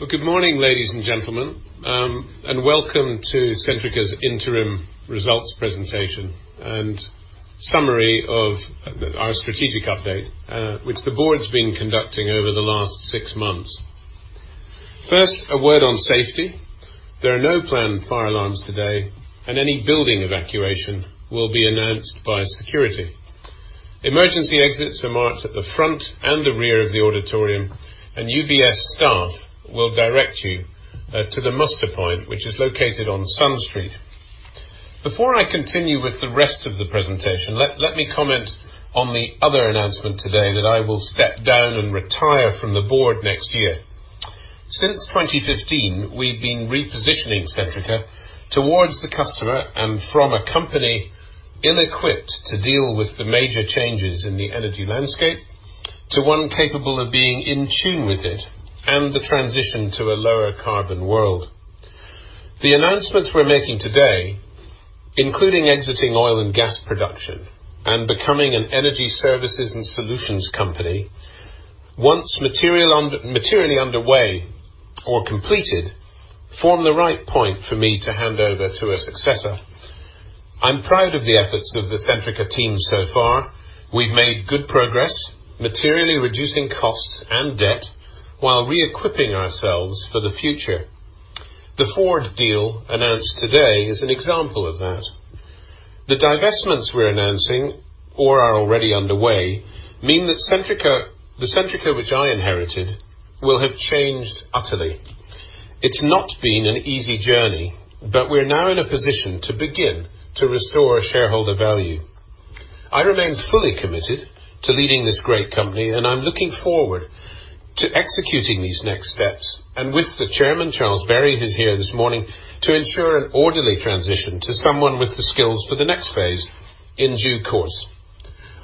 Well, good morning, ladies and gentlemen, and welcome to Centrica's interim results presentation and summary of our strategic update, which the board's been conducting over the last six months. First, a word on safety. There are no planned fire alarms today, and any building evacuation will be announced by security. Emergency exits are marked at the front and the rear of the auditorium, and UBS staff will direct you to the muster point, which is located on Sun Street. Before I continue with the rest of the presentation, let me comment on the other announcement today that I will step down and retire from the board next year. Since 2015, we've been repositioning Centrica towards the customer and from a company ill-equipped to deal with the major changes in the energy landscape, to one capable of being in tune with it and the transition to a lower carbon world. The announcements we're making today, including exiting oil and gas production and becoming an energy services and solutions company, once materially underway or completed, form the right point for me to hand over to a successor. I'm proud of the efforts of the Centrica team so far. We've made good progress, materially reducing costs and debt while re-equipping ourselves for the future. The Ford deal announced today is an example of that. The divestments we're announcing or are already underway mean that the Centrica which I inherited will have changed utterly. It's not been an easy journey, but we're now in a position to begin to restore shareholder value. I remain fully committed to leading this great company, and I'm looking forward to executing these next steps, and with the chairman, Charles Berry, who's here this morning, to ensure an orderly transition to someone with the skills for the next phase in due course.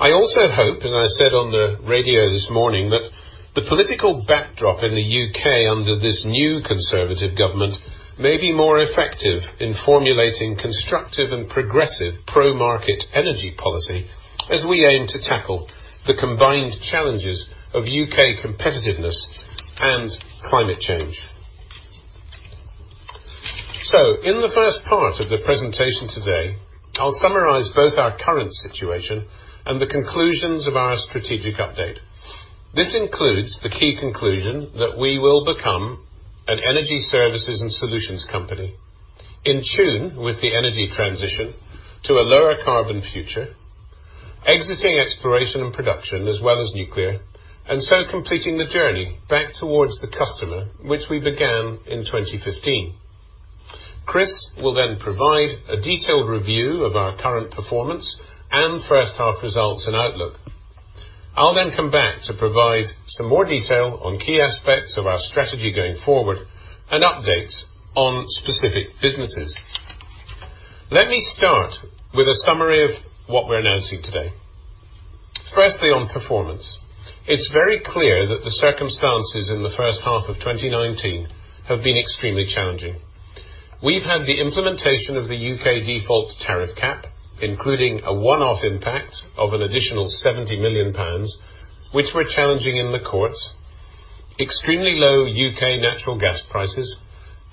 I also hope, as I said on the radio this morning, that the political backdrop in the U.K. under this new conservative government may be more effective in formulating constructive and progressive pro-market energy policy as we aim to tackle the combined challenges of U.K. competitiveness and climate change. In the first part of the presentation today, I'll summarize both our current situation and the conclusions of our strategic update. This includes the key conclusion that we will become an energy services and solutions company in tune with the energy transition to a lower carbon future, exiting Exploration and Production as well as nuclear, and so completing the journey back towards the customer, which we began in 2015. Chris will then provide a detailed review of our current performance and first half results and outlook. I'll come back to provide some more detail on key aspects of our strategy going forward and updates on specific businesses. Let me start with a summary of what we're announcing today. Firstly, on performance. It's very clear that the circumstances in the first half of 2019 have been extremely challenging. We've had the implementation of the U.K. default tariff cap, including a one-off impact of an additional 70 million pounds, which we're challenging in the courts, extremely low U.K. natural gas prices,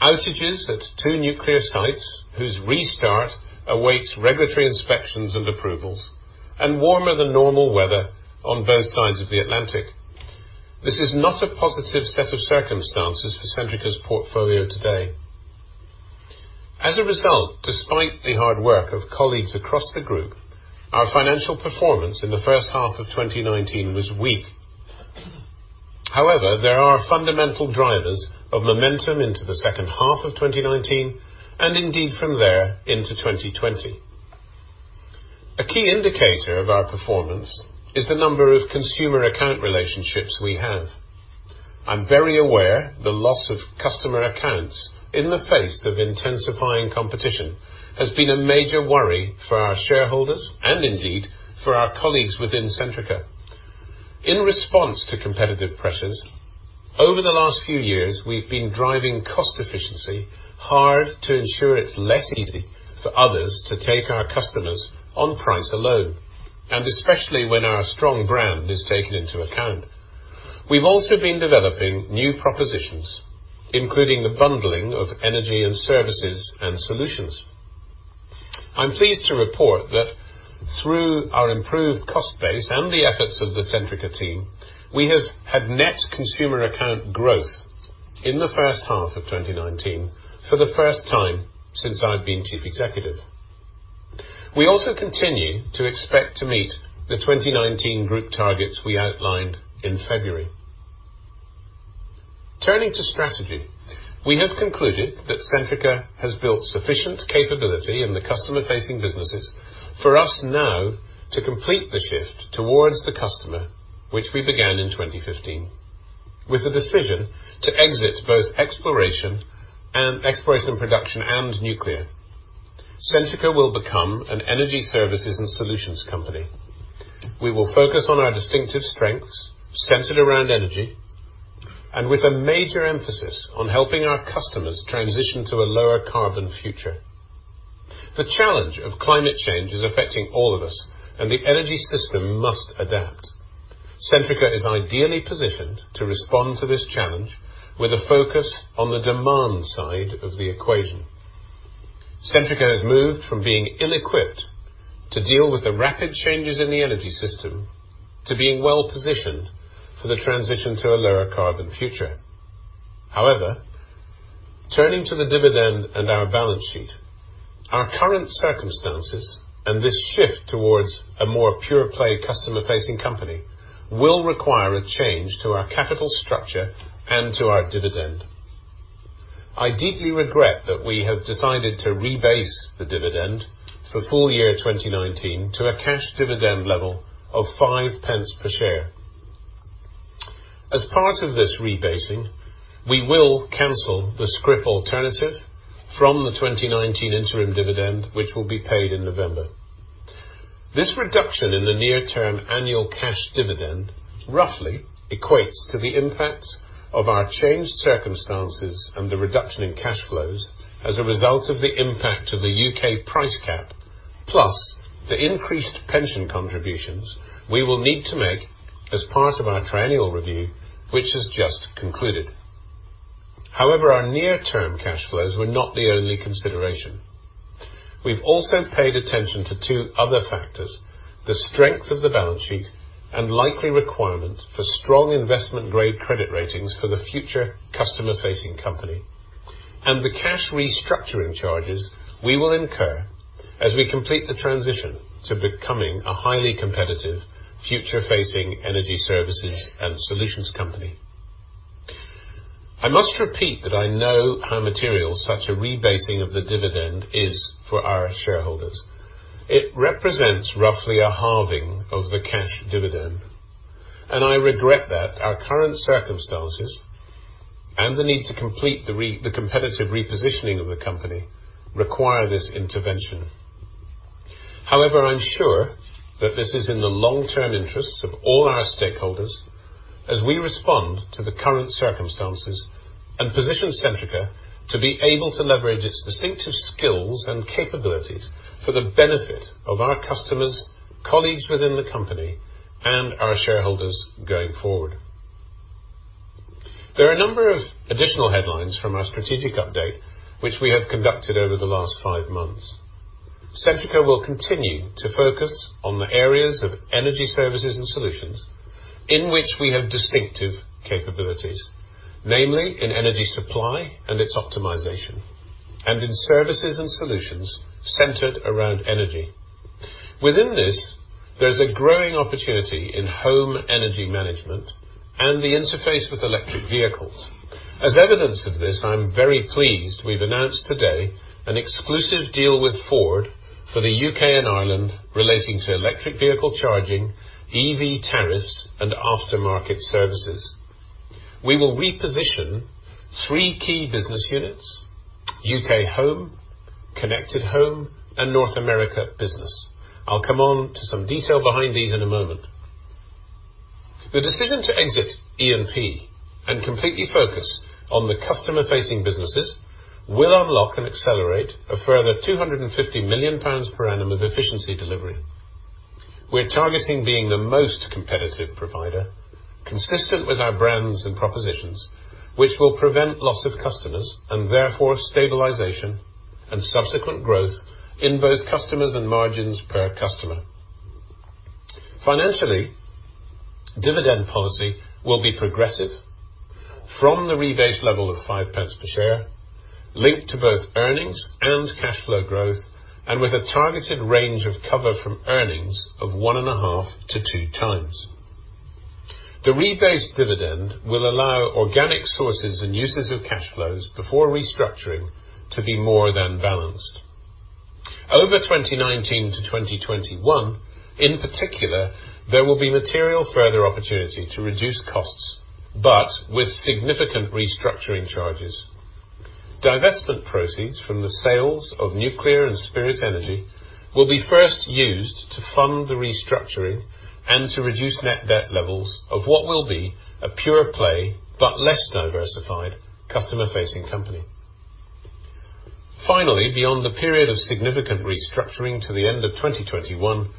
outages at two nuclear sites whose restart awaits regulatory inspections and approvals, and warmer than normal weather on both sides of the Atlantic. This is not a positive set of circumstances for Centrica's portfolio today. As a result, despite the hard work of colleagues across the group, our financial performance in the first half of 2019 was weak. There are fundamental drivers of momentum into the second half of 2019, and indeed from there into 2020. A key indicator of our performance is the number of consumer account relationships we have. I'm very aware the loss of customer accounts in the face of intensifying competition has been a major worry for our shareholders and indeed for our colleagues within Centrica. In response to competitive pressures, over the last few years, we've been driving cost efficiency hard to ensure it's less easy for others to take our customers on price alone, and especially when our strong brand is taken into account. We've also been developing new propositions, including the bundling of energy and services and solutions. I'm pleased to report that through our improved cost base and the efforts of the Centrica team, we have had net consumer account growth in the first half of 2019 for the first time since I've been chief executive. We also continue to expect to meet the 2019 group targets we outlined in February. Turning to strategy, we have concluded that Centrica has built sufficient capability in the customer-facing businesses for us now to complete the shift towards the customer, which we began in 2015 with the decision to exit both exploration and production, and nuclear. Centrica will become an energy services and solutions company. We will focus on our distinctive strengths centered around energy and with a major emphasis on helping our customers transition to a lower carbon future. The challenge of climate change is affecting all of us and the energy system must adapt. Centrica is ideally positioned to respond to this challenge with a focus on the demand side of the equation. Centrica has moved from being ill-equipped to deal with the rapid changes in the energy system to being well-positioned for the transition to a lower carbon future. Turning to the dividend and our balance sheet, our current circumstances and this shift towards a more pure-play customer-facing company will require a change to our capital structure and to our dividend. I deeply regret that we have decided to rebase the dividend for full year 2019 to a cash dividend level of 0.05 per share. As part of this rebasing, we will cancel the scrip alternative from the 2019 interim dividend, which will be paid in November. This reduction in the near-term annual cash dividend roughly equates to the impact of our changed circumstances and the reduction in cash flows as a result of the impact of the U.K. price cap, plus the increased pension contributions we will need to make as part of our triennial review, which has just concluded. Our near-term cash flows were not the only consideration. We've also paid attention to two other factors, the strength of the balance sheet, and likely requirement for strong investment-grade credit ratings for the future customer-facing company, and the cash restructuring charges we will incur as we complete the transition to becoming a highly competitive future-facing energy services and solutions company. I must repeat that I know how material such a rebasing of the dividend is for our shareholders. It represents roughly a halving of the cash dividend, and I regret that our current circumstances and the need to complete the competitive repositioning of the company require this intervention. However, I'm sure that this is in the long-term interests of all our stakeholders as we respond to the current circumstances and position Centrica to be able to leverage its distinctive skills and capabilities for the benefit of our customers, colleagues within the company, and our shareholders going forward. There are a number of additional headlines from our strategic update, which we have conducted over the last five months. Centrica will continue to focus on the areas of energy services and solutions in which we have distinctive capabilities, namely in energy supply and its optimization, and in services and solutions centered around energy. Within this, there is a growing opportunity in home energy management and the interface with electric vehicles. As evidence of this, I'm very pleased we've announced today an exclusive deal with Ford for the U.K. and Ireland relating to electric vehicle charging, EV tariffs, and aftermarket services. We will reposition three key business units, U.K. Home, Connected Home, and North America Business. I'll come on to some detail behind these in a moment. The decision to exit E&P and completely focus on the customer-facing businesses will unlock and accelerate a further 250 million pounds per annum of efficiency delivery. We're targeting being the most competitive provider consistent with our brands and propositions, which will prevent loss of customers and therefore stabilization and subsequent growth in both customers and margins per customer. Financially, dividend policy will be progressive from the rebased level of 0.05 per share, linked to both earnings and cash flow growth, and with a targeted range of cover from earnings of 1.5-2 times. The rebased dividend will allow organic sources and uses of cash flows before restructuring to be more than balanced. Over 2019-2021, in particular, there will be material further opportunity to reduce costs, but with significant restructuring charges. Divestment proceeds from the sales of Nuclear and Spirit Energy will be first used to fund the restructuring and to reduce net debt levels of what will be a pure play but less diversified customer-facing company. Beyond the period of significant restructuring to the end of 2021,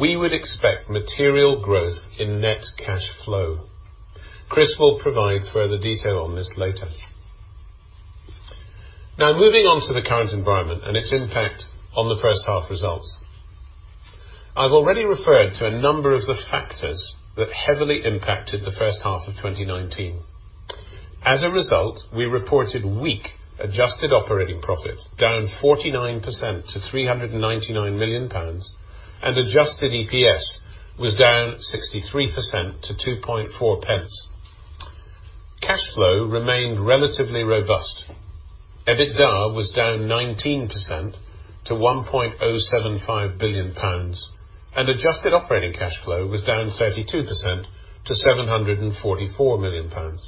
we would expect material growth in net cash flow. Chris will provide further detail on this later. Moving on to the current environment and its impact on the first half results. I've already referred to a number of the factors that heavily impacted the first half of 2019. We reported weak adjusted operating profit, down 49% to 399 million pounds, and adjusted EPS was down 63% to 0.024. Cash flow remained relatively robust. EBITDA was down 19% to 1.075 billion pounds, and adjusted operating cash flow was down 32% to 744 million pounds.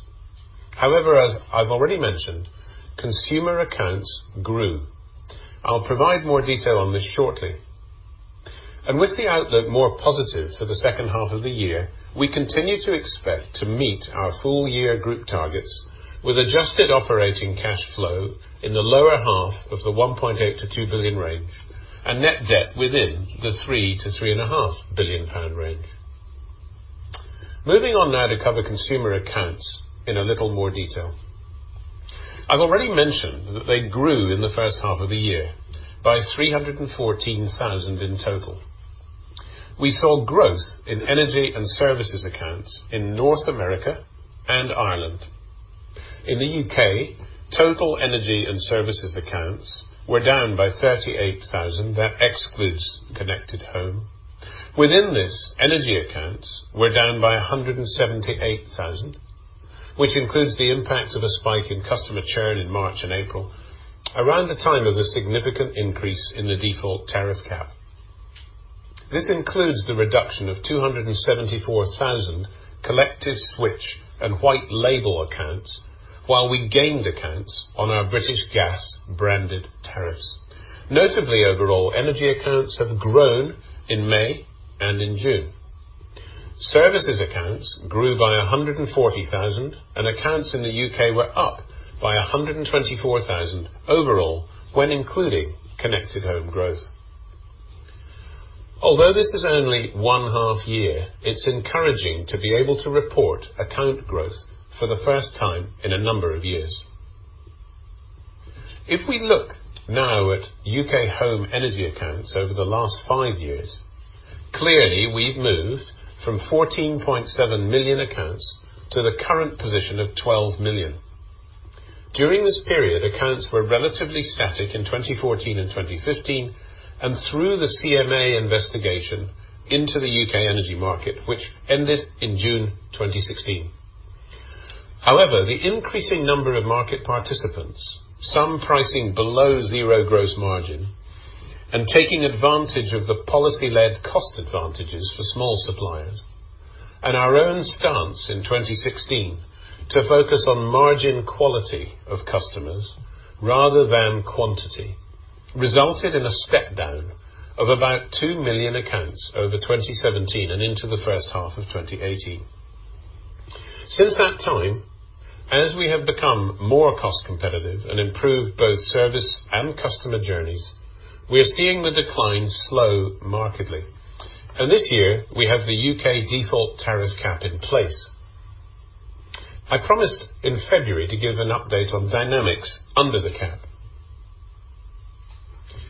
However, as I've already mentioned, consumer accounts grew. I'll provide more detail on this shortly. With the outlook more positive for the second half of the year, we continue to expect to meet our full-year group targets with adjusted operating cash flow in the lower half of the 1.8 billion-2 billion range, and net debt within the 3 billion-3.5 billion pound range. Moving on now to cover consumer accounts in a little more detail. I've already mentioned that they grew in the first half of the year by 314,000 in total. We saw growth in energy and services accounts in North America and Ireland. In the U.K., total energy and services accounts were down by 38,000. That excludes Connected Home. Within this, energy accounts were down by 178,000, which includes the impact of a spike in customer churn in March and April, around the time of the significant increase in the default tariff cap. This includes the reduction of 274,000 collective switch and white label accounts, while we gained accounts on our British Gas-branded tariffs. Notably, overall, energy accounts have grown in May and in June. Services accounts grew by 140,000, and accounts in the U.K. were up by 124,000 overall when including Connected Home growth. This is only one half year, it's encouraging to be able to report account growth for the first time in a number of years. We look now at U.K. home energy accounts over the last five years, clearly we've moved from 14.7 million accounts to the current position of 12 million. During this period, accounts were relatively static in 2014 and 2015, and through the CMA investigation into the U.K. energy market, which ended in June 2016. However, the increasing number of market participants, some pricing below zero gross margin, and taking advantage of the policy-led cost advantages for small suppliers, and our own stance in 2016 to focus on margin quality of customers rather than quantity, resulted in a step-down of about 2 million accounts over 2017 and into the first half of 2018. Since that time, as we have become more cost competitive and improved both service and customer journeys, we are seeing the decline slow markedly, and this year we have the U.K. default tariff cap in place. I promised in February to give an update on dynamics under the cap.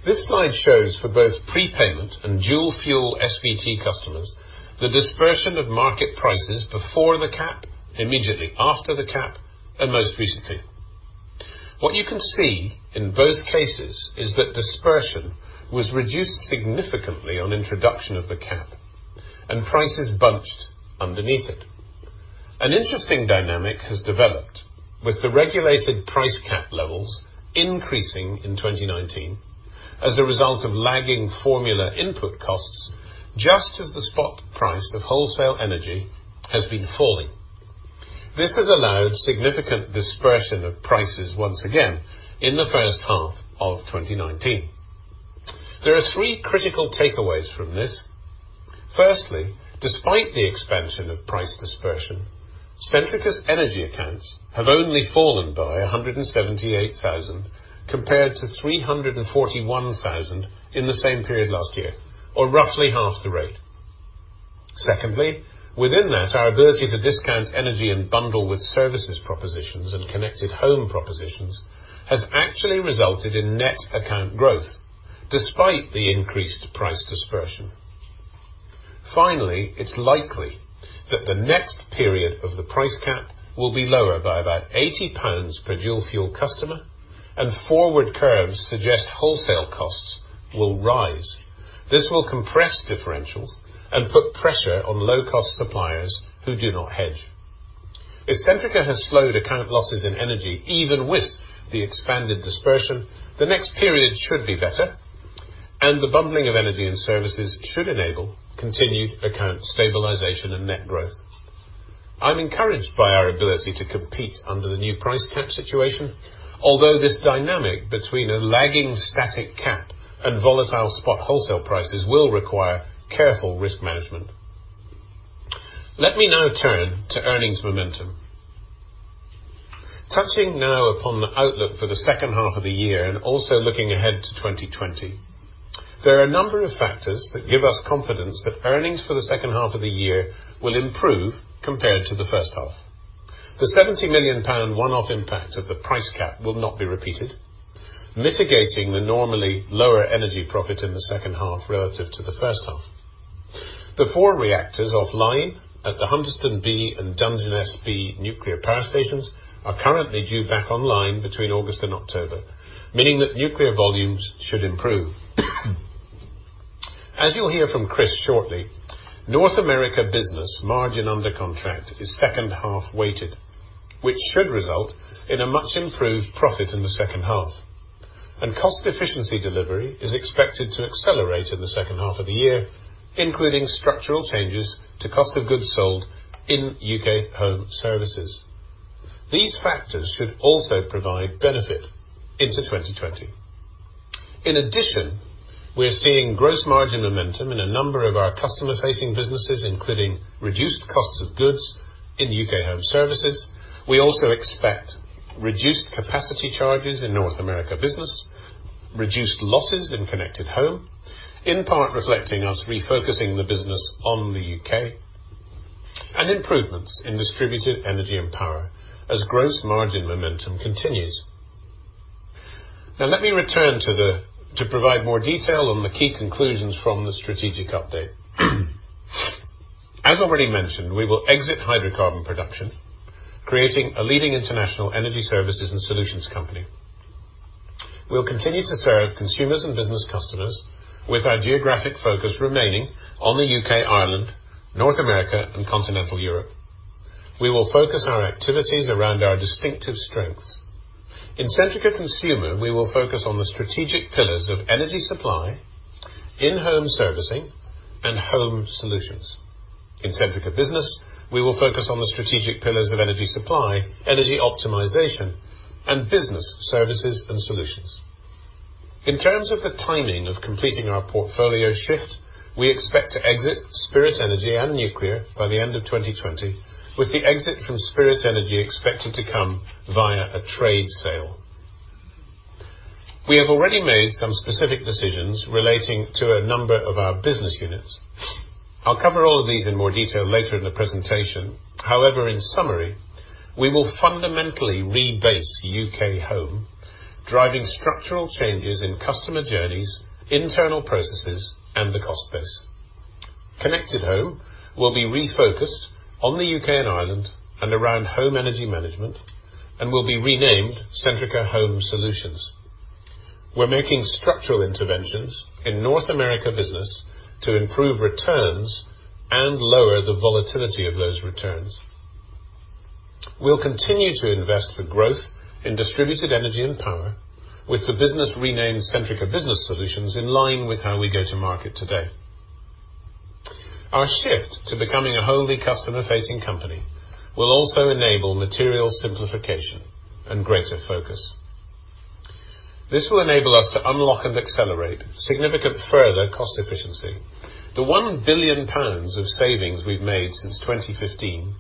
This slide shows, for both prepayment and dual fuel SVT customers, the dispersion of market prices before the cap, immediately after the cap, and most recently. What you can see in both cases is that dispersion was reduced significantly on introduction of the cap, and prices bunched underneath it. An interesting dynamic has developed with the regulated price cap levels increasing in 2019 as a result of lagging formula input costs, just as the spot price of wholesale energy has been falling. This has allowed significant dispersion of prices once again in the first half of 2019. There are three critical takeaways from this. Firstly, despite the expansion of price dispersion, Centrica's energy accounts have only fallen by 178,000 compared to 341,000 in the same period last year, or roughly half the rate. Secondly, within that, our ability to discount energy and bundle with services propositions and Connected Home propositions has actually resulted in net account growth despite the increased price dispersion. Finally, it's likely that the next period of the price cap will be lower by about 80 pounds per dual fuel customer, and forward curves suggest wholesale costs will rise. This will compress differentials and put pressure on low-cost suppliers who do not hedge. If Centrica has slowed account losses in energy, even with the expanded dispersion, the next period should be better, and the bundling of energy and services should enable continued account stabilization and net growth. I'm encouraged by our ability to compete under the new price cap situation, although this dynamic between a lagging static cap and volatile spot wholesale prices will require careful risk management. Let me now turn to earnings momentum. Touching now upon the outlook for the second half of the year and also looking ahead to 2020. There are a number of factors that give us confidence that earnings for the second half of the year will improve compared to the first half. The 70 million pound one-off impact of the price cap will not be repeated, mitigating the normally lower energy profit in the second half relative to the first half. The four reactors offline at the Hunterston B and Dungeness B nuclear power stations are currently due back online between August and October, meaning that nuclear volumes should improve. As you'll hear from Chris shortly, North America Business margin under contract is second half weighted, which should result in a much-improved profit in the second half. Cost efficiency delivery is expected to accelerate in the second half of the year, including structural changes to cost of goods sold in U.K. Home Services. These factors should also provide benefit into 2020. In addition, we are seeing gross margin momentum in a number of our customer-facing businesses, including reduced costs of goods in U.K. Home Services. We also expect reduced capacity charges in North America Business, reduced losses in Connected Home, in part reflecting us refocusing the business on the U.K., and improvements in Distributed Energy and Power as gross margin momentum continues. Let me return to provide more detail on the key conclusions from the strategic update. As already mentioned, we will exit hydrocarbon production, creating a leading international energy services and solutions company. We will continue to serve consumers and business customers with our geographic focus remaining on the U.K., Ireland, North America, and continental Europe. We will focus our activities around our distinctive strengths. In Centrica Consumer, we will focus on the strategic pillars of energy supply, in-home servicing, and home solutions. In Centrica Business, we will focus on the strategic pillars of energy supply, energy optimization, and business services and solutions. In terms of the timing of completing our portfolio shift, we expect to exit Spirit Energy and nuclear by the end of 2020, with the exit from Spirit Energy expected to come via a trade sale. We have already made some specific decisions relating to a number of our business units. I will cover all of these in more detail later in the presentation. In summary, we will fundamentally rebase U.K. Home, driving structural changes in customer journeys, internal processes, and the cost base. Connected Home will be refocused on the U.K. and Ireland and around home energy management and will be renamed Centrica Home Solutions. We're making structural interventions in North America Business to improve returns and lower the volatility of those returns. We'll continue to invest for growth in Distributed Energy and Power, with the business renamed Centrica Business Solutions in line with how we go to market today. Our shift to becoming a wholly customer-facing company will also enable material simplification and greater focus. This will enable us to unlock and accelerate significant further cost efficiency. The 1 billion pounds of savings we've made since 2015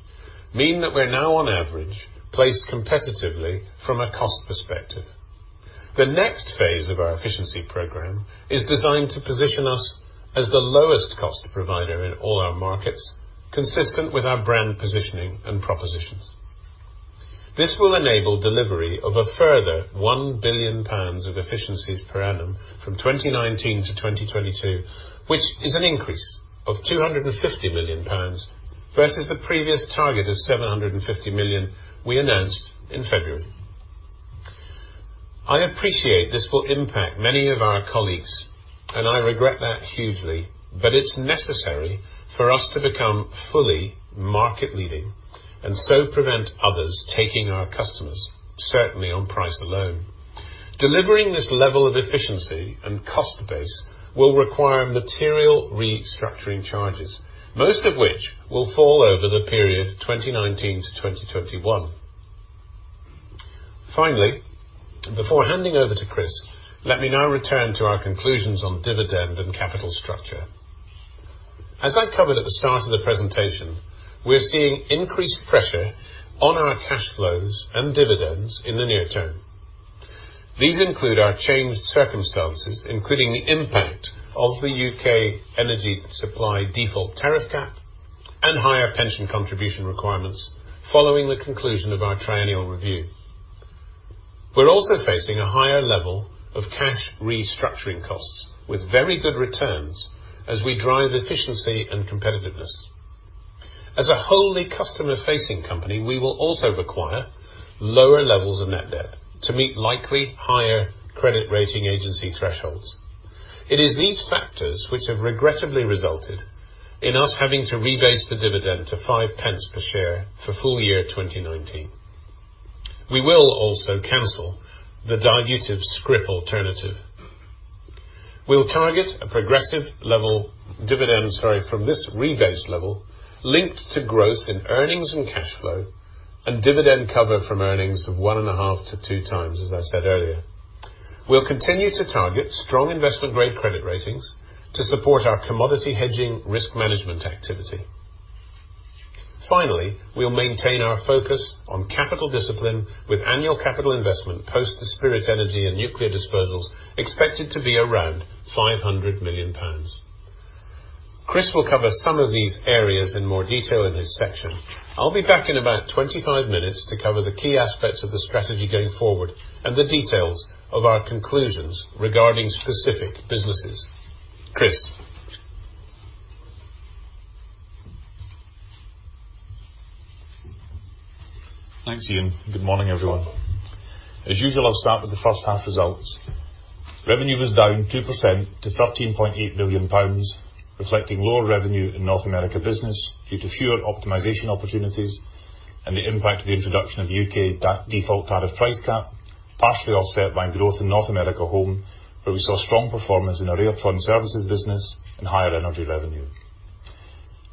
mean that we're now, on average, placed competitively from a cost perspective. The next phase of our efficiency program is designed to position us as the lowest cost provider in all our markets, consistent with our brand positioning and propositions. This will enable delivery of a further 1 billion pounds of efficiencies per annum from 2019 to 2022, which is an increase of 250 million pounds versus the previous target of 750 million we announced in February. I appreciate this will impact many of our colleagues, and I regret that hugely, but it's necessary for us to become fully market-leading and so prevent others taking our customers, certainly on price alone. Delivering this level of efficiency and cost base will require material restructuring charges, most of which will fall over the period 2019 to 2021. Finally, before handing over to Chris, let me now return to our conclusions on dividend and capital structure. As I covered at the start of the presentation, we're seeing increased pressure on our cash flows and dividends in the near term. These include our changed circumstances, including the impact of the U.K. energy supply Default Tariff Cap and higher pension contribution requirements following the conclusion of our triennial review. We're also facing a higher level of cash restructuring costs with very good returns as we drive efficiency and competitiveness. As a wholly customer-facing company, we will also require lower levels of net debt to meet likely higher credit rating agency thresholds. It is these factors which have regrettably resulted in us having to rebase the dividend to 0.05 per share for full year 2019. We will also cancel the dilutive scrip alternative. We'll target a progressive level dividend, sorry, from this rebased level, linked to growth in earnings and cash flow and dividend cover from earnings of 1.5-2 times, as I said earlier. We'll continue to target strong investment-grade credit ratings to support our commodity hedging risk management activity. Finally, we'll maintain our focus on capital discipline with annual capital investment post the Spirit Energy and nuclear disposals expected to be around 500 million pounds. Chris will cover some of these areas in more detail in his section. I'll be back in about 25 minutes to cover the key aspects of the strategy going forward and the details of our conclusions regarding specific businesses. Chris? Thanks, Iain. Good morning, everyone. As usual, I'll start with the first half results. Revenue was down 2% to 13.8 million pounds, reflecting lower revenue in North America Business due to fewer optimization opportunities and the impact of the introduction of the U.K. default tariff price cap, partially offset by growth in North America Home, where we saw strong performance in our engineer services business and higher energy revenue.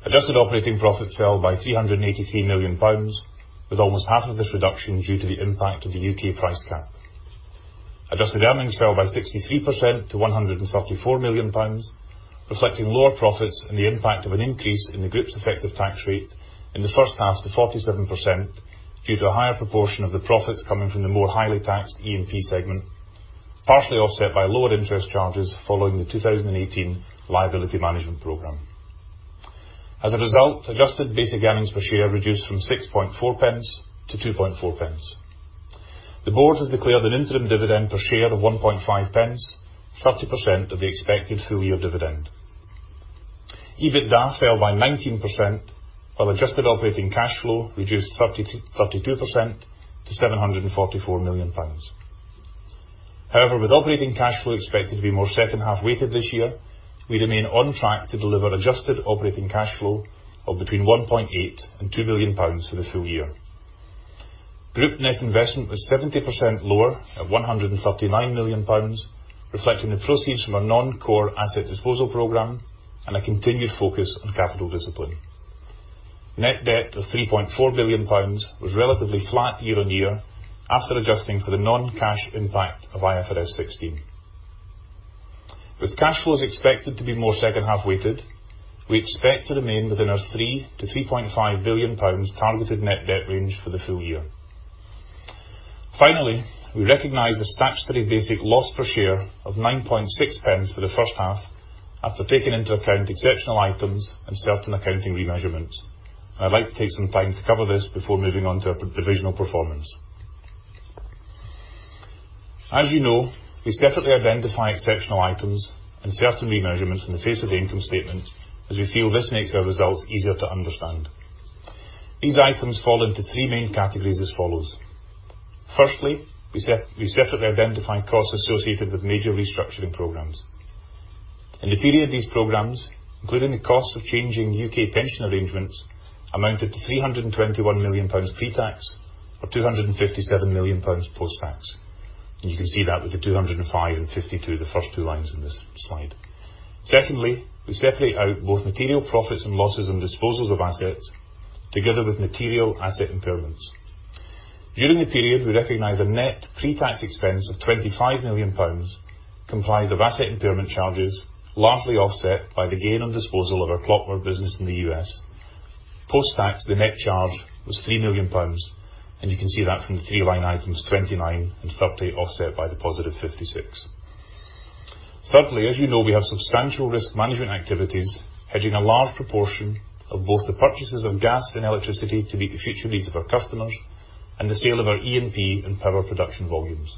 Adjusted operating profit fell by 383 million pounds, with almost half of this reduction due to the impact of the U.K. price cap. Adjusted earnings fell by 63% to 134 million pounds, reflecting lower profits and the impact of an increase in the group's effective tax rate in the first half to 47% due to a higher proportion of the profits coming from the more highly taxed E&P segment, partially offset by lower interest charges following the 2018 liability management program. As a result, adjusted basic earnings per share reduced from 0.064 to 0.024. The board has declared an interim dividend per share of 0.015, 30% of the expected full-year dividend. EBITDA fell by 19%, while adjusted operating cash flow reduced 32% to 744 million pounds. With operating cash flow expected to be more second-half weighted this year, we remain on track to deliver adjusted operating cash flow of between 1.8 bi for the full year. Group net investment was 70% lower at 139 million pounds, reflecting the proceeds from our non-core asset disposal program and a continued focus on capital discipline. Net debt of 3.4 billion pounds was relatively flat year-on-year after adjusting for the non-cash impact of IFRS 16. With cash flows expected to be more second-half weighted, we expect to remain within our 3 billion-3.5 billion pounds targeted net debt range for the full year. Finally, we recognize the statutory basic loss per share of 0.096 for the first half after taking into account exceptional items and certain accounting remeasurements. I'd like to take some time to cover this before moving on to our divisional performance. As you know, we separately identify exceptional items and certain remeasurements in the face of the income statement as we feel this makes our results easier to understand. These items fall into three main categories as follows. Firstly, we separately identify costs associated with major restructuring programs. In the period these programs, including the cost of changing U.K. pension arrangements, amounted to 321 million pounds pre-tax or 257 million pounds post-tax. You can see that with the 205 and 52, the first two lines in this slide. Secondly, we separate out both material profits and losses and disposals of assets together with material asset impairments. During the period, we recognized a net pre-tax expense of 25 million pounds comprised of asset impairment charges, largely offset by the gain on disposal of our Clockwork business in the U.S. Post-tax, the net charge was 3 million pounds, and you can see that from the three line items, 29 and 30 offset by the positive 56. Thirdly, as you know, we have substantial risk management activities hedging a large proportion of both the purchases of gas and electricity to meet the future needs of our customers and the sale of our E&P and power production volumes.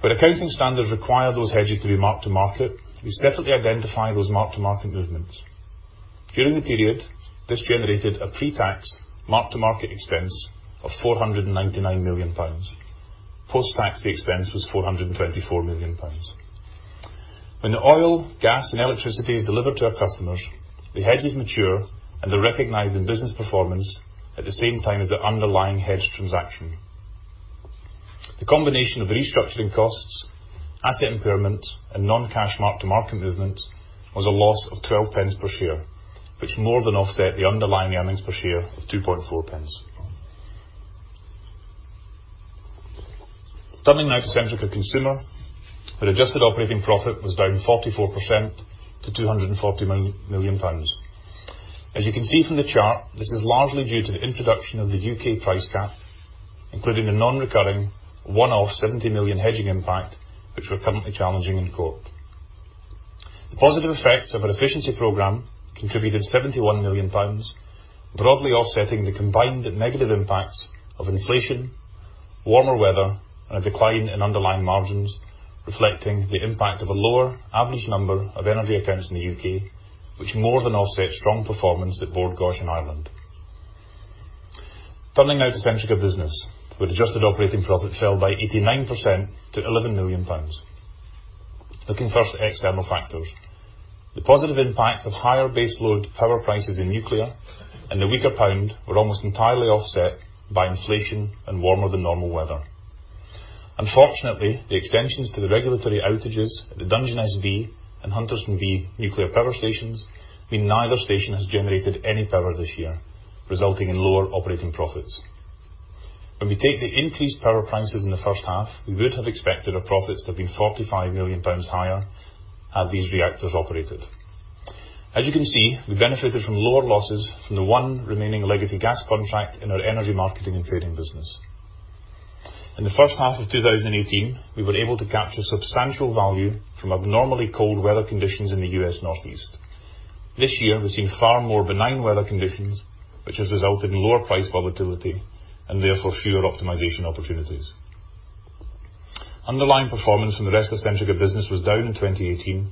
Where accounting standards require those hedges to be marked to market, we separately identify those mark-to-market movements. During the period, this generated a pre-tax mark-to-market expense of 499 million pounds. Post-tax, the expense was 424 million pounds. When the oil, gas, and electricity is delivered to our customers, the hedges mature and are recognized in business performance at the same time as the underlying hedged transaction. The combination of the restructuring costs, asset impairment, and non-cash mark-to-market movement was a loss of 0.12 per share, which more than offset the underlying earnings per share of 0.024. Turning now to Centrica Consumer, our adjusted operating profit was down 44% to 240 million pounds. As you can see from the chart, this is largely due to the introduction of the U.K. price cap, including the non-recurring one-off 70 million hedging impact, which we're currently challenging in court. The positive effects of our efficiency program contributed 71 million pounds, broadly offsetting the combined negative impacts of inflation, warmer weather, and a decline in underlying margins, reflecting the impact of a lower average number of energy accounts in the U.K., which more than offset strong performance at Bord Gáis in Ireland. Turning now to Centrica Business, with adjusted operating profit fell by 89% to 11 million pounds. Looking first at external factors. The positive impacts of higher baseload power prices in nuclear and the weaker pound were almost entirely offset by inflation and warmer than normal weather. Unfortunately, the extensions to the regulatory outages at the Dungeness B and Hunterston B nuclear power stations mean neither station has generated any power this year, resulting in lower operating profits. When we take the increased power prices in the first half, we would have expected our profits to have been 45 million pounds higher had these reactors operated. As you can see, we benefited from lower losses from the one remaining legacy gas contract in our energy marketing and trading business. In the first half of 2018, we were able to capture substantial value from abnormally cold weather conditions in the U.S. Northeast. This year, we've seen far more benign weather conditions, which has resulted in lower price volatility and therefore fewer optimization opportunities. Underlying performance from the rest of Centrica Business was down in 2018,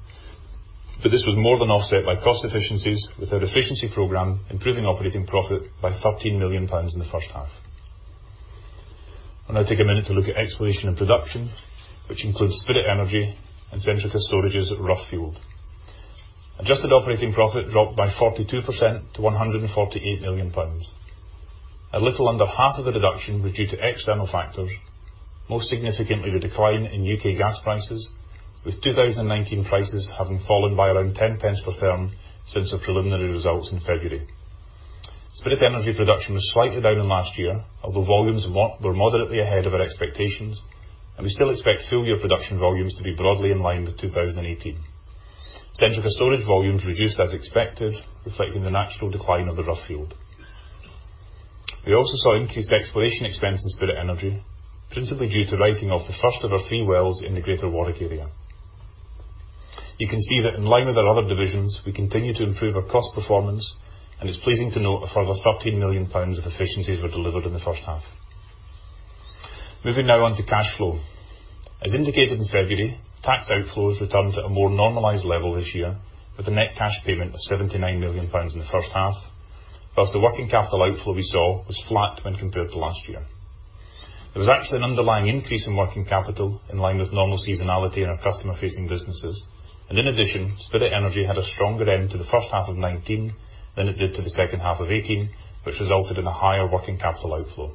but this was more than offset by cost efficiencies with our efficiency program improving operating profit by 13 million pounds in the first half. I'll now take a minute to look at exploration and production, which includes Spirit Energy and Centrica Storage's Rough field. Adjusted operating profit dropped by 42% to 148 million pounds. A little under half of the reduction was due to external factors, most significantly the decline in U.K. gas prices, with 2019 prices having fallen by around 0.10 per therm since the preliminary results in February. Spirit Energy production was slightly down on last year, although volumes were moderately ahead of our expectations. We still expect full-year production volumes to be broadly in line with 2018. Centrica Storage volumes reduced as expected, reflecting the natural decline of the Rough field. We also saw increased exploration expense in Spirit Energy, principally due to writing off the first of our three wells in the Greater Warwick Area. You can see that in line with our other divisions, we continue to improve our cost performance. It's pleasing to note a further 13 million pounds of efficiencies were delivered in the first half. Moving now on to cash flow. As indicated in February, tax outflows returned to a more normalized level this year, with a net cash payment of GBP 79 million in the first half, whilst the working capital outflow we saw was flat when compared to last year. There was actually an underlying increase in working capital in line with normal seasonality in our customer-facing businesses. In addition, Spirit Energy had a stronger end to the first half of 2019 than it did to the second half of 2018, which resulted in a higher working capital outflow.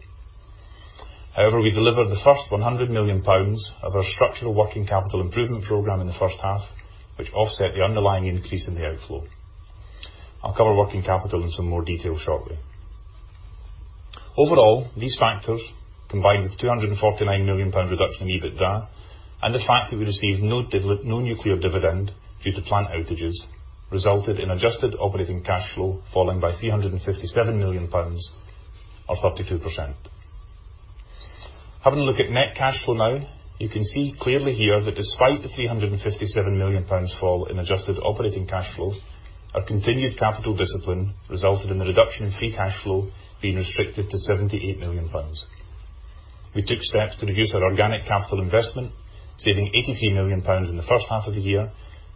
We delivered the first 100 million pounds of our structural working capital improvement program in the first half, which offset the underlying increase in the outflow. I'll cover working capital in some more detail shortly. Overall, these factors, combined with the 249 million pounds reduction in EBITDA and the fact that we received no nuclear dividend due to plant outages, resulted in adjusted operating cash flow falling by 357 million pounds or 32%. Having a look at net cash flow now, you can see clearly here that despite the 357 million pounds fall in adjusted operating cash flows, our continued capital discipline resulted in the reduction in free cash flow being restricted to 78 million pounds. We took steps to reduce our organic capital investment, saving 83 million pounds in the first half of the year,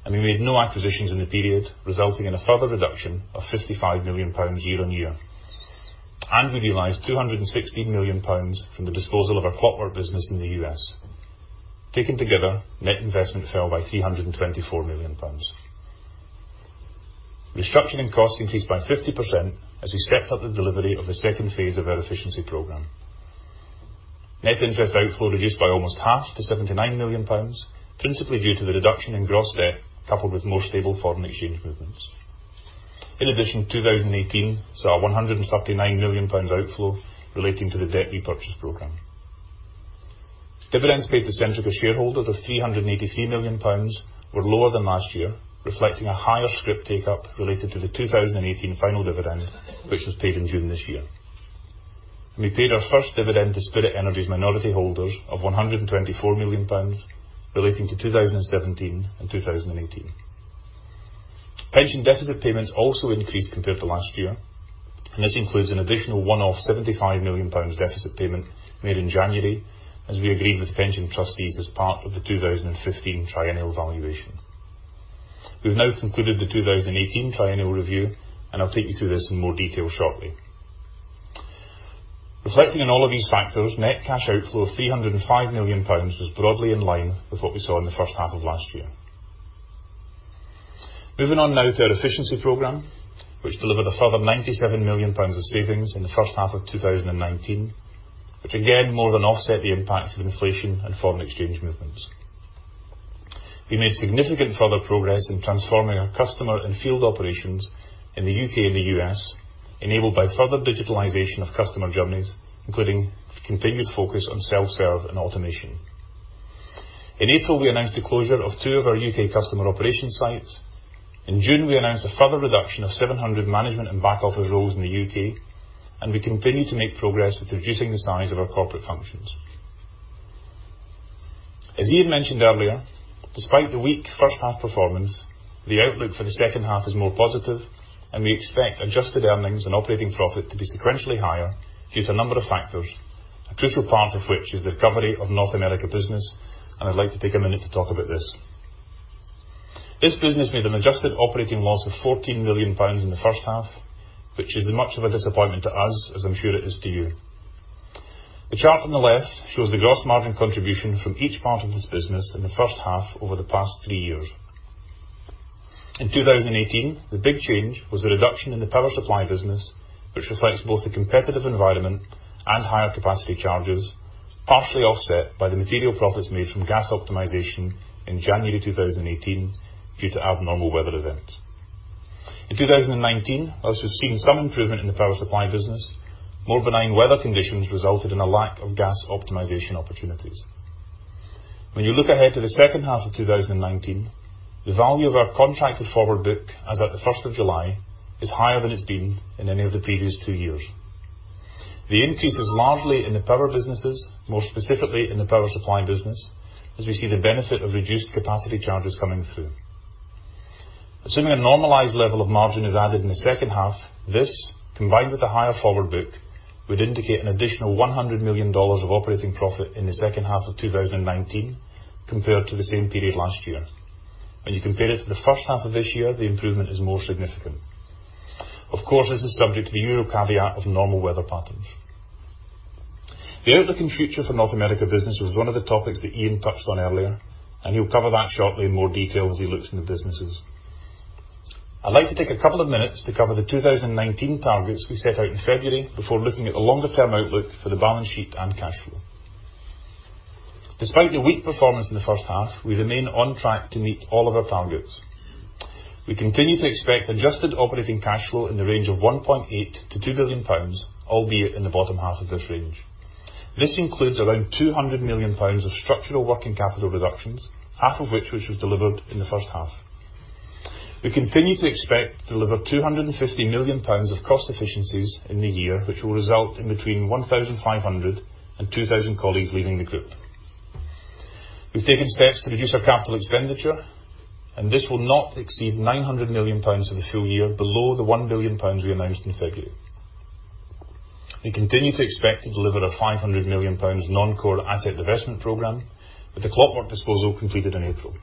we made no acquisitions in the period, resulting in a further reduction of 55 million pounds year-on-year. We realized 216 million pounds from the disposal of our Clockwork business in the U.S. Taken together, net investment fell by 324 million pounds. Restructuring costs increased by 50% as we stepped up the delivery of the second phase of our efficiency program. Net interest outflow reduced by almost half to 79 million pounds, principally due to the reduction in gross debt coupled with more stable foreign exchange movements. In addition, 2018 saw a GBP 139 million outflow relating to the debt repurchase program. Dividends paid to Centrica shareholders of 383 million pounds were lower than last year, reflecting a higher scrip take-up related to the 2018 final dividend, which was paid in June this year. We paid our first dividend to Spirit Energy's minority holders of 124 million pounds relating to 2017 and 2018. Pension deficit payments also increased compared to last year, and this includes an additional one-off 75 million pounds deficit payment made in January as we agreed with the pension trustees as part of the 2015 triennial valuation. We've now concluded the 2018 triennial review, and I'll take you through this in more detail shortly. Reflecting on all of these factors, net cash outflow of 305 million pounds was broadly in line with what we saw in the first half of last year. Moving on now to our efficiency program, which delivered a further 97 million pounds of savings in the first half of 2019, which again more than offset the impact of inflation and foreign exchange movements. We made significant further progress in transforming our customer and field operations in the U.K. and the U.S., enabled by further digitalization of customer journeys, including continued focus on self-serve and automation. In April, we announced the closure of two of our U.K. customer operation sites. In June, we announced a further reduction of 700 management and back-office roles in the U.K. We continue to make progress with reducing the size of our corporate functions. As Iain mentioned earlier, despite the weak first half performance, the outlook for the second half is more positive. We expect adjusted earnings and operating profit to be sequentially higher due to a number of factors, a crucial part of which is the recovery of North America Business. I'd like to take a minute to talk about this. This business made an adjusted operating loss of 14 million pounds in the first half, which is as much of a disappointment to us as I'm sure it is to you. The chart on the left shows the gross margin contribution from each part of this business in the first half over the past three years. In 2018, the big change was a reduction in the Power Supply business, which reflects both the competitive environment and higher capacity charges, partially offset by the material profits made from gas optimization in January 2018 due to abnormal weather events. In 2019, whilst we've seen some improvement in the Power Supply business, more benign weather conditions resulted in a lack of gas optimization opportunities. When you look ahead to the second half of 2019, the value of our contracted forward book as at the 1st of July is higher than it's been in any of the previous two years. The increase is largely in the power businesses, more specifically in the Power Supply business, as we see the benefit of reduced capacity charges coming through. Assuming a normalized level of margin is added in the second half, this, combined with a higher forward book, would indicate an additional $100 million of operating profit in the second half of 2019 compared to the same period last year. When you compare it to the first half of this year, the improvement is more significant. Of course, this is subject to the usual caveat of normal weather patterns. The outlook and future for North America Business was one of the topics that Iain touched on earlier, and he'll cover that shortly in more detail as he looks in the businesses. I'd like to take a couple of minutes to cover the 2019 targets we set out in February before looking at the longer-term outlook for the balance sheet and cash flow. Despite the weak performance in the first half, we remain on track to meet all of our targets. We continue to expect adjusted operating cash flow in the range of 1.8 billion-2 billion pounds, albeit in the bottom half of this range. This includes around 200 million pounds of structural working capital reductions, half of which was delivered in the first half. We continue to expect to deliver 250 million pounds of cost efficiencies in the year, which will result in between 1,500 and 2,000 colleagues leaving the group. We've taken steps to reduce our capital expenditure, this will not exceed 900 million pounds in the full year below the 1 billion pounds we announced in February. We continue to expect to deliver a 500 million pounds non-core asset divestment program, with the Clockwork disposal completed in April.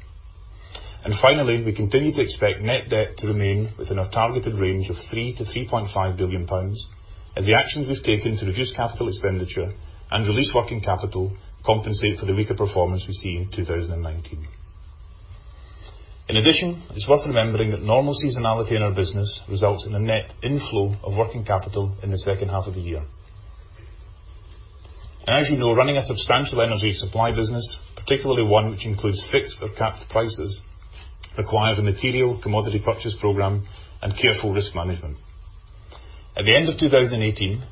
Finally, we continue to expect net debt to remain within our targeted range of 3 billion-3.5 billion pounds, as the actions we've taken to reduce capital expenditure and release working capital compensate for the weaker performance we see in 2019. In addition, it's worth remembering that normal seasonality in our business results in a net inflow of working capital in the second half of the year. As you know, running a substantial energy supply business, particularly one which includes fixed or capped prices, requires a material commodity purchase program and careful risk management. At the end of 2018,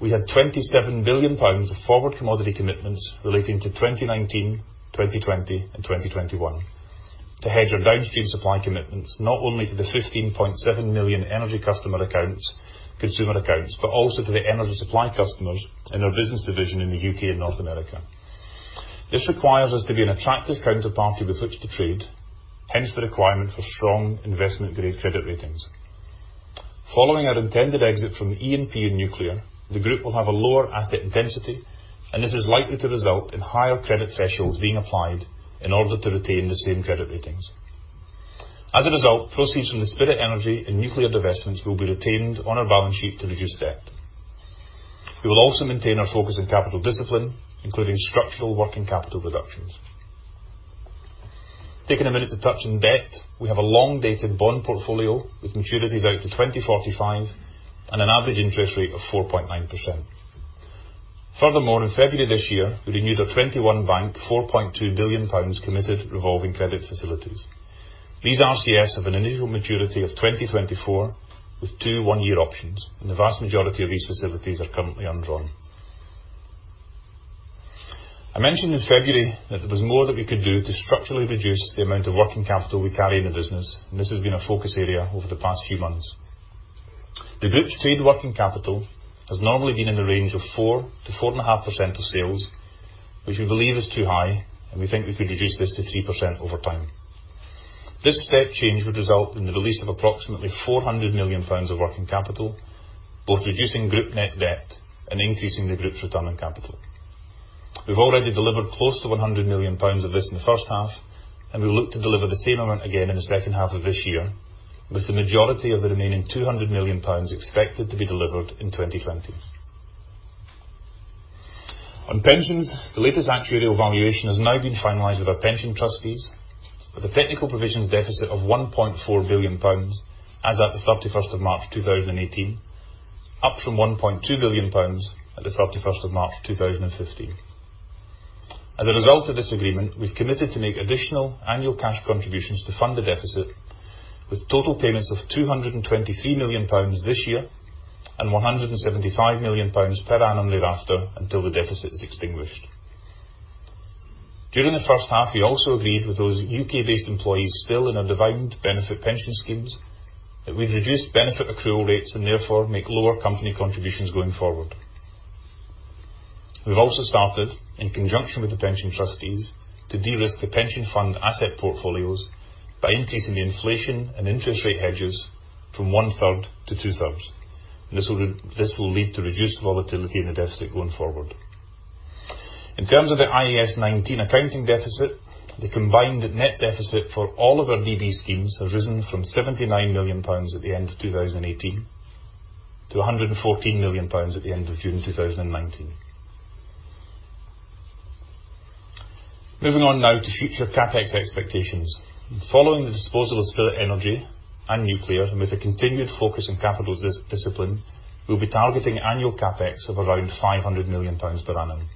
we had 27 billion pounds of forward commodity commitments relating to 2019, 2020, and 2021 to hedge our downstream supply commitments, not only to the 15.7 million energy consumer accounts, but also to the energy supply customers in our business division in the U.K. and North America. This requires us to be an attractive counterparty with which to trade, hence the requirement for strong investment-grade credit ratings. Following our intended exit from the E&P and nuclear, the group will have a lower asset intensity, and this is likely to result in higher credit thresholds being applied in order to retain the same credit ratings. As a result, proceeds from the Spirit Energy and nuclear divestments will be retained on our balance sheet to reduce debt. We will also maintain our focus on capital discipline, including structural working capital reductions. Taking a minute to touch on debt, we have a long-dated bond portfolio with maturities out to 2045 and an average interest rate of 4.9%. Furthermore, in February this year, we renewed our 21 bank, 4.2 billion pounds committed revolving credit facilities. These RCFs have an initial maturity of 2024, with two one-year options, and the vast majority of these facilities are currently undrawn. I mentioned in February that there was more that we could do to structurally reduce the amount of working capital we carry in the business, and this has been a focus area over the past few months. The group's trade working capital has normally been in the range of 4%-4.5% of sales, which we believe is too high, and we think we could reduce this to 3% over time. This step change would result in the release of approximately 400 million pounds of working capital, both reducing group net debt and increasing the group's return on capital. We've already delivered close to 100 million pounds of this in the first half, and we look to deliver the same amount again in the second half of this year, with the majority of the remaining 200 million pounds expected to be delivered in 2020. On pensions, the latest actuarial valuation has now been finalized with our pension trustees with a technical provisions deficit of 1.4 billion pounds as at the 31st of March 2018, up from 1.2 billion pounds at the 31st of March 2015. As a result of this agreement, we've committed to make additional annual cash contributions to fund the deficit, with total payments of 223 million pounds this year and 175 million pounds per annum thereafter until the deficit is extinguished. During the first half, we also agreed with those U.K.-based employees still in our defined benefit pension schemes that we'd reduce benefit accrual rates and therefore make lower company contributions going forward. We've also started, in conjunction with the pension trustees, to de-risk the pension fund asset portfolios by increasing the inflation and interest rate hedges from one-third to two-thirds. This will lead to reduced volatility in the deficit going forward. In terms of the IAS 19 accounting deficit, the combined net deficit for all of our DB schemes has risen from 79 million pounds at the end of 2018 to 114 million pounds at the end of June 2019. Moving on now to future CapEx expectations. Following the disposal of Spirit Energy and nuclear, and with a continued focus on capital discipline, we'll be targeting annual CapEx of around 500 million pounds per annum.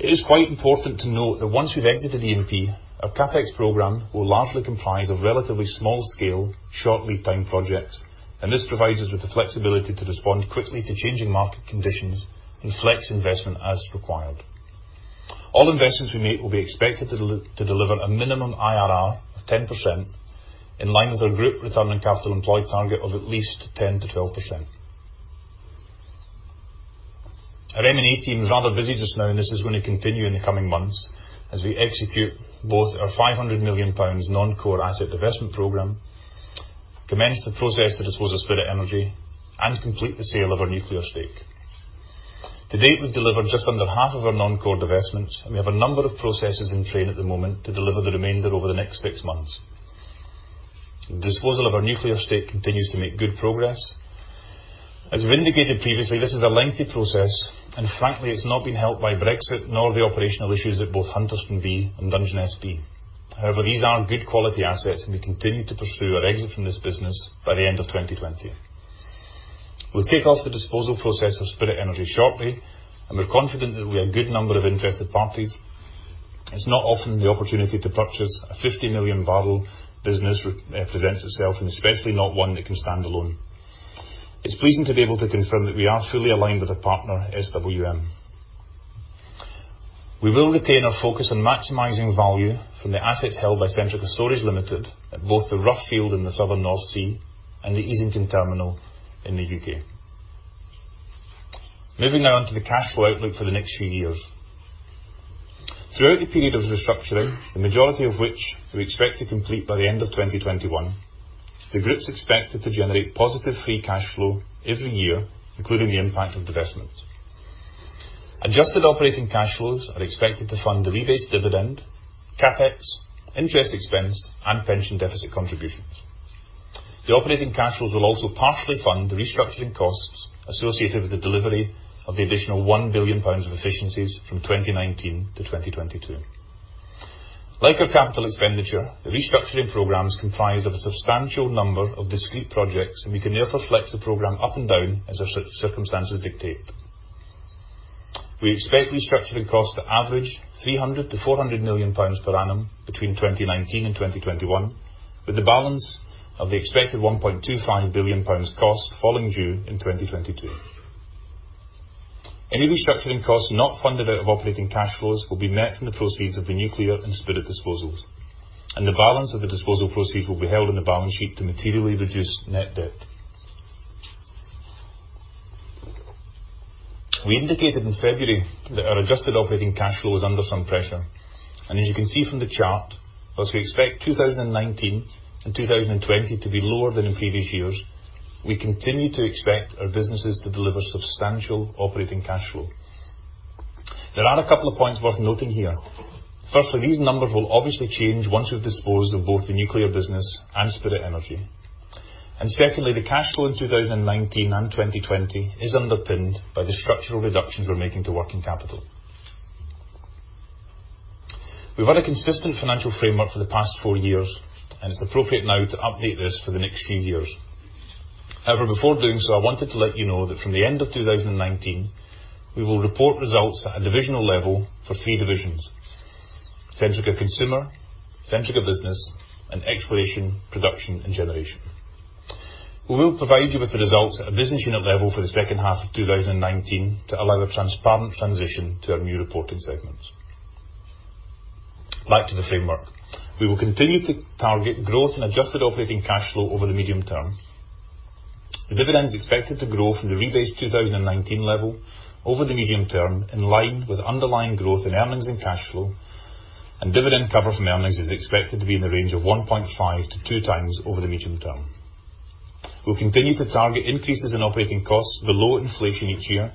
It is quite important to note that once we've exited E&P, our CapEx program will largely comprise of relatively small scale, short lead time projects, and this provides us with the flexibility to respond quickly to changing market conditions and flex investment as required. All investments we make will be expected to deliver a minimum IRR of 10%, in line with our group return on capital employed target of at least 10%-12%. Our M&A team is rather busy just now, and this is going to continue in the coming months as we execute both our 500 million pounds non-core asset divestment program, commence the process to dispose of Spirit Energy, and complete the sale of our nuclear stake. To date, we've delivered just under half of our non-core divestments, and we have a number of processes in train at the moment to deliver the remainder over the next six months. Disposal of our nuclear estate continues to make good progress. As we've indicated previously, this is a lengthy process, and frankly, it's not been helped by Brexit nor the operational issues at both Hunterston B and Dungeness B. However, these are good quality assets, and we continue to pursue our exit from this business by the end of 2020. We'll kick off the disposal process of Spirit Energy shortly, and we're confident there will be a good number of interested parties. It's not often the opportunity to purchase a 50-million-barrel business presents itself, and especially not one that can stand alone. It's pleasing to be able to confirm that we are fully aligned with a partner, SWM. We will retain our focus on maximizing value from the assets held by Centrica Storage Limited at both the Rough field in the southern North Sea and the Easington terminal in the U.K. Moving now on to the cash flow outlook for the next few years. Throughout the period of restructuring, the majority of which we expect to complete by the end of 2021, the group's expected to generate positive free cash flow every year, including the impact of divestments. Adjusted operating cash flows are expected to fund the rebased dividend, CapEx, interest expense, and pension deficit contributions. The operating cash flows will also partially fund the restructuring costs associated with the delivery of the additional 1 billion pounds of efficiencies from 2019 to 2022. Like our capital expenditure, the restructuring program is comprised of a substantial number of discrete projects. We can therefore flex the program up and down as our circumstances dictate. We expect restructuring costs to average 300 million-400 million pounds per annum between 2019 and 2021, with the balance of the expected GBP 1.25 billion costs falling due in 2022. Any restructuring costs not funded out of operating cash flows will be met from the proceeds of the nuclear and Spirit disposals. The balance of the disposal proceeds will be held on the balance sheet to materially reduce net debt. We indicated in February that our adjusted operating cash flow was under some pressure. As you can see from the chart, whilst we expect 2019 and 2020 to be lower than in previous years, we continue to expect our businesses to deliver substantial operating cash flow. There are a couple of points worth noting here. Firstly, these numbers will obviously change once we've disposed of both the nuclear business and Spirit Energy. Secondly, the cash flow in 2019 and 2020 is underpinned by the structural reductions we're making to working capital. We've had a consistent financial framework for the past four years, and it's appropriate now to update this for the next few years. Before doing so, I wanted to let you know that from the end of 2019, we will report results at a divisional level for three divisions: Centrica Consumer, Centrica Business, and Exploration, Production, and Generation. We will provide you with the results at a business unit level for the second half of 2019 to allow a transparent transition to our new reporting segments. Back to the framework. We will continue to target growth in adjusted operating cash flow over the medium term. The dividend is expected to grow from the rebased 2019 level over the medium term, in line with underlying growth in earnings and cash flow, and dividend cover from earnings is expected to be in the range of 1.5-2 times over the medium term. We'll continue to target increases in operating costs below inflation each year,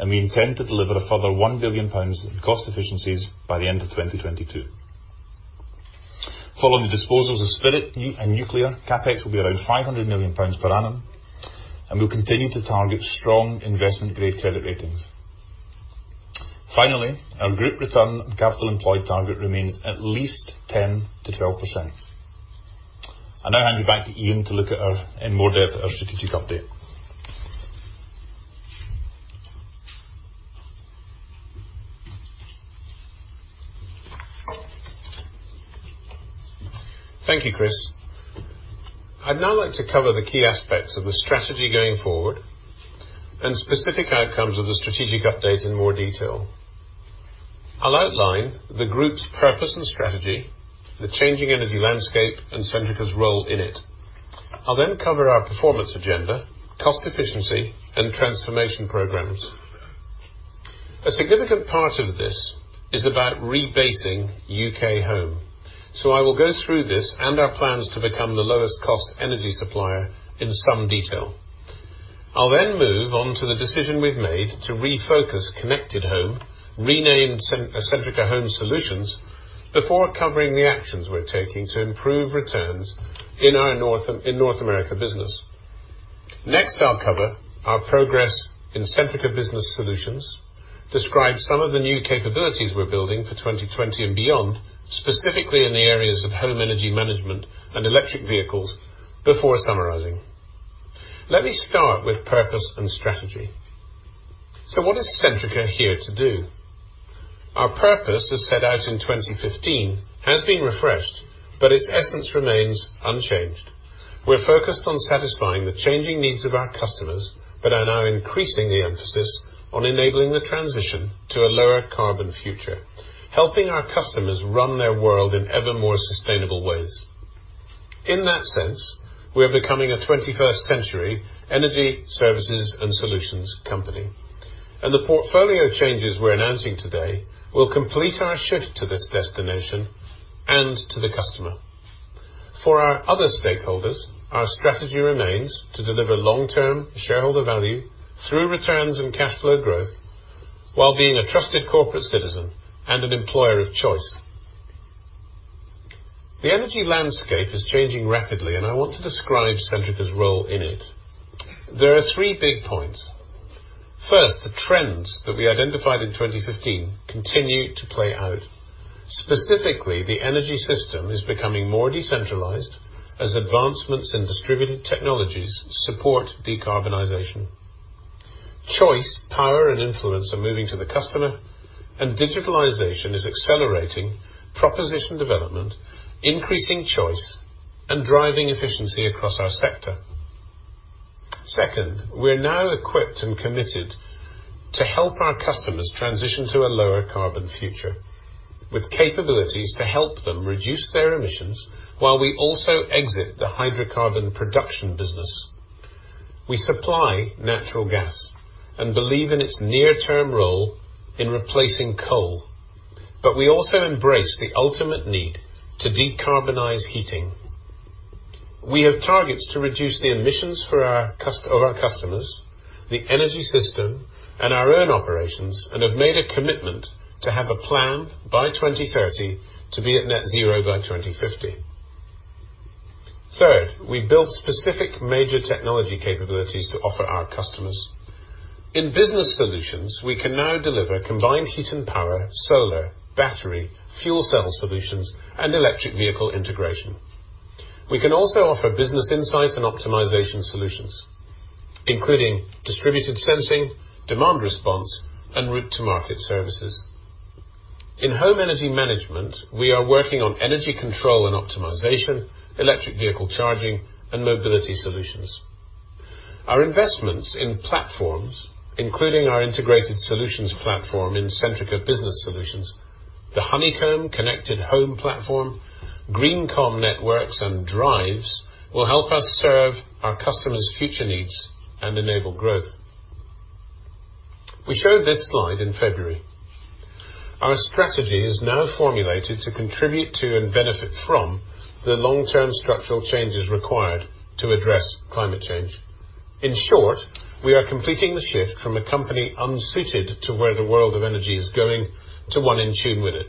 and we intend to deliver a further 1 billion pounds in cost efficiencies by the end of 2022. Following the disposals of Spirit and nuclear, CapEx will be around 500 million pounds per annum, and we'll continue to target strong investment-grade credit ratings. Finally, our group return on capital employed target remains at least 10% to 12%. I now hand you back to Iain to look at our, in more depth, our strategic update. Thank you, Chris. I'd now like to cover the key aspects of the strategy going forward and specific outcomes of the strategic update in more detail. I'll outline the group's purpose and strategy, the changing energy landscape, and Centrica's role in it. I'll cover our performance agenda, cost efficiency, and transformation programs. A significant part of this is about rebasing U.K. Home. I will go through this and our plans to become the lowest cost energy supplier in some detail. I'll move on to the decision we've made to refocus Connected Home, renamed Centrica Home Solutions, before covering the actions we're taking to improve returns in our North America Business. Next, I'll cover our progress in Centrica Business Solutions, describe some of the new capabilities we're building for 2020 and beyond, specifically in the areas of home energy management and electric vehicles, before summarizing. Let me start with purpose and strategy. What is Centrica here to do? Our purpose, as set out in 2015, has been refreshed, but its essence remains unchanged. We're focused on satisfying the changing needs of our customers but are now increasing the emphasis on enabling the transition to a lower carbon future, helping our customers run their world in ever more sustainable ways. In that sense, we are becoming a 21st century energy services and solutions company, and the portfolio changes we're announcing today will complete our shift to this destination and to the customer. For our other stakeholders, our strategy remains to deliver long-term shareholder value through returns and cash flow growth. While being a trusted corporate citizen and an employer of choice. The energy landscape is changing rapidly, and I want to describe Centrica's role in it. There are three big points. First, the trends that we identified in 2015 continue to play out. Specifically, the energy system is becoming more decentralized as advancements in distributed technologies support decarbonization. Choice, power, and influence are moving to the customer, and digitalization is accelerating proposition development, increasing choice, and driving efficiency across our sector. Second, we are now equipped and committed to help our customers transition to a lower carbon future with capabilities to help them reduce their emissions while we also exit the hydrocarbon production business. We supply natural gas and believe in its near-term role in replacing coal. We also embrace the ultimate need to decarbonize heating. We have targets to reduce the emissions of our customers, the energy system, and our own operations, and have made a commitment to have a plan by 2030 to be at net zero by 2050. Third, we built specific major technology capabilities to offer our customers. In Centrica Business Solutions, we can now deliver combined heat and power, solar, battery, fuel cell solutions, and electric vehicle integration. We can also offer business insight and optimization solutions, including distributed sensing, demand response, and route to market services. In Centrica Home Solutions, we are working on energy control and optimization, electric vehicle charging, and mobility solutions. Our investments in platforms, including our integrated solutions platform in Centrica Business Solutions, the Honeycomb Connected Home platform, GreenCom Networks, and Driivz, will help us serve our customers' future needs and enable growth. We showed this slide in February. Our strategy is now formulated to contribute to and benefit from the long-term structural changes required to address climate change. In short, we are completing the shift from a company unsuited to where the world of energy is going to one in tune with it.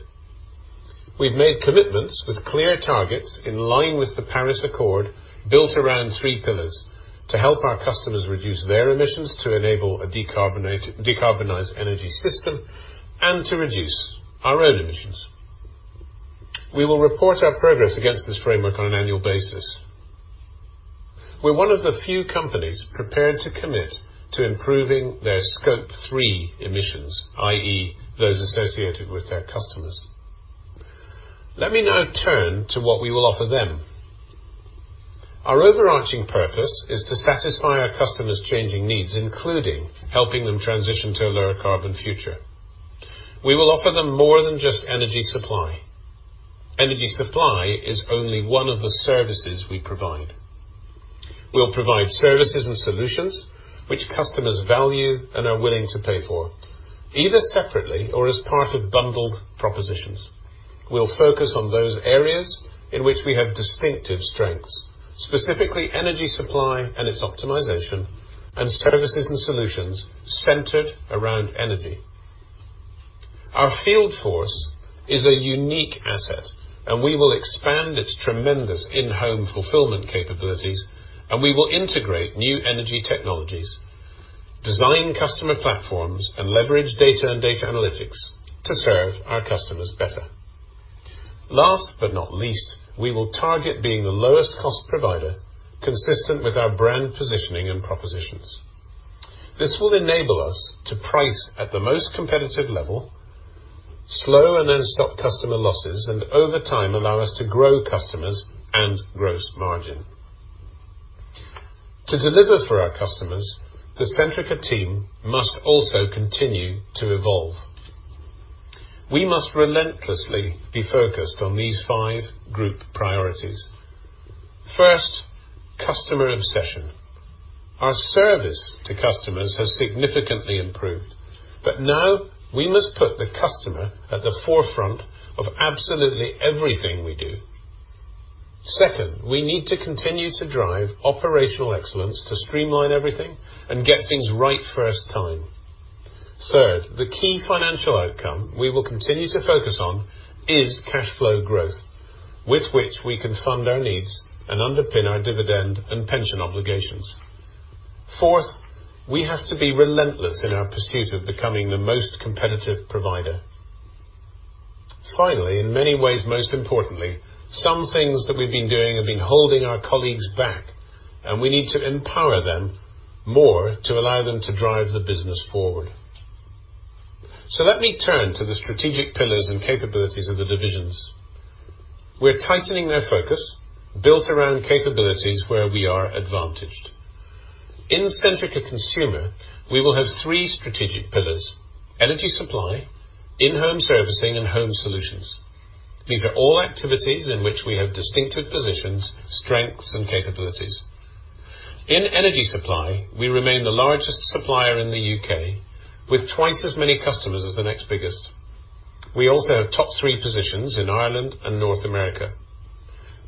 We've made commitments with clear targets in line with the Paris Accord, built around three pillars to help our customers reduce their emissions, to enable a decarbonized energy system, and to reduce our own emissions. We will report our progress against this framework on an annual basis. We're one of the few companies prepared to commit to improving their Scope 3 emissions, i.e. those associated with their customers. Let me now turn to what we will offer them. Our overarching purpose is to satisfy our customers' changing needs, including helping them transition to a lower carbon future. We will offer them more than just energy supply. Energy supply is only one of the services we provide. We'll provide services and solutions which customers value and are willing to pay for, either separately or as part of bundled propositions. We'll focus on those areas in which we have distinctive strengths, specifically energy supply and its optimization and services and solutions centered around energy. Our field force is a unique asset, and we will expand its tremendous in-home fulfillment capabilities, and we will integrate new energy technologies, design customer platforms, and leverage data and data analytics to serve our customers better. Last but not least, we will target being the lowest cost provider consistent with our brand positioning and propositions. This will enable us to price at the most competitive level, slow and then stop customer losses, and over time, allow us to grow customers and gross margin. To deliver for our customers, the Centrica team must also continue to evolve. We must relentlessly be focused on these five group priorities. First, customer obsession. Our service to customers has significantly improved, but now we must put the customer at the forefront of absolutely everything we do. Second, we need to continue to drive operational excellence to streamline everything and get things right first time. Third, the key financial outcome we will continue to focus on is cash flow growth, with which we can fund our needs and underpin our dividend and pension obligations. Fourth, we have to be relentless in our pursuit of becoming the most competitive provider. Finally, in many ways, most importantly, some things that we've been doing have been holding our colleagues back, and we need to empower them more to allow them to drive the business forward. Let me turn to the strategic pillars and capabilities of the divisions. We're tightening their focus, built around capabilities where we are advantaged. In Centrica Consumer, we will have three strategic pillars, energy supply, in-home servicing, and home solutions. These are all activities in which we have distinctive positions, strengths, and capabilities. In energy supply, we remain the largest supplier in the U.K., with twice as many customers as the next biggest. We also have top three positions in Ireland and North America.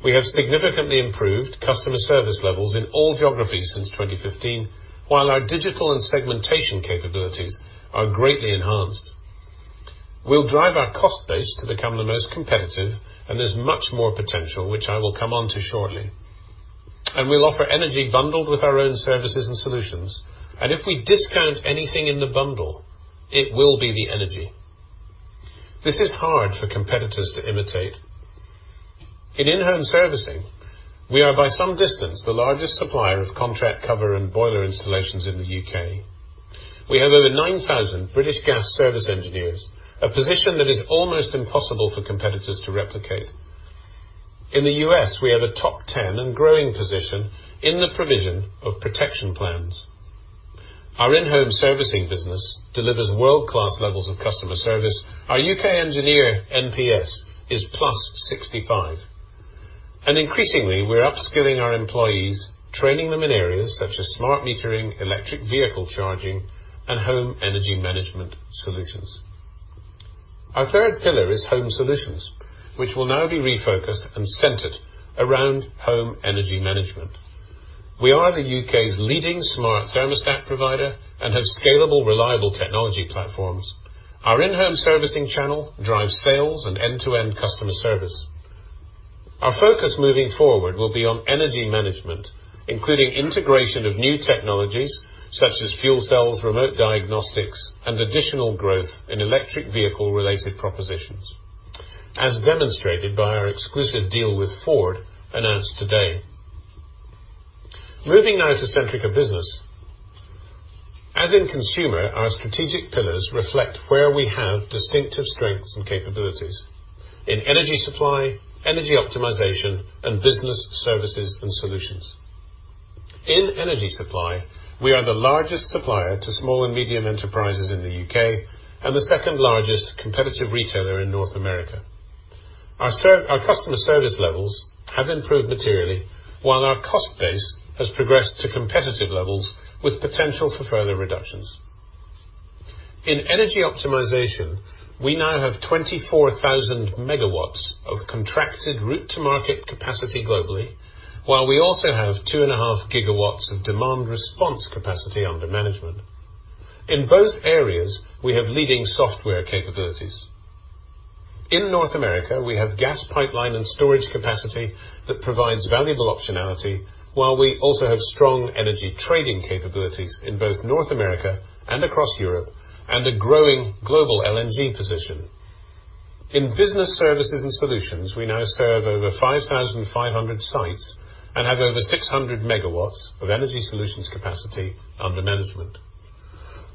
We have significantly improved customer service levels in all geographies since 2015, while our digital and segmentation capabilities are greatly enhanced. We'll drive our cost base to become the most competitive, there's much more potential, which I will come onto shortly. We'll offer energy bundled with our own services and solutions. If we discount anything in the bundle, it will be the energy. This is hard for competitors to imitate. In in-home servicing, we are by some distance the largest supplier of contract cover and boiler installations in the U.K. We have over 9,000 British Gas service engineers, a position that is almost impossible for competitors to replicate. In the U.S., we have a top 10 and growing position in the provision of protection plans. Our in-home servicing business delivers world-class levels of customer service. Our U.K. engineer NPS is plus 65. Increasingly, we're upskilling our employees, training them in areas such as smart metering, electric vehicle charging, and home energy management solutions. Our third pillar is home solutions, which will now be refocused and centered around home energy management. We are the U.K.'s leading smart thermostat provider and have scalable, reliable technology platforms. Our in-home servicing channel drives sales and end-to-end customer service. Our focus moving forward will be on energy management, including integration of new technologies such as fuel cells, remote diagnostics, and additional growth in electric vehicle-related propositions, as demonstrated by our exclusive deal with Ford announced today. Moving now to Centrica Business. As in Consumer, our strategic pillars reflect where we have distinctive strengths and capabilities, in energy supply, energy optimization, and business services and solutions. In energy supply, we are the largest supplier to small and medium enterprises in the U.K. and the second-largest competitive retailer in North America. Our customer service levels have improved materially, while our cost base has progressed to competitive levels with potential for further reductions. In energy optimization, we now have 24,000 MW of contracted route to market capacity globally, while we also have two and a half gigawatts of demand response capacity under management. In both areas, we have leading software capabilities. In North America, we have gas pipeline and storage capacity that provides valuable optionality, while we also have strong energy trading capabilities in both North America and across Europe and a growing global LNG position. In business services and solutions, we now serve over 5,500 sites and have over 600 megawatts of energy solutions capacity under management.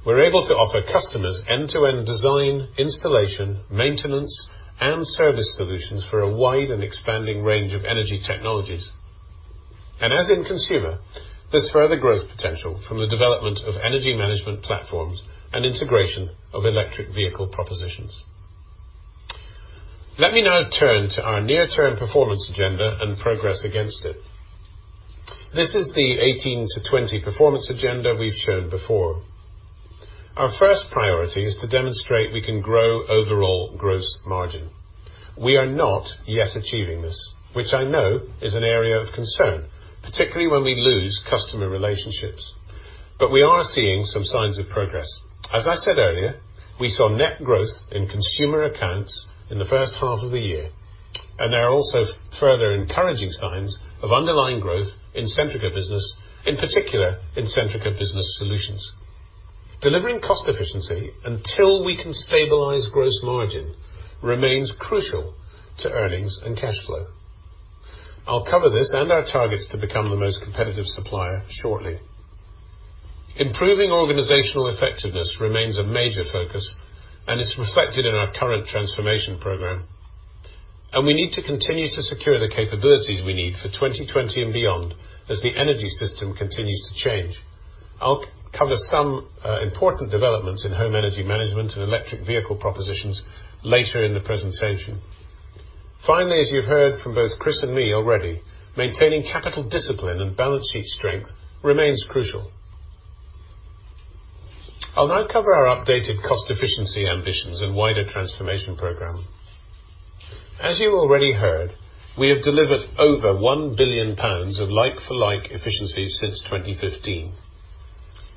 We're able to offer customers end-to-end design, installation, maintenance, and service solutions for a wide and expanding range of energy technologies. As in Consumer, there's further growth potential from the development of energy management platforms and integration of electric vehicle propositions. Let me now turn to our near-term performance agenda and progress against it. This is the 2018 to 2020 performance agenda we've shown before. Our first priority is to demonstrate we can grow overall gross margin. We are not yet achieving this, which I know is an area of concern, particularly when we lose customer relationships. We are seeing some signs of progress. As I said earlier, we saw net growth in consumer accounts in the first half of the year, and there are also further encouraging signs of underlying growth in Centrica Business, in particular in Centrica Business Solutions. Delivering cost efficiency until we can stabilize gross margin remains crucial to earnings and cash flow. I'll cover this and our targets to become the most competitive supplier shortly. Improving organizational effectiveness remains a major focus and is reflected in our current transformation program, and we need to continue to secure the capabilities we need for 2020 and beyond as the energy system continues to change. I'll cover some important developments in home energy management and electric vehicle propositions later in the presentation. Finally, as you've heard from both Chris and me already, maintaining capital discipline and balance sheet strength remains crucial. I'll now cover our updated cost efficiency ambitions and wider transformation program. As you already heard, we have delivered over 1 billion pounds of like-for-like efficiencies since 2015.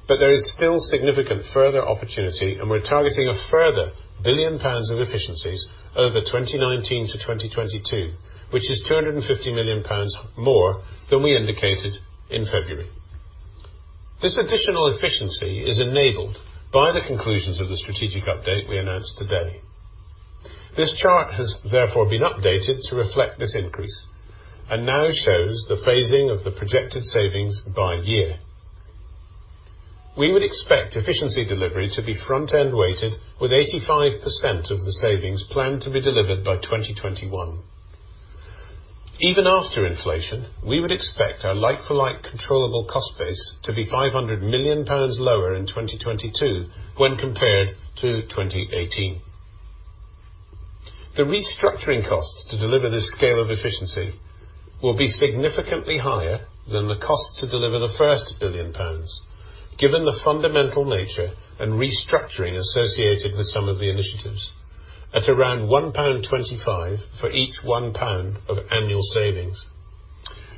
There is still significant further opportunity, and we're targeting a further 1 billion pounds of efficiencies over 2019-2022, which is 250 million pounds more than we indicated in February. This additional efficiency is enabled by the conclusions of the strategic update we announced today. This chart has therefore been updated to reflect this increase and now shows the phasing of the projected savings by year. We would expect efficiency delivery to be front-end weighted with 85% of the savings planned to be delivered by 2021. Even after inflation, we would expect our like-for-like controllable cost base to be 500 million pounds lower in 2022 when compared to 2018. The restructuring costs to deliver this scale of efficiency will be significantly higher than the cost to deliver the first billion GBP, given the fundamental nature and restructuring associated with some of the initiatives, at around 1.25 pound for each 1 pound of annual savings.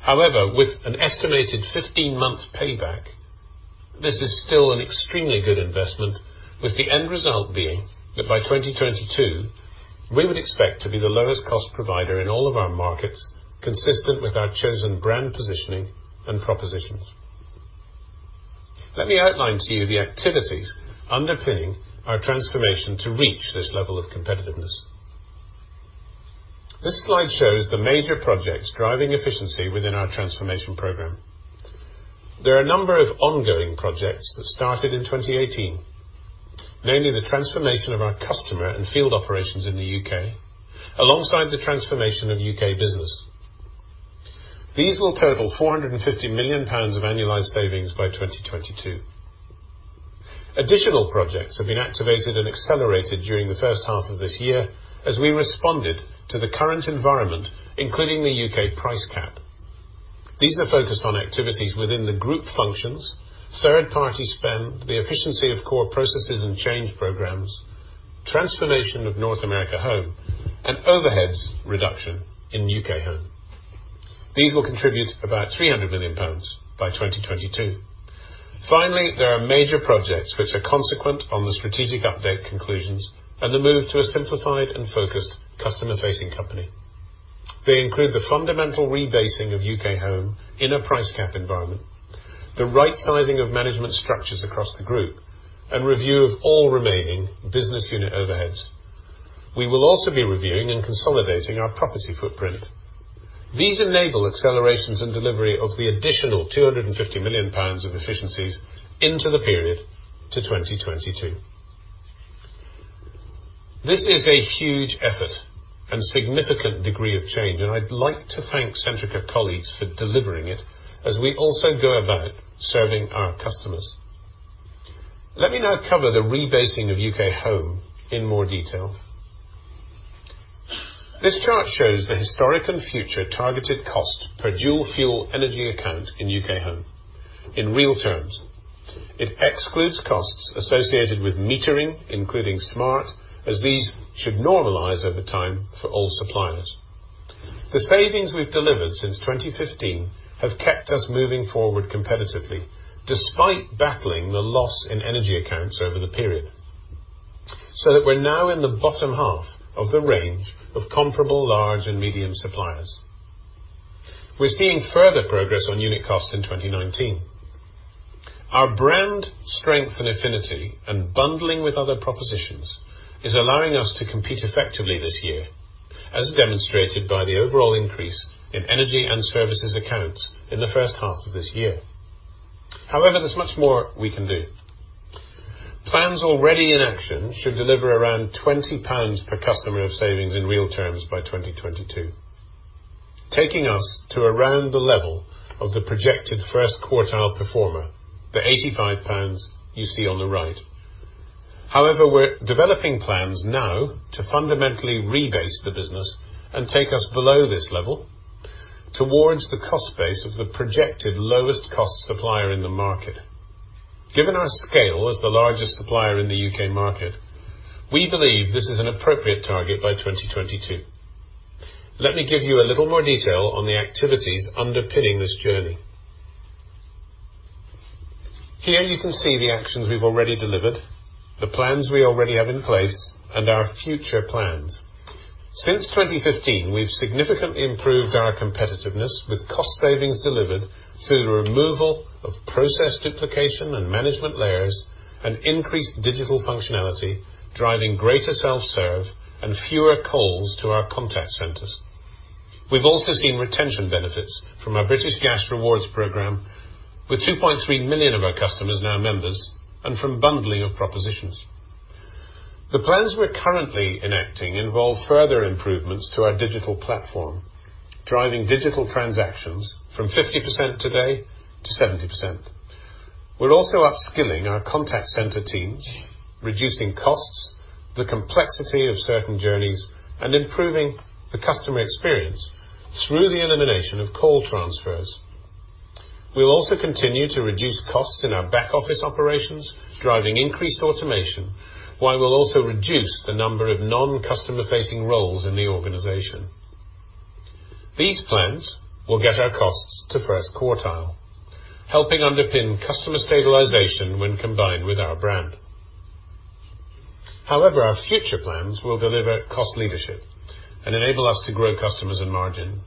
With an estimated 15 months payback, this is still an extremely good investment, with the end result being that by 2022, we would expect to be the lowest cost provider in all of our markets, consistent with our chosen brand positioning and propositions. Let me outline to you the activities underpinning our transformation to reach this level of competitiveness. This slide shows the major projects driving efficiency within our transformation program. There are a number of ongoing projects that started in 2018, namely the transformation of our customer and field operations in the U.K., alongside the transformation of U.K. business. These will total 450 million pounds of annualized savings by 2022. Additional projects have been activated and accelerated during the first half of this year as we responded to the current environment, including the U.K. price cap. These are focused on activities within the group functions, third-party spend, the efficiency of core processes and change programs, transformation of North America Home, and overheads reduction in U.K. Home. These will contribute about 300 million pounds by 2022. Finally, there are major projects which are consequent on the strategic update conclusions and the move to a simplified and focused customer-facing company. They include the fundamental rebasing of U.K. Home in a price cap environment, the right sizing of management structures across the group, and review of all remaining business unit overheads. We will also be reviewing and consolidating our property footprint. These enable accelerations and delivery of the additional 250 million pounds in efficiencies into the period to 2022. This is a huge effort and significant degree of change, I'd like to thank Centrica colleagues for delivering it as we also go about serving our customers. Let me now cover the rebasing of U.K. Home in more detail. This chart shows the historic and future targeted cost per dual fuel energy account in U.K. Home. In real terms, it excludes costs associated with metering, including smart, as these should normalize over time for all suppliers. The savings we've delivered since 2015 have kept us moving forward competitively, despite battling the loss in energy accounts over the period, so that we're now in the bottom half of the range of comparable large and medium suppliers. We're seeing further progress on unit costs in 2019. Our brand strength and affinity and bundling with other propositions is allowing us to compete effectively this year, as demonstrated by the overall increase in energy and services accounts in the first half of this year. There's much more we can do. Plans already in action should deliver around 20 pounds per customer of savings in real terms by 2022, taking us to around the level of the projected first quartile performer, the 85 pounds you see on the right. However, we're developing plans now to fundamentally rebase the business and take us below this level towards the cost base of the projected lowest cost supplier in the market. Given our scale as the largest supplier in the U.K. market, we believe this is an appropriate target by 2022. Let me give you a little more detail on the activities underpinning this journey. Here you can see the actions we've already delivered, the plans we already have in place, and our future plans. Since 2015, we've significantly improved our competitiveness with cost savings delivered through the removal of process duplication and management layers, and increased digital functionality, driving greater self-serve and fewer calls to our contact centers. We've also seen retention benefits from our British Gas Rewards program, with 2.3 million of our customers now members and from bundling of propositions. The plans we're currently enacting involve further improvements to our digital platform, driving digital transactions from 50% today to 70%. We're also upskilling our contact center teams, reducing costs, the complexity of certain journeys, and improving the customer experience through the elimination of call transfers. We'll also continue to reduce costs in our back office operations, driving increased automation, while we'll also reduce the number of non-customer facing roles in the organization. These plans will get our costs to first quartile, helping underpin customer stabilization when combined with our brand. Our future plans will deliver cost leadership and enable us to grow customers and margin.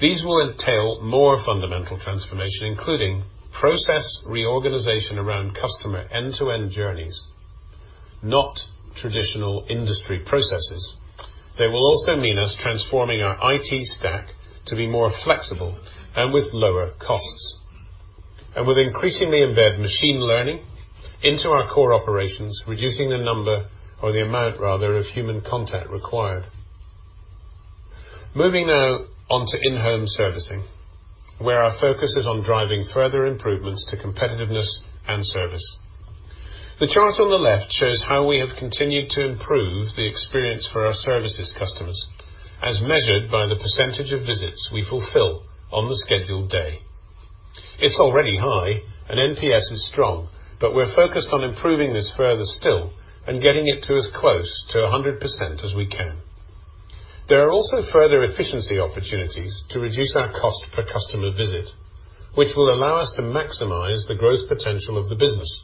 These will entail more fundamental transformation, including process reorganization around customer end-to-end journeys, not traditional industry processes. They will also mean us transforming our IT stack to be more flexible and with lower costs. We'll increasingly embed machine learning into our core operations, reducing the number or the amount, rather, of human contact required. Moving now on to in-home servicing, where our focus is on driving further improvements to competitiveness and service. The chart on the left shows how we have continued to improve the experience for our services customers, as measured by the % of visits we fulfill on the scheduled day. It's already high and NPS is strong, but we're focused on improving this further still and getting it to as close to 100% as we can. There are also further efficiency opportunities to reduce our cost per customer visit, which will allow us to maximize the growth potential of the business.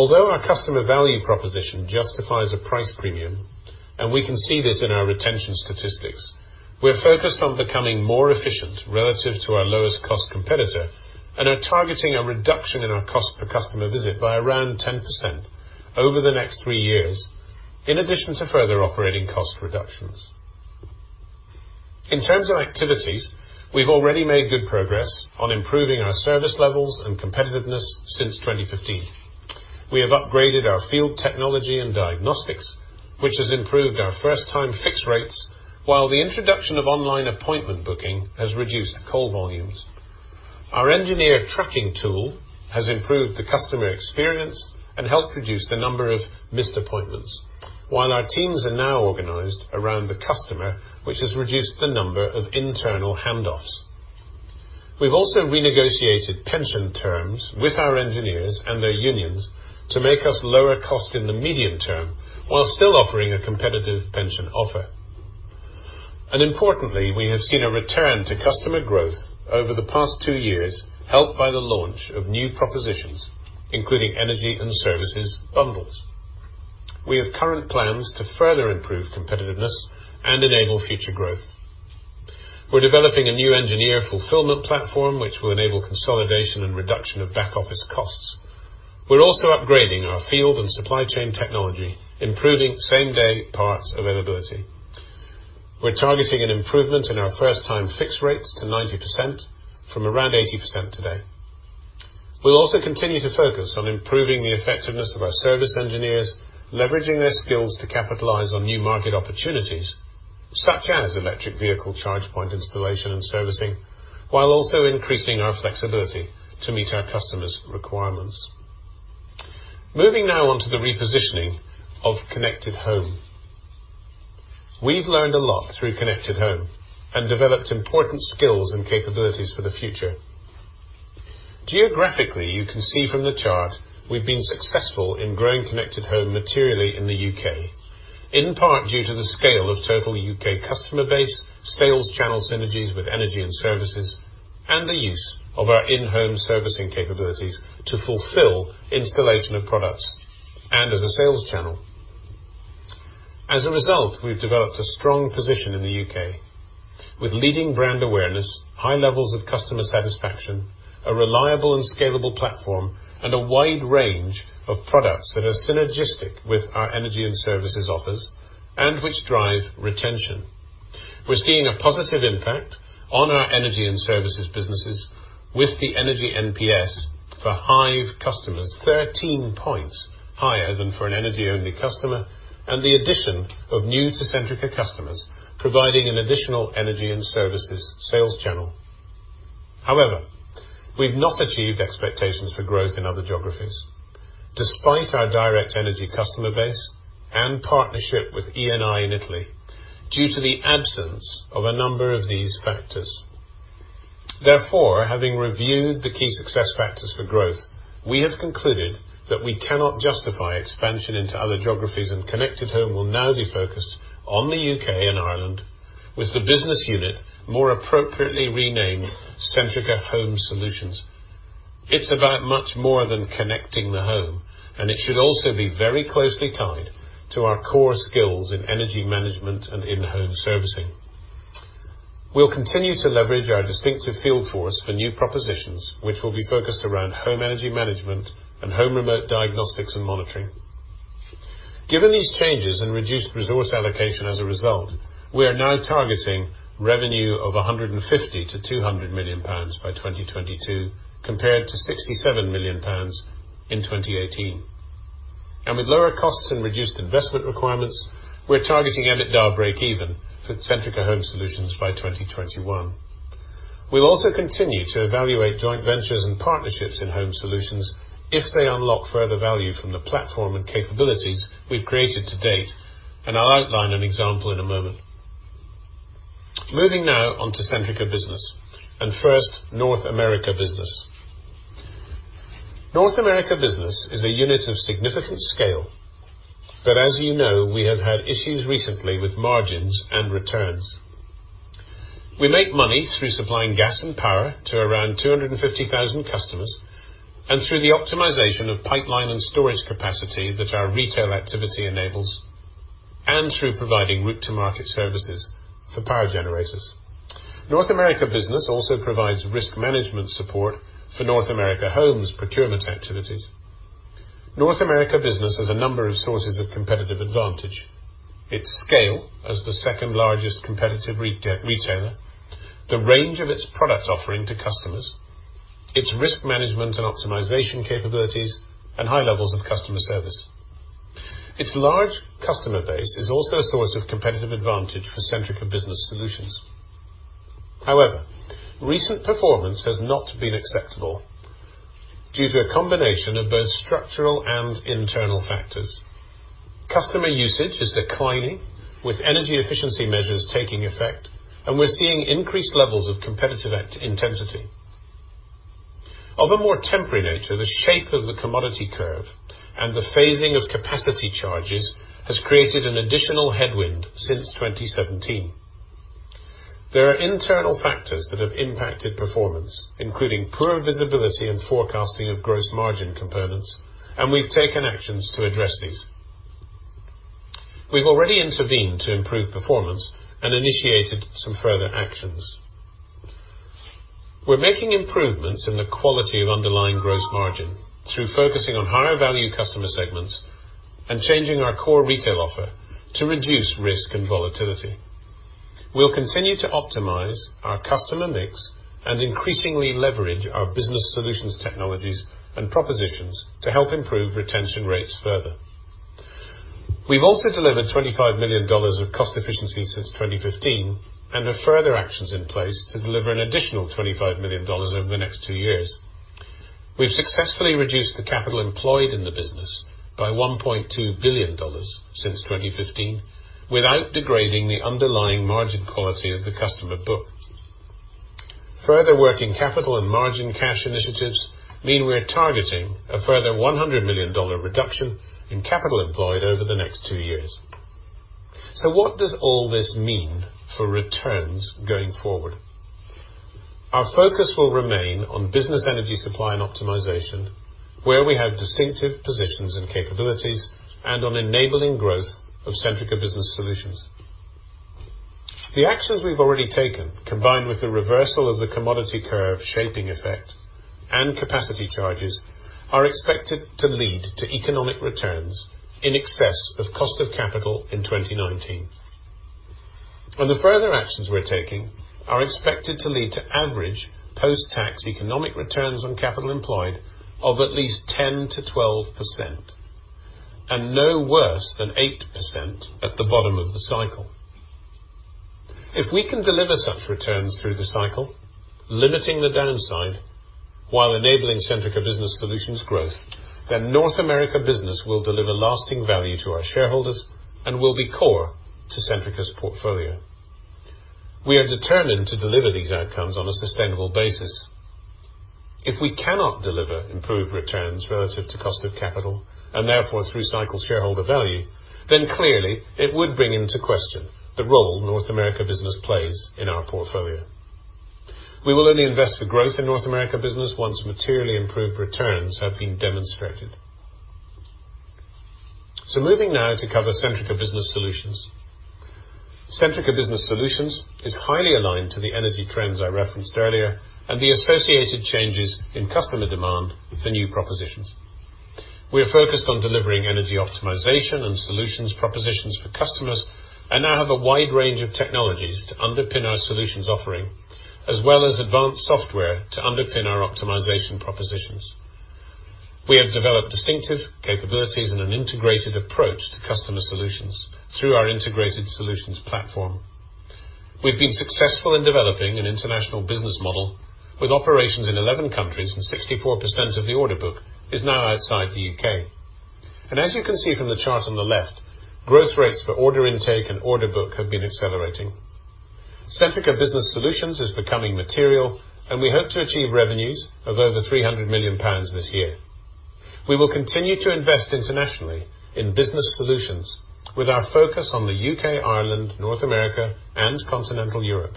Although our customer value proposition justifies a price premium, and we can see this in our retention statistics, we are focused on becoming more efficient relative to our lowest cost competitor and are targeting a reduction in our cost per customer visit by around 10% over the next three years, in addition to further operating cost reductions. In terms of activities, we have already made good progress on improving our service levels and competitiveness since 2015. We have upgraded our field technology and diagnostics, which has improved our first-time fix rates, while the introduction of online appointment booking has reduced call volumes. Our engineer tracking tool has improved the customer experience and helped reduce the number of missed appointments, while our teams are now organized around the customer, which has reduced the number of internal handoffs. We've also renegotiated pension terms with our engineers and their unions to make us lower cost in the medium term, while still offering a competitive pension offer. Importantly, we have seen a return to customer growth over the past two years, helped by the launch of new propositions, including energy and services bundles. We have current plans to further improve competitiveness and enable future growth. We're developing a new engineer fulfillment platform, which will enable consolidation and reduction of back office costs. We're also upgrading our field and supply chain technology, improving same-day parts availability. We're targeting an improvement in our first-time fix rates to 90% from around 80% today. We'll also continue to focus on improving the effectiveness of our service engineers, leveraging their skills to capitalize on new market opportunities, such as electric vehicle charge point installation and servicing, while also increasing our flexibility to meet our customers' requirements. Moving now on to the repositioning of Connected Home. We've learned a lot through Connected Home and developed important skills and capabilities for the future. Geographically, you can see from the chart, we've been successful in growing Connected Home materially in the U.K., in part due to the scale of total U.K. customer base, sales channel synergies with energy and services, and the use of our in-home servicing capabilities to fulfill installation of products and as a sales channel. As a result, we've developed a strong position in the U.K. with leading brand awareness, high levels of customer satisfaction, a reliable and scalable platform, and a wide range of products that are synergistic with our energy and services offers and which drive retention. We're seeing a positive impact on our energy and services businesses with the energy NPS for Hive customers 13 points higher than for an energy-only customer, and the addition of new Centrica customers providing an additional energy and services sales channel. However, we've not achieved expectations for growth in other geographies despite our Direct Energy customer base and partnership with Eni in Italy due to the absence of a number of these factors. Therefore, having reviewed the key success factors for growth, we have concluded that we cannot justify expansion into other geographies. Connected Home will now be focused on the U.K. and Ireland, with the business unit more appropriately renamed Centrica Home Solutions. It's about much more than connecting the home. It should also be very closely tied to our core skills in energy management and in-home servicing. We'll continue to leverage our distinctive field force for new propositions, which will be focused around home energy management and home remote diagnostics and monitoring. Given these changes and reduced resource allocation as a result, we are now targeting revenue of 150 million-200 million pounds by 2022, compared to 67 million pounds in 2018. With lower costs and reduced investment requirements, we're targeting EBITDA breakeven for Centrica Home Solutions by 2021. We'll also continue to evaluate joint ventures and partnerships in Home Solutions if they unlock further value from the platform and capabilities we've created to date. I'll outline an example in a moment. Moving now on to Centrica Business. First, North America Business. North America Business is a unit of significant scale. As you know, we have had issues recently with margins and returns. We make money through supplying gas and power to around 250,000 customers. Through the optimization of pipeline and storage capacity that our retail activity enables, and through providing route to market services for power generators. North America Business also provides risk management support for North America Home's procurement activities. North America Business has a number of sources of competitive advantage. Its scale as the second largest competitive retailer, the range of its product offering to customers, its risk management and optimization capabilities, and high levels of customer service. Its large customer base is also a source of competitive advantage for Centrica Business Solutions. However, recent performance has not been acceptable. Due to a combination of both structural and internal factors. Customer usage is declining, with energy efficiency measures taking effect, and we're seeing increased levels of competitive intensity. Of a more temporary nature, the shape of the commodity curve and the phasing of capacity charges has created an additional headwind since 2017. There are internal factors that have impacted performance, including poor visibility and forecasting of gross margin components, and we've taken actions to address these. We've already intervened to improve performance and initiated some further actions. We're making improvements in the quality of underlying gross margin through focusing on higher value customer segments and changing our core retail offer to reduce risk and volatility. We'll continue to optimize our customer mix and increasingly leverage our business solutions technologies and propositions to help improve retention rates further. We've also delivered GBP 25 million of cost efficiency since 2015 and have further actions in place to deliver an additional GBP 25 million over the next two years. We've successfully reduced the capital employed in the business by GBP 1.2 billion since 2015 without degrading the underlying margin quality of the customer book. Further working capital and margin cash initiatives mean we're targeting a further GBP 100 million reduction in capital employed over the next two years. What does all this mean for returns going forward? Our focus will remain on business energy supply and optimization, where we have distinctive positions and capabilities, and on enabling growth of Centrica Business Solutions. The actions we've already taken, combined with the reversal of the commodity curve shaping effect and capacity charges, are expected to lead to economic returns in excess of cost of capital in 2019. The further actions we're taking are expected to lead to average post-tax economic returns on capital employed of at least 10%-12% and no worse than 8% at the bottom of the cycle. If we can deliver such returns through the cycle, limiting the downside while enabling Centrica Business Solutions growth, then North America Business will deliver lasting value to our shareholders and will be core to Centrica's portfolio. We are determined to deliver these outcomes on a sustainable basis. If we cannot deliver improved returns relative to cost of capital, and therefore through cycle shareholder value, clearly it would bring into question the role North America Business plays in our portfolio. We will only invest for growth in North America Business once materially improved returns have been demonstrated. Moving now to cover Centrica Business Solutions. Centrica Business Solutions is highly aligned to the energy trends I referenced earlier and the associated changes in customer demand for new propositions. We are focused on delivering energy optimization and solutions propositions for customers and now have a wide range of technologies to underpin our solutions offering, as well as advanced software to underpin our optimization propositions. We have developed distinctive capabilities and an integrated approach to customer solutions through our integrated solutions platform. We've been successful in developing an international business model with operations in 11 countries. 64% of the order book is now outside the U.K. As you can see from the chart on the left, growth rates for order intake and order book have been accelerating. Centrica Business Solutions is becoming material. We hope to achieve revenues of over 300 million pounds this year. We will continue to invest internationally in business solutions, with our focus on the U.K., Ireland, North America and Continental Europe.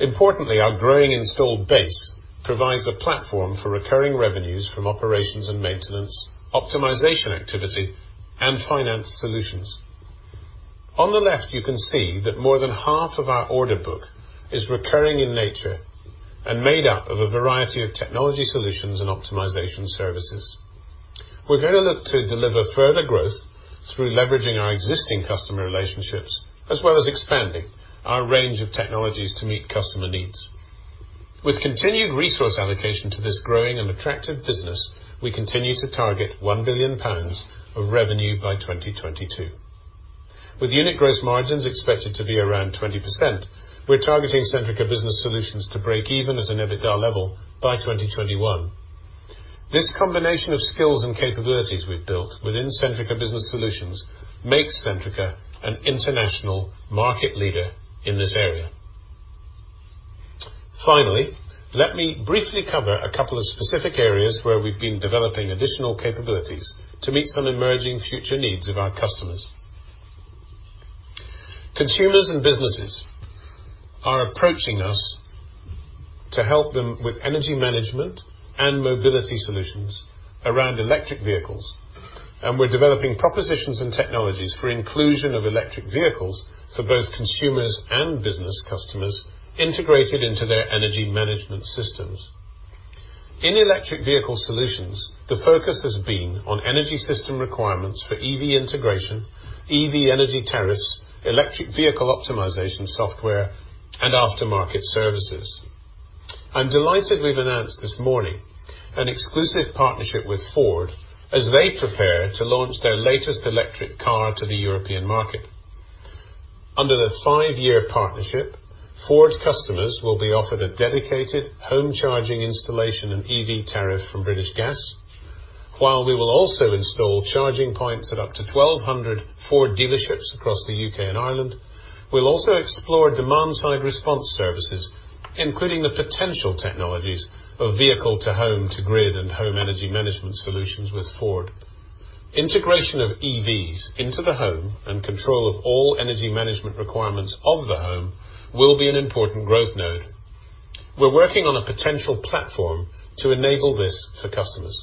Importantly, our growing installed base provides a platform for recurring revenues from operations and maintenance, optimization activity, and finance solutions. On the left, you can see that more than half of our order book is recurring in nature and made up of a variety of technology solutions and optimization services. We're going to look to deliver further growth through leveraging our existing customer relationships, as well as expanding our range of technologies to meet customer needs. With continued resource allocation to this growing and attractive business, we continue to target 1 billion pounds of revenue by 2022. With unit gross margins expected to be around 20%, we're targeting Centrica Business Solutions to break even at an EBITDA level by 2021. This combination of skills and capabilities we've built within Centrica Business Solutions makes Centrica an international market leader in this area. Finally, let me briefly cover a couple of specific areas where we've been developing additional capabilities to meet some emerging future needs of our customers. Consumers and businesses are approaching us to help them with energy management and mobility solutions around electric vehicles. We're developing propositions and technologies for inclusion of electric vehicles for both consumers and business customers integrated into their energy management systems. In electric vehicle solutions, the focus has been on energy system requirements for EV integration, EV energy tariffs, electric vehicle optimization software, and aftermarket services. I'm delighted we've announced this morning an exclusive partnership with Ford as they prepare to launch their latest electric car to the European market. Under the five-year partnership, Ford customers will be offered a dedicated home charging installation and EV tariff from British Gas, while we will also install charging points at up to 1,200 Ford dealerships across the U.K. and Ireland. We'll also explore demand side response services, including the potential technologies of vehicle to home, to grid, and home energy management solutions with Ford. Integration of EVs into the home and control of all energy management requirements of the home will be an important growth node. We're working on a potential platform to enable this for customers.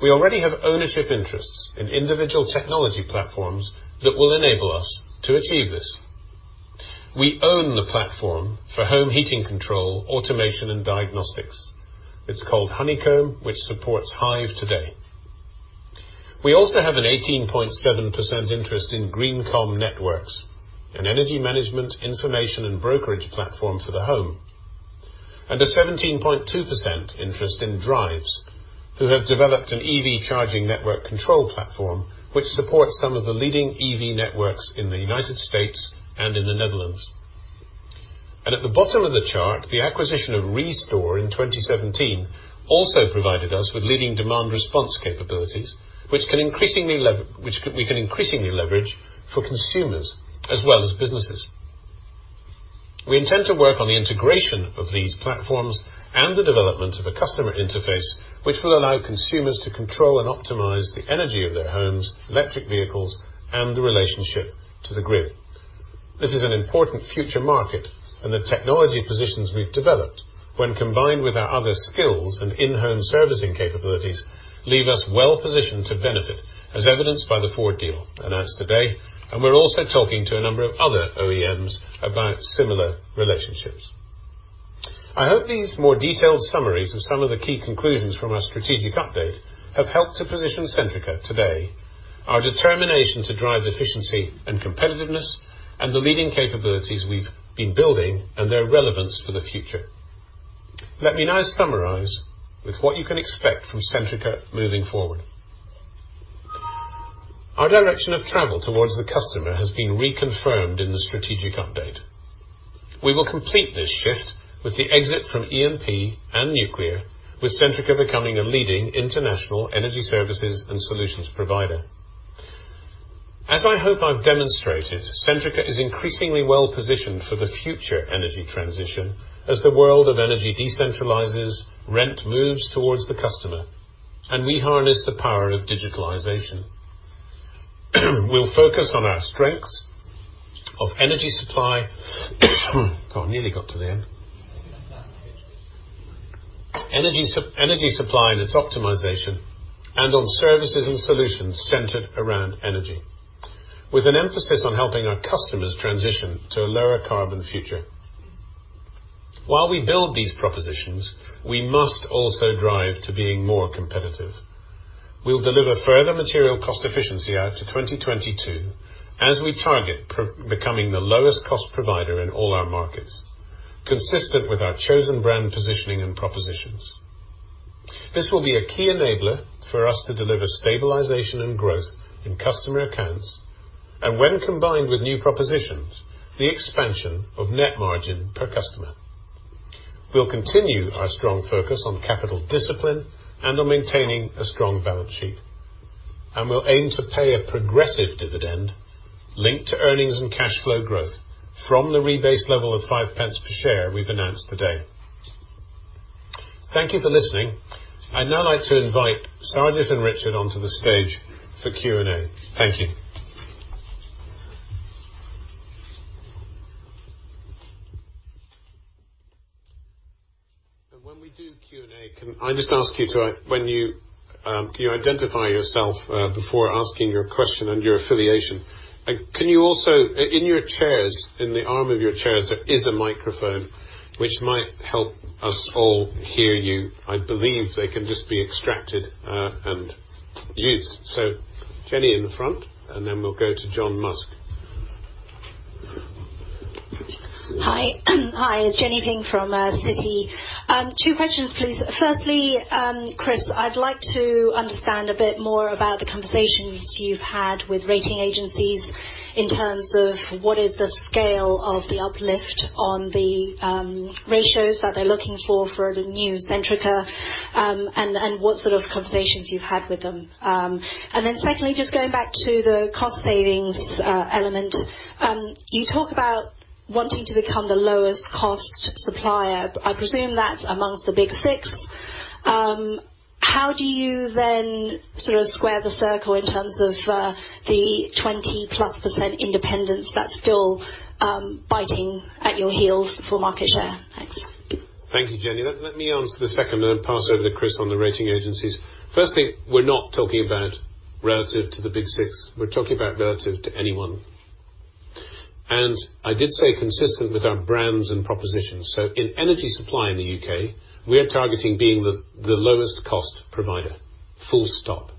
We already have ownership interests in individual technology platforms that will enable us to achieve this. We own the platform for home heating control, automation, and diagnostics. It's called Honeycomb, which supports Hive today. We also have an 18.7% interest in GreenCom Networks, an energy management information and brokerage platform for the home, and a 17.2% interest in Driivz, who have developed an EV charging network control platform, which supports some of the leading EV networks in the United States and in the Netherlands. At the bottom of the chart, the acquisition of REstore in 2017 also provided us with leading demand response capabilities, which we can increasingly leverage for consumers as well as businesses. We intend to work on the integration of these platforms and the development of a customer interface, which will allow consumers to control and optimize the energy of their homes, electric vehicles, and the relationship to the grid. This is an important future market, and the technology positions we've developed, when combined with our other skills and in-home servicing capabilities, leave us well-positioned to benefit, as evidenced by the Ford deal announced today. We're also talking to a number of other OEMs about similar relationships. I hope these more detailed summaries of some of the key conclusions from our strategic update have helped to position Centrica today, our determination to drive efficiency and competitiveness, and the leading capabilities we've been building and their relevance for the future. Let me now summarize with what you can expect from Centrica moving forward. Our direction of travel towards the customer has been reconfirmed in the strategic update. We will complete this shift with the exit from E&P and nuclear, with Centrica becoming a leading international energy services and solutions provider. As I hope I've demonstrated, Centrica is increasingly well-positioned for the future energy transition as the world of energy decentralizes, it moves towards the customer, and we harness the power of digitalization. We'll focus on our strengths of energy supply. God, I nearly got to the end. Energy supply and its optimization and on services and solutions centered around energy with an emphasis on helping our customers transition to a lower carbon future. While we build these propositions, we must also drive to being more competitive. We'll deliver further material cost efficiency out to 2022 as we target becoming the lowest cost provider in all our markets, consistent with our chosen brand positioning and propositions. This will be a key enabler for us to deliver stabilization and growth in customer accounts, and when combined with new propositions, the expansion of net margin per customer. We'll continue our strong focus on capital discipline and on maintaining a strong balance sheet. We'll aim to pay a progressive dividend linked to earnings and cash flow growth from the rebased level of 0.05 per share we've announced today. Thank you for listening. I'd now like to invite Sarwjit and Richard onto the stage for Q&A. Thank you. When we do Q&A, can I just ask you to identify yourself before asking your question and your affiliation? You can also, in your chairs, in the arm of your chairs, there is a microphone which might help us all hear you. I believe they can just be extracted and used. Jenny in the front, then we'll go to John Musk. Hi. Hi, it's Jenny Ping from Citi. Two questions, please. Firstly, Chris, I'd like to understand a bit more about the conversations you've had with rating agencies in terms of what is the scale of the uplift on the ratios that they're looking for the new Centrica, and what sort of conversations you've had with them. Then secondly, just going back to the cost savings element. You talk about wanting to become the lowest cost supplier. I presume that's amongst the Big Six. How do you then sort of square the circle in terms of the 20-plus % independence that's still biting at your heels for market share? Thank you. Thank you, Jenny. Let me answer the second, and then pass over to Chris on the rating agencies. We're not talking about relative to the Big Six. We're talking about relative to anyone. I did say consistent with our brands and propositions. In energy supply in the U.K., we are targeting being the lowest cost provider, full stop.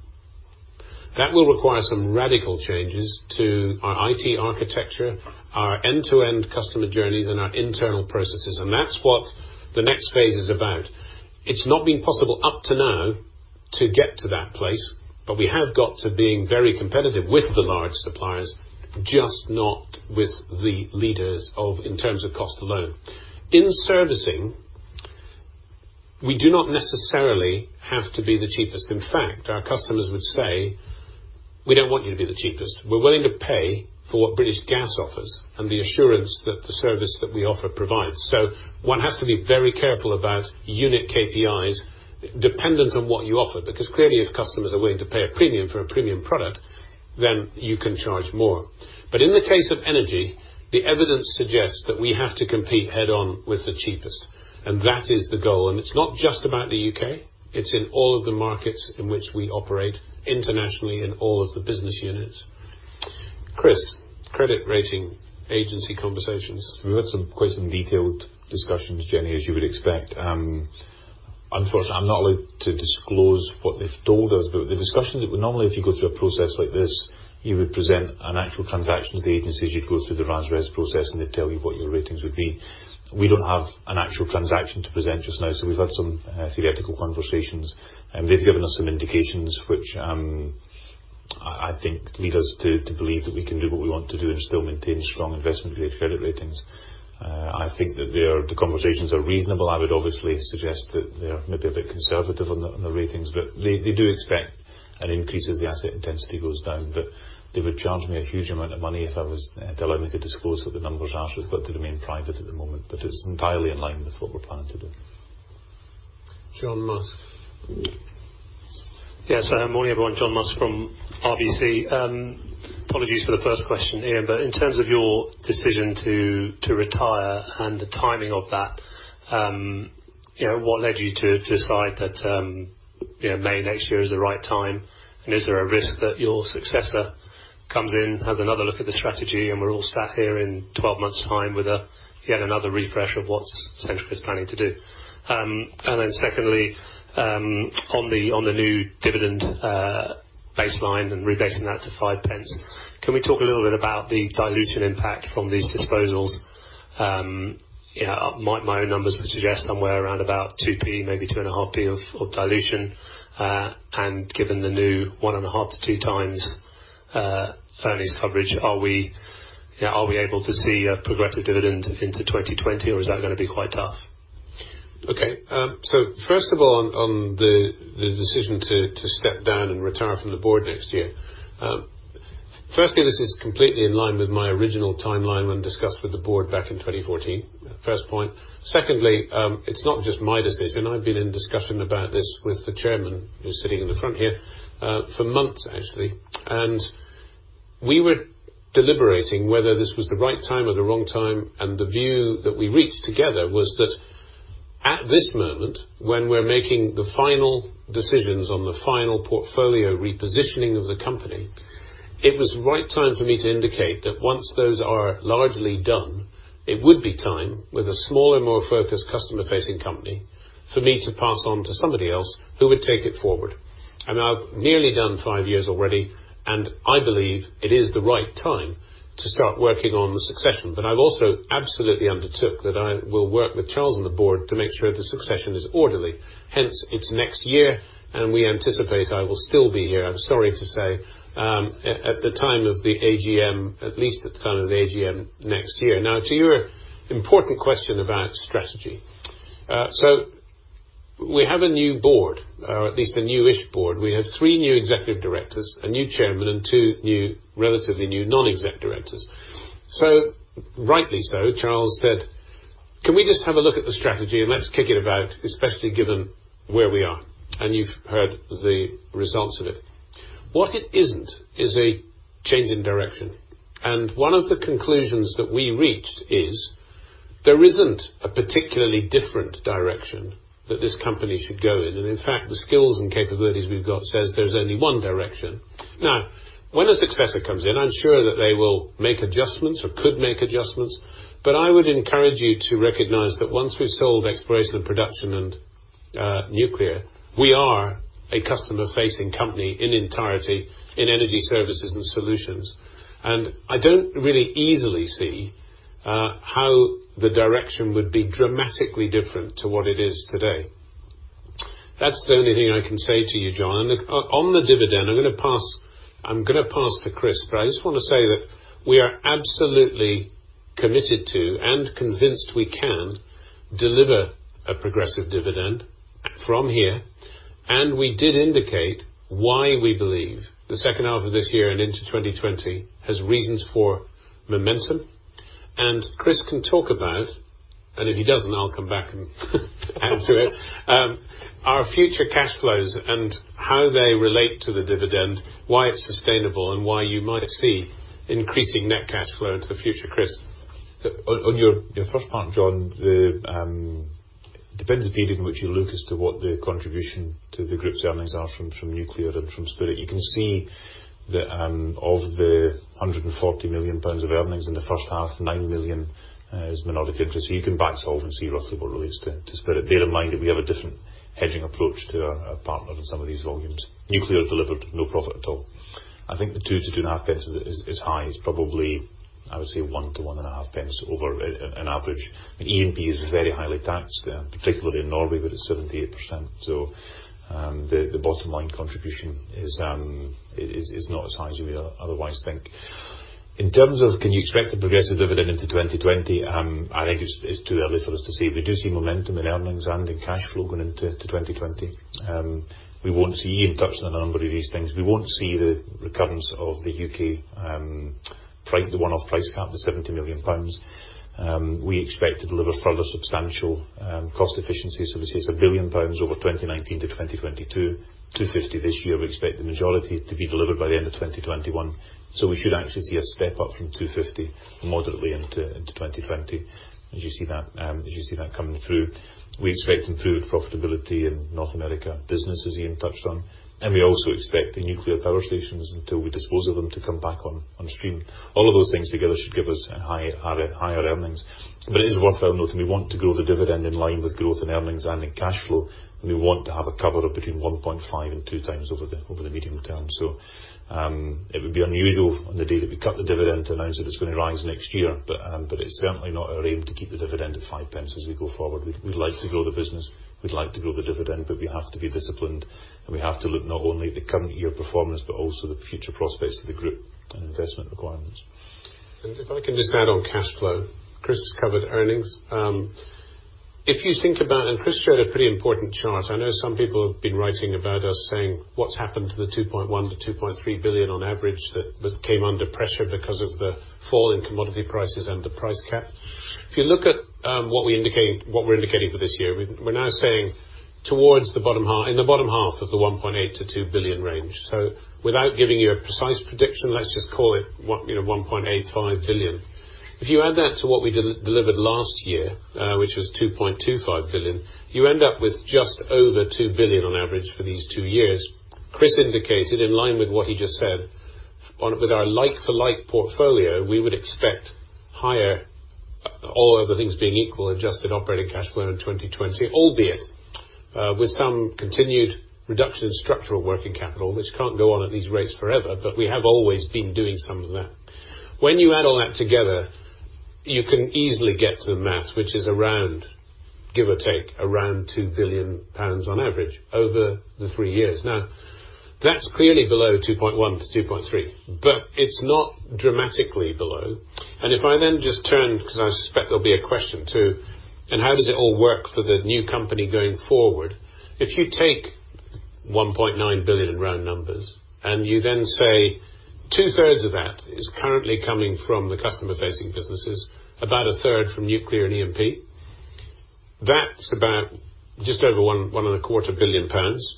That will require some radical changes to our IT architecture, our end-to-end customer journeys, and our internal processes. That's what the next phase is about. It's not been possible up to now to get to that place, but we have got to being very competitive with the large suppliers, just not with the leaders in terms of cost alone. In servicing, we do not necessarily have to be the cheapest. In fact, our customers would say, "We don't want you to be the cheapest. We're willing to pay for what British Gas offers and the assurance that the service that we offer provides. One has to be very careful about unit KPIs dependent on what you offer, because clearly if customers are willing to pay a premium for a premium product, then you can charge more. In the case of energy, the evidence suggests that we have to compete head-on with the cheapest, and that is the goal. It's not just about the U.K., it's in all of the markets in which we operate internationally in all of the business units. Chris, credit rating agency conversations. We've had quite some detailed discussions, Jenny, as you would expect. Unfortunately, I'm not allowed to disclose what they've told us. The discussions that would normally, if you go through a process like this, you would present an actual transaction to the agencies. You'd go through the raj res process, and they'd tell you what your ratings would be. We don't have an actual transaction to present just now, so we've had some theoretical conversations, and they've given us some indications which, I think, lead us to believe that we can do what we want to do and still maintain strong investment-grade credit ratings. I think that the conversations are reasonable. I would obviously suggest that they're maybe a bit conservative on the ratings. They do expect an increase as the asset intensity goes down. They would charge me a huge amount of money if they allow me to disclose what the numbers are. It's got to remain private at the moment. It's entirely in line with what we're planning to do. John Musk. Yes, morning, everyone. John Musk from RBC. Apologies for the first question, Iain, in terms of your decision to retire and the timing of that, what led you to decide that May next year is the right time? Is there a risk that your successor comes in, has another look at the strategy, and we're all sat here in 12 months' time with yet another refresh of what Centrica's planning to do? Secondly, on the new dividend baseline and rebasing that to 0.05, can we talk a little bit about the dilution impact from these disposals? My own numbers would suggest somewhere around about 0.02, maybe 0.025 of dilution. Given the new 1.5x-2 times earnings coverage, are we able to see a progressive dividend into 2020, or is that going to be quite tough? Okay. First of all, on the decision to step down and retire from the Board next year. This is completely in line with my original timeline when discussed with the Board back in 2014. First point. It's not just my decision. I've been in discussion about this with the Chairman, who's sitting in the front here, for months actually. We were deliberating whether this was the right time or the wrong time, and the view that we reached together was that at this moment, when we're making the final decisions on the final portfolio repositioning of the company, it was the right time for me to indicate that once those are largely done, it would be time, with a smaller, more focused customer-facing company, for me to pass on to somebody else who would take it forward. I've nearly done five years already, and I believe it is the right time to start working on the succession. I've also absolutely undertook that I will work with Charles and the board to make sure the succession is orderly. Hence, it's next year, and we anticipate I will still be here, I'm sorry to say, at the time of the AGM, at least at the time of the AGM next year. To your important question about strategy. We have a new board, or at least a newish board. We have three new executive directors, a new chairman, and two relatively new non-exec directors. Rightly so, Charles said, "Can we just have a look at the strategy and let's kick it about, especially given where we are?" You've heard the results of it. What it isn't is a change in direction. One of the conclusions that we reached is there isn't a particularly different direction that this company should go in. In fact, the skills and capabilities we've got says there's only one direction. Now, when a successor comes in, I'm sure that they will make adjustments or could make adjustments, but I would encourage you to recognize that once we've sold exploration and production and nuclear, we are a customer-facing company in entirety in energy services and solutions. I don't really easily see how the direction would be dramatically different to what it is today. That's the only thing I can say to you, John. On the dividend, I'm going to pass to Chris, but I just want to say that we are absolutely committed to, and convinced we can deliver a progressive dividend from here. We did indicate why we believe the second half of this year and into 2020 has reasons for momentum. Chris can talk about, and if he doesn't, I'll come back and add to it, our future cash flows and how they relate to the dividend, why it's sustainable, and why you might see increasing net cash flow into the future. Chris? On your first part, John, it depends the period in which you look as to what the contribution to the group's earnings are from nuclear and from Spirit. You can see that of the 140 million pounds of earnings in the first half, 9 million is minority interest. You can back solve and see roughly what relates to Spirit. Bear in mind that we have a different hedging approach to our partner in some of these volumes. Nuclear delivered no profit at all. I think the 0.02 to 0.025 is high. I would say 0.01-0.015 over an average. E&P is very highly taxed, particularly in Norway, where it's 78%. The bottom line contribution is not as high as you would otherwise think. In terms of, can you expect a progressive dividend into 2020? I think it's too early for us to say. You see momentum in earnings and in cash flow going into 2020. Iain touched on a number of these things. We won't see the recurrence of the U.K. price, the one-off price cap of 70 million pounds. We expect to deliver further substantial cost efficiencies, so we say 1 billion pounds over 2019 to 2022, 250 this year. We expect the majority to be delivered by the end of 2021. We should actually see a step up from 250 moderately into 2020, as you see that coming through. We expect improved profitability in North America businesses, Iain touched on, and we also expect the nuclear power stations, until we dispose of them, to come back on stream. All of those things together should give us higher earnings. It is worth noting, we want to grow the dividend in line with growth in earnings and in cash flow, and we want to have a cover of between 1.5 and two times over the medium term. It would be unusual on the day that we cut the dividend to announce that it's going to rise next year. It's certainly not our aim to keep the dividend at 0.05 as we go forward. We'd like to grow the business, we'd like to grow the dividend, but we have to be disciplined, and we have to look not only at the current year performance, but also the future prospects of the group and investment requirements. If I can just add on cash flow. Chris covered earnings. If you think about, Chris showed a pretty important chart. I know some people have been writing about us, saying, "What's happened to the 2.1 billion-2.3 billion on average that came under pressure because of the fall in commodity prices and the price cap?" If you look at what we're indicating for this year, we're now saying in the bottom half of the 1.8 billion-2 billion range. Without giving you a precise prediction, let's just call it 1.85 billion. If you add that to what we delivered last year, which was 2.25 billion, you end up with just over 2 billion on average for these two years. Chris indicated, in line with what he just said, with our like for like portfolio, we would expect higher, all other things being equal, adjusted operating cash flow in 2020, albeit with some continued reduction in structural working capital, which can't go on at these rates forever, but we have always been doing some of that. When you add all that together, you can easily get to the math, which is give or take around 2 billion pounds on average over the three years. Now, that's clearly below 2.1 billion-2.3 billion, but it's not dramatically below. If I then just turn, because I suspect there'll be a question too, and how does it all work for the new company going forward? If you take 1.9 billion in round numbers, and you then say two-thirds of that is currently coming from the customer-facing businesses, about a third from nuclear and E&P, that's about just over one and a quarter billion pounds.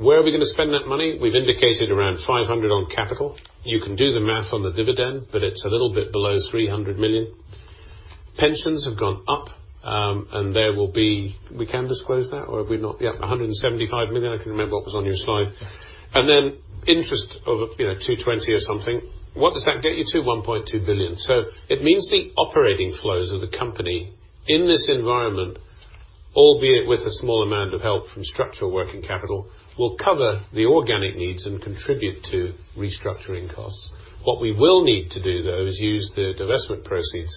Where are we going to spend that money? We've indicated around 500 on capital. You can do the math on the dividend, but it's a little bit below 300 million. Pensions have gone up, and there will be We can disclose that or have we not? Yeah, 175 million. I can remember what was on your slide. Interest of 220 or something. What does that get you to? 1.2 billion. It means the operating flows of the company in this environment, albeit with a small amount of help from structural working capital, will cover the organic needs and contribute to restructuring costs. What we will need to do, though, is use the divestment proceeds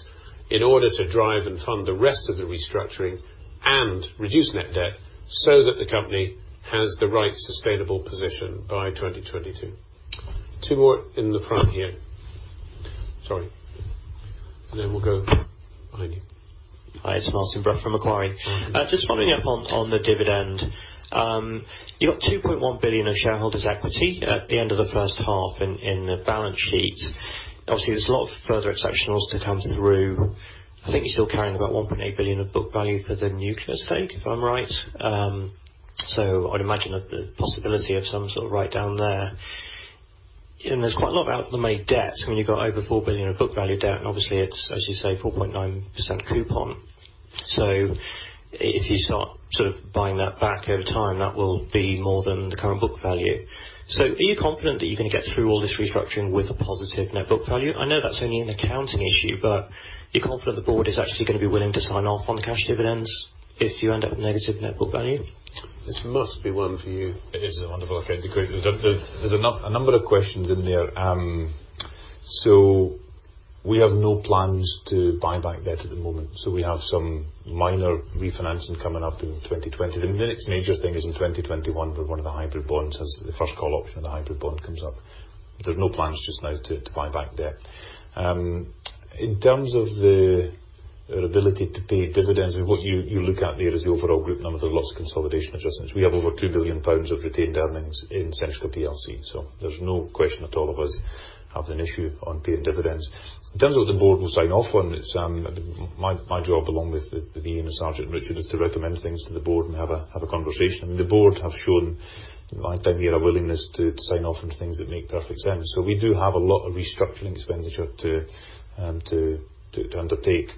in order to drive and fund the rest of the restructuring and reduce net debt so that the company has the right sustainable position by 2022. Two more in the front here. Sorry. We'll go behind you. Hi, it's Martin Brough from Macquarie. Just following up on the dividend. You've got 2.1 billion of shareholders' equity at the end of the first half in the balance sheet. Obviously, there's a lot of further exceptionals to come through. I think you're still carrying about 1.8 billion of book value for the nuclear stake, if I'm right. I'd imagine the possibility of some sort of write down there. There's quite a lot of outstanding debt. When you've got over 4 billion of book value debt, and obviously it's, as you say, 4.9% coupon. If you start sort of buying that back over time, that will be more than the current book value. Are you confident that you're going to get through all this restructuring with a positive net book value? I know that's only an accounting issue, but are you confident the board is actually going to be willing to sign off on cash dividends if you end up with negative net book value? This must be one for you. It is a wonderful, effective question. There's a number of questions in there. We have no plans to buy back debt at the moment. We have some minor refinancing coming up in 2020. The next major thing is in 2021, where one of the hybrid bonds, the first call option of the hybrid bond comes up. There's no plans just now to buy back debt. In terms of our ability to pay dividends, what you look at there is the overall group number, the loss of consolidation adjustments. We have over 2 billion pounds of retained earnings in Centrica PLC, so there's no question at all of us having an issue on paying dividends. In terms of the board will sign off on, my job, along with Iain and Sarwjit and Richard, is to recommend things to the board and have a conversation. The board have shown down here a willingness to sign off on things that make perfect sense. We do have a lot of restructuring expenditure to undertake.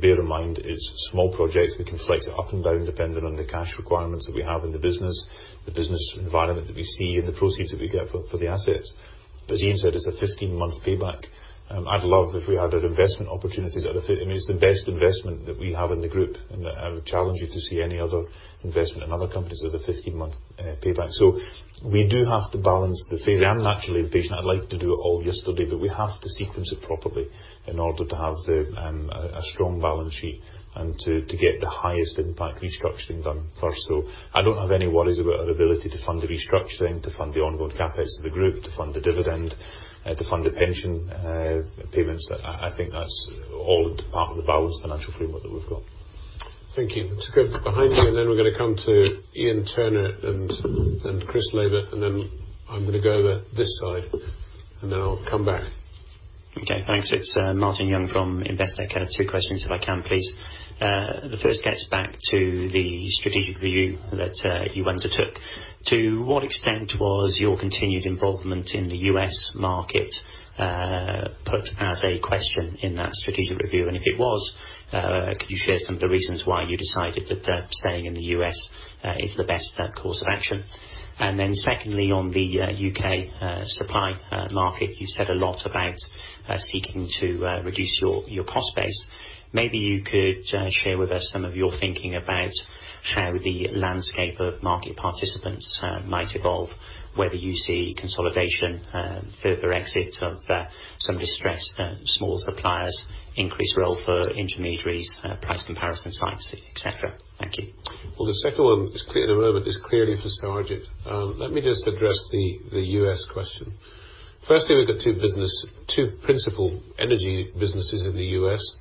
Bear in mind, it's small projects. We can flex it up and down depending on the cash requirements that we have in the business, the business environment that we see, and the proceeds that we get for the assets. As Iain said, it's a 15-month payback. I mean, it's the best investment that we have in the group, and I would challenge you to see any other investment in other companies as a 15-month payback. We do have to balance the phase. I'm naturally impatient. I'd like to do it all yesterday, we have to sequence it properly in order to have a strong balance sheet and to get the highest impact restructuring done first. I don't have any worries about our ability to fund the restructuring, to fund the ongoing CapEx of the group, to fund the dividend, to fund the pension payments. I think that's all part of the balanced financial framework that we've got. Thank you. Let's go behind you, and then we're going to come to Iain Turner and Chris Laybutt, and then I'm going to go over this side, and then I'll come back. Okay, thanks. It's Martin Young from Investec. I have two questions, if I can, please. The first gets back to the strategic review that you undertook. To what extent was your continued involvement in the U.S. market put as a question in that strategic review? If it was, could you share some of the reasons why you decided that staying in the U.S. is the best course of action? Secondly, on the U.K. supply market, you said a lot about seeking to reduce your cost base. Maybe you could share with us some of your thinking about how the landscape of market participants might evolve, whether you see consolidation, further exit of some distressed small suppliers, increased role for intermediaries, price comparison sites, et cetera. Thank you. Well, the second one is clear to remember, but is clearly for Sarwjit. Let me just address the U.S. question. Firstly, we've got two principal energy businesses in the U.S.,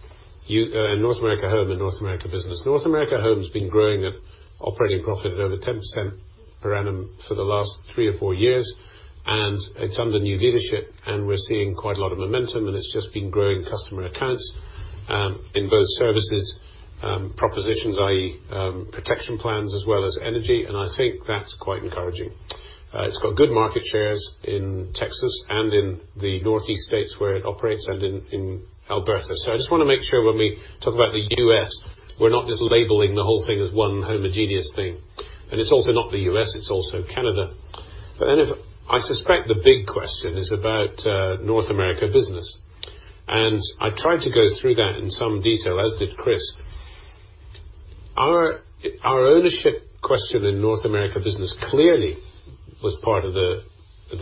North America Home and North America Business. North America Home's been growing at operating profit at over 10% per annum for the last three or four years, and it's under new leadership, and we're seeing quite a lot of momentum, and it's just been growing customer accounts, in both services, propositions, i.e., protection plans as well as energy, and I think that's quite encouraging. It's got good market shares in Texas and in the Northeast states where it operates and in Alberta. I just want to make sure when we talk about the U.S., we're not just labeling the whole thing as one homogeneous thing. It's also not the U.S., it's also Canada. I suspect the big question is about North America Business. I tried to go through that in some detail, as did Chris. Our ownership question in North America Business clearly was part of the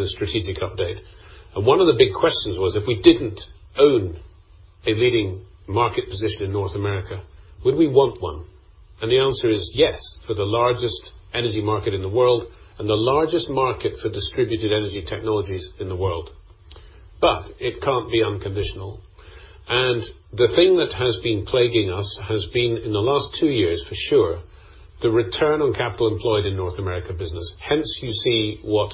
strategic update. One of the big questions was, if we didn't own a leading market position in North America, would we want one? The answer is yes, for the largest energy market in the world and the largest market for distributed energy technologies in the world. It can't be unconditional. The thing that has been plaguing us has been, in the last two years for sure, the return on capital employed in North America Business. Hence, you see what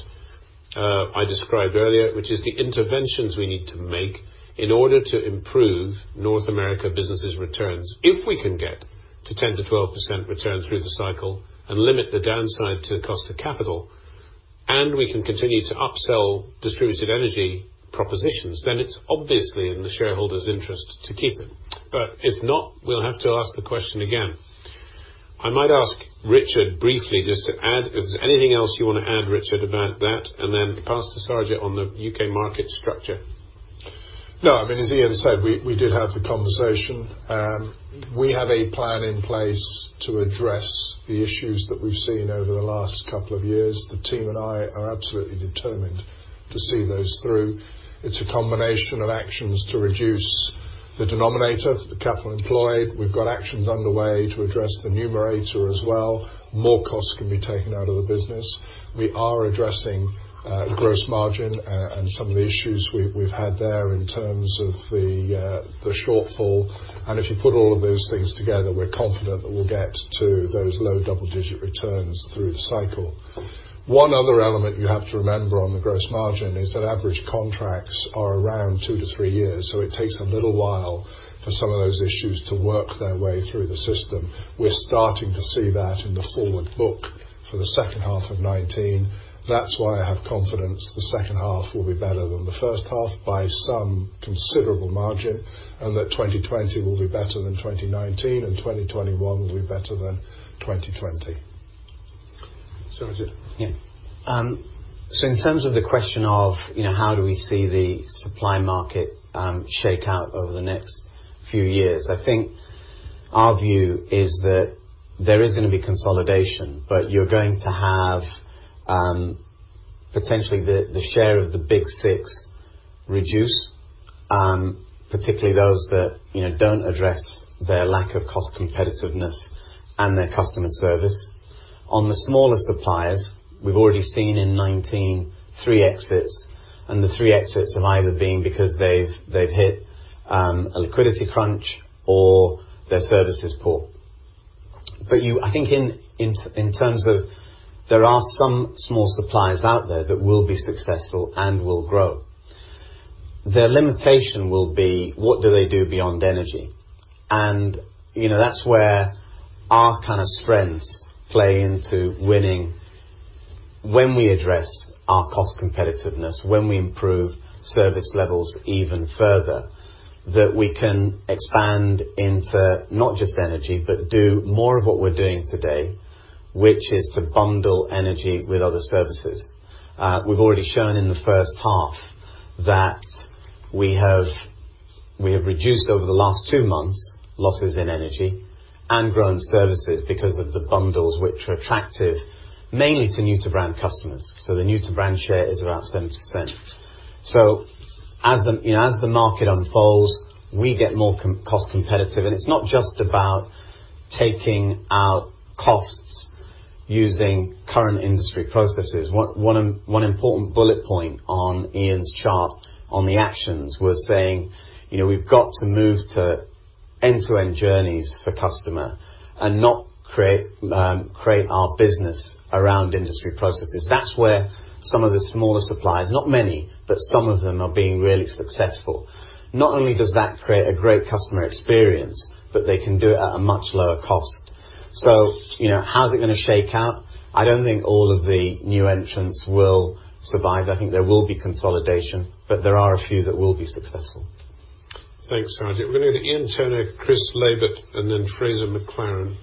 I described earlier, which is the interventions we need to make in order to improve North America Business' returns. If we can get to 10%-12% returns through the cycle and limit the downside to the cost of capital, and we can continue to upsell distributed energy propositions, then it's obviously in the shareholders' interest to keep it. If not, we'll have to ask the question again. I might ask Richard briefly just to add. Is there anything else you want to add, Richard, about that? Then pass to Sarwjit on the U.K. market structure. As Iain said, we did have the conversation. We have a plan in place to address the issues that we've seen over the last couple of years. The team and I are absolutely determined to see those through. It's a combination of actions to reduce the denominator, the capital employed. We've got actions underway to address the numerator as well. More costs can be taken out of the business. We are addressing gross margin and some of the issues we've had there in terms of the shortfall. If you put all of those things together, we're confident that we'll get to those low double-digit returns through the cycle. One other element you have to remember on the gross margin is that average contracts are around two to three years, so it takes a little while for some of those issues to work their way through the system. We're starting to see that in the forward book for the second half of 2019. That's why I have confidence the second half will be better than the first half by some considerable margin, and that 2020 will be better than 2019, and 2021 will be better than 2020. Sarwjit. Yeah. In terms of the question of how do we see the supply market shake out over the next few years, I think our view is that there is going to be consolidation, but you're going to have potentially the share of the Big Six reduce, particularly those that don't address their lack of cost competitiveness and their customer service. On the smaller suppliers, we've already seen in 2019, three exits, the three exits have either been because they've hit a liquidity crunch or their service is poor. I think in terms of there are some small suppliers out there that will be successful and will grow. Their limitation will be what do they do beyond energy? That's where our strengths play into winning. When we address our cost competitiveness, when we improve service levels even further, that we can expand into not just energy, but do more of what we're doing today, which is to bundle energy with other services. We've already shown in the first half that we have reduced over the last two months losses in energy and grown services because of the bundles which are attractive mainly to new-to-brand customers. The new-to-brand share is around 70%. As the market unfolds, we get more cost competitive, and it's not just about taking out costs Using current industry processes. One important bullet point on Iain's chart on the actions was saying, we've got to move to end-to-end journeys for customer and not create our business around industry processes. That's where some of the smaller suppliers, not many, but some of them are being really successful. Not only does that create a great customer experience, but they can do it at a much lower cost. How's it going to shake out? I don't think all of the new entrants will survive. I think there will be consolidation, but there are a few that will be successful. Thanks, Sarwjit. We're going to go to Iain Turner, Chris Laybutt, and then Fraser McLaren.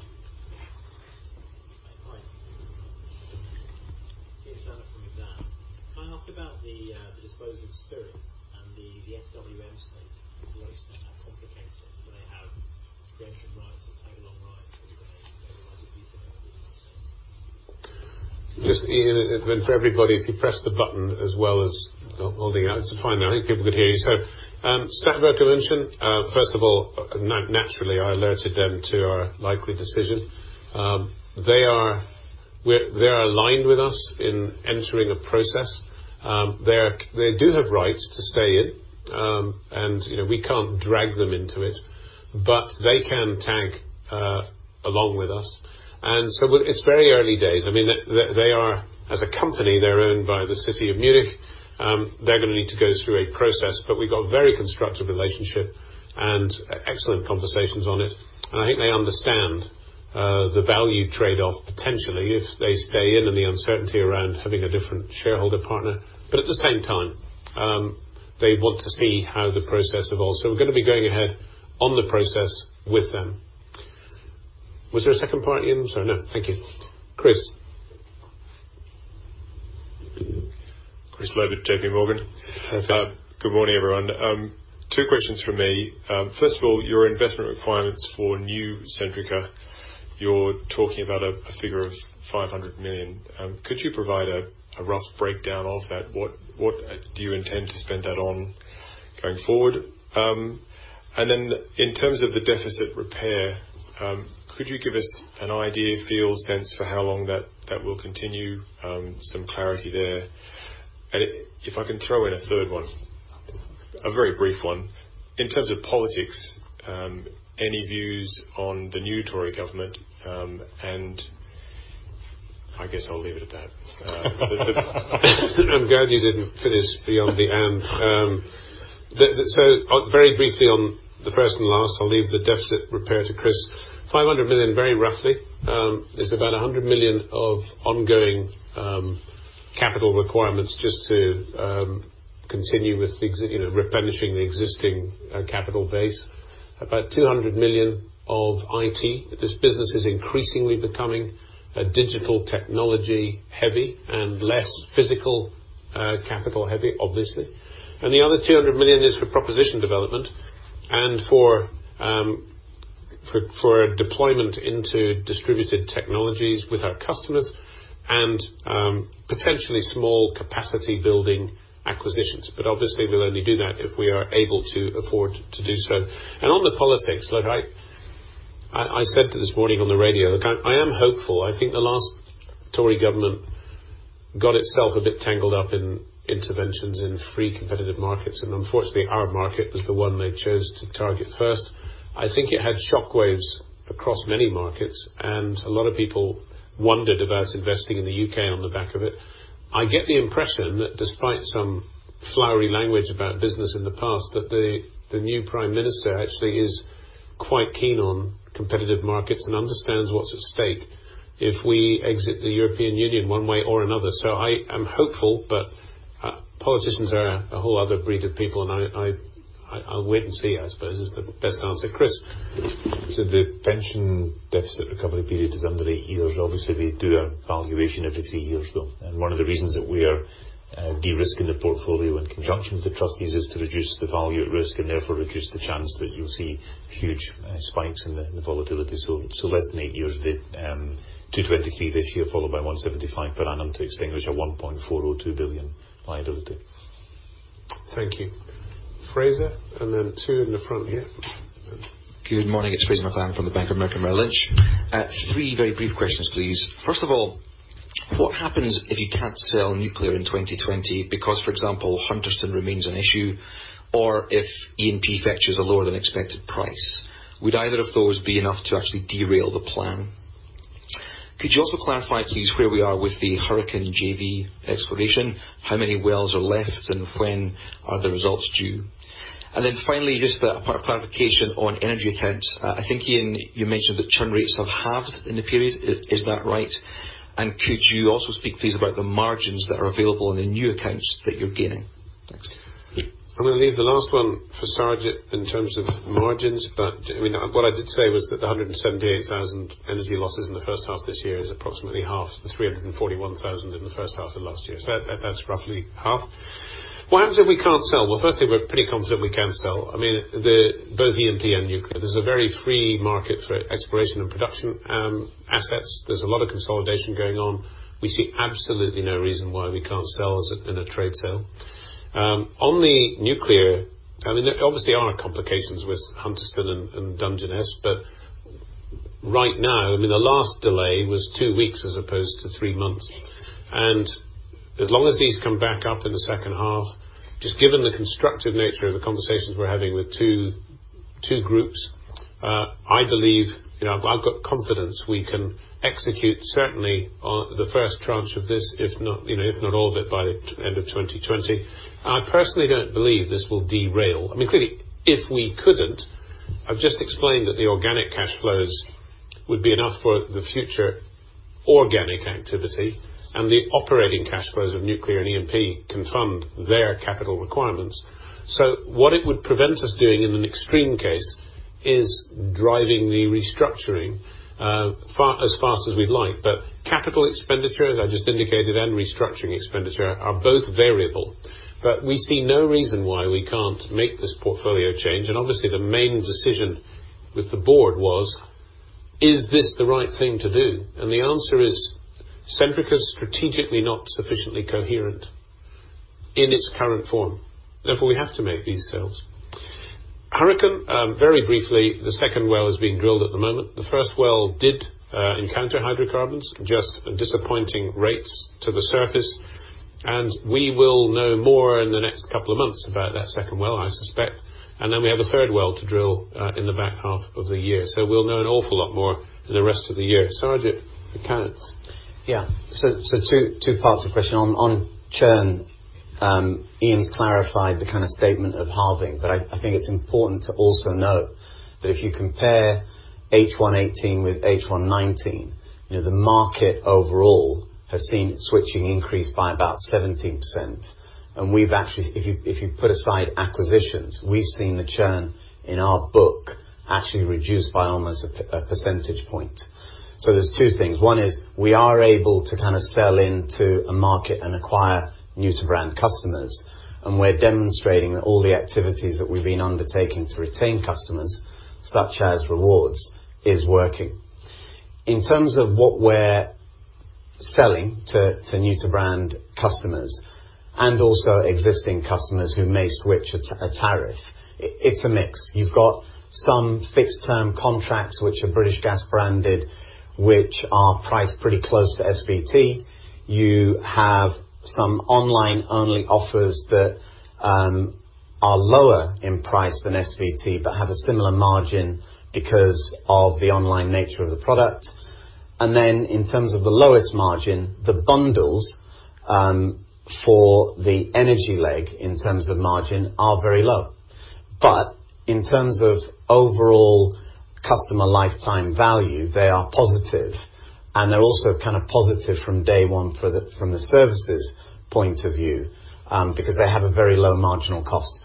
Hi. Iain Turner from Exane. Can I ask about the disposing of Spirit and the SWM stake? Obviously, they're complicated, they have pre-emption rights and tag-along rights, and they have. Just Iain, for everybody, if you press the button as well as holding it out. It's fine now. I think people could hear you. Stadtwerke München, first of all, naturally, I alerted them to our likely decision. They are aligned with us in entering a process. They do have rights to stay in. We can't drag them into it, but they can tag along with us. It's very early days. As a company, they're owned by the city of Munich. They're going to need to go through a process, but we got very constructive relationship and excellent conversations on it. I think they understand the value trade-off, potentially, if they stay in and the uncertainty around having a different shareholder partner. At the same time, they want to see how the process evolves. We're going to be going ahead on the process with them. Was there a second part, Iain? Sorry. No. Thank you. Chris. Chris Laybutt, JPMorgan. Hi. Good morning, everyone. Two questions from me. First of all, your investment requirements for new Centrica, you're talking about a figure of 500 million. Could you provide a rough breakdown of that? What do you intend to spend that on going forward? In terms of the deficit repair, could you give us an idea or feel, sense for how long that will continue? Some clarity there. If I can throw in a third one, a very brief one. In terms of politics, any views on the new Tory government? I guess I'll leave it at that. I'm glad you didn't finish beyond the and. Very briefly on the first and last, I'll leave the deficit repair to Chris. 500 million very roughly, is about 100 million of ongoing capital requirements just to continue with replenishing the existing capital base. About 200 million of IT. This business is increasingly becoming digital technology heavy and less physical capital heavy, obviously. The other 200 million is for proposition development and for deployment into distributed technologies with our customers and potentially small capacity building acquisitions. Obviously, we'll only do that if we are able to afford to do so. On the politics, look, I said this morning on the radio, look, I am hopeful. I think the last Tory government got itself a bit tangled up in interventions in free competitive markets, and unfortunately, our market was the one they chose to target first. I think it had shock waves across many markets, and a lot of people wondered about investing in the U.K. on the back of it. I get the impression that despite some flowery language about business in the past, that the new prime minister actually is quite keen on competitive markets and understands what's at stake if we exit the European Union one way or another. I am hopeful, but politicians are a whole other breed of people, and I'll wait and see, I suppose, is the best answer. Chris. The pension deficit recovery period is under eight years. Obviously, we do our valuation every three years, though. One of the reasons that we are de-risking the portfolio in conjunction with the trustees is to reduce the value at risk and therefore reduce the chance that you'll see huge spikes in the volatility. Less than eight years. The 223 this year, followed by 175 per annum to extinguish our 1.402 billion liability. Thank you. Fraser, and then two in the front here. Good morning. It's Fraser McLaren from the Bank of America Merrill Lynch. Three very brief questions, please. First of all, what happens if you can't sell nuclear in 2020 because, for example, Hunterston remains an issue, or if E&P fetches a lower than expected price? Would either of those be enough to actually derail the plan? Could you also clarify, please, where we are with the Hurricane JV exploration? How many wells are left and when are the results due? Finally, just a point of clarification on energy accounts. I think, Iain, you mentioned that churn rates have halved in the period. Is that right? Could you also speak please about the margins that are available on the new accounts that you're gaining? Thanks. I'm going to leave the last one for Sarwjit in terms of margins. What I did say was that the 178,000 energy losses in the first half this year is approximately half the 341,000 in the first half of last year. That's roughly half. What happens if we can't sell? Firstly, we're pretty confident we can sell. Both E&P and nuclear. There's a very free market for exploration and production assets. There's a lot of consolidation going on. We see absolutely no reason why we can't sell in a trade sale. On the nuclear, obviously, there are complications with Hunterston and Dungeness. Right now, the last delay was two weeks as opposed to three months. As long as these come back up in the second half, just given the constructive nature of the conversations we're having with two groups, I've got confidence we can execute certainly on the first tranche of this, if not all of it by end of 2020. I personally don't believe this will derail. Clearly, if we couldn't, I've just explained that the organic cash flows would be enough for the future organic activity and the operating cash flows of nuclear and E&P can fund their capital requirements. What it would prevent us doing in an extreme case is driving the restructuring as fast as we'd like. Capital expenditures, I just indicated, and restructuring expenditure are both variable. We see no reason why we can't make this portfolio change, and obviously the main decision with the board was, is this the right thing to do? The answer is, Centrica's strategically not sufficiently coherent in its current form. Therefore, we have to make these sales. Hurricane, very briefly, the second well is being drilled at the moment. The first well did encounter hydrocarbons, just disappointing rates to the surface. We will know more in the next couple of months about that second well, I suspect. We have a third well to drill in the back half of the year. We'll know an awful lot more in the rest of the year. Sarwjit, accounts. Yeah. Two parts of question. On churn, Iain's clarified the kind of statement of halving, but I think it's important to also note that if you compare H1 2018 with H1 2019, the market overall has seen switching increase by about 17%. If you put aside acquisitions, we've seen the churn in our book actually reduce by almost a percentage point. There's two things. One is we are able to sell into a market and acquire new to brand customers, and we're demonstrating that all the activities that we've been undertaking to retain customers, such as rewards, is working. In terms of what we're selling to new to brand customers and also existing customers who may switch a tariff, it's a mix. You've got some fixed term contracts, which are British Gas branded, which are priced pretty close to SVT. You have some online only offers that are lower in price than SVT, but have a similar margin because of the online nature of the product. In terms of the lowest margin, the bundles for the energy leg in terms of margin are very low. In terms of overall customer lifetime value, they are positive, and they're also positive from day one from the services point of view, because they have a very low marginal cost.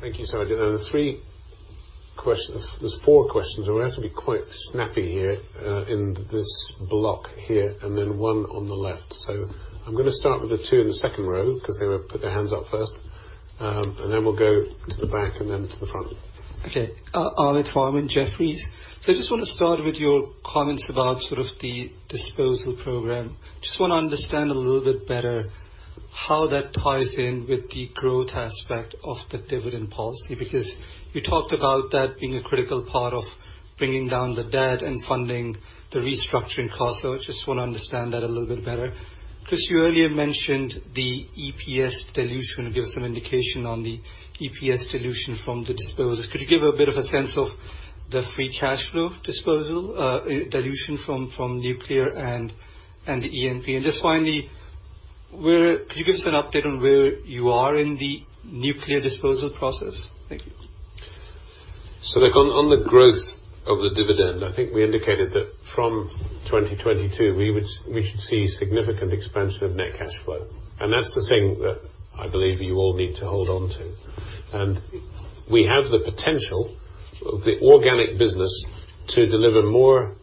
Thank you, Sarwjit. There's four questions, and we're going to have to be quite snappy here in this block here, and then one on the left. I'm going to start with the two in the second row because they put their hands up first, and then we'll go to the back and then to the front. Okay. Ahmed Farman in Jefferies. I just want to start with your comments about the disposal program. Just want to understand a little bit better how that ties in with the growth aspect of the dividend policy. You talked about that being a critical part of bringing down the debt and funding the restructuring costs. I just want to understand that a little bit better. Chris, you earlier mentioned the EPS dilution. Give us some indication on the EPS dilution from the disposals. Could you give a bit of a sense of the free cash flow dilution from nuclear and the E&P? Just finally, could you give us an update on where you are in the nuclear disposal process? Thank you. Look, on the growth of the dividend, I think we indicated that from 2022, we should see significant expansion of net cash flow. That's the thing that I believe you all need to hold on to. We have the potential of the organic business to deliver more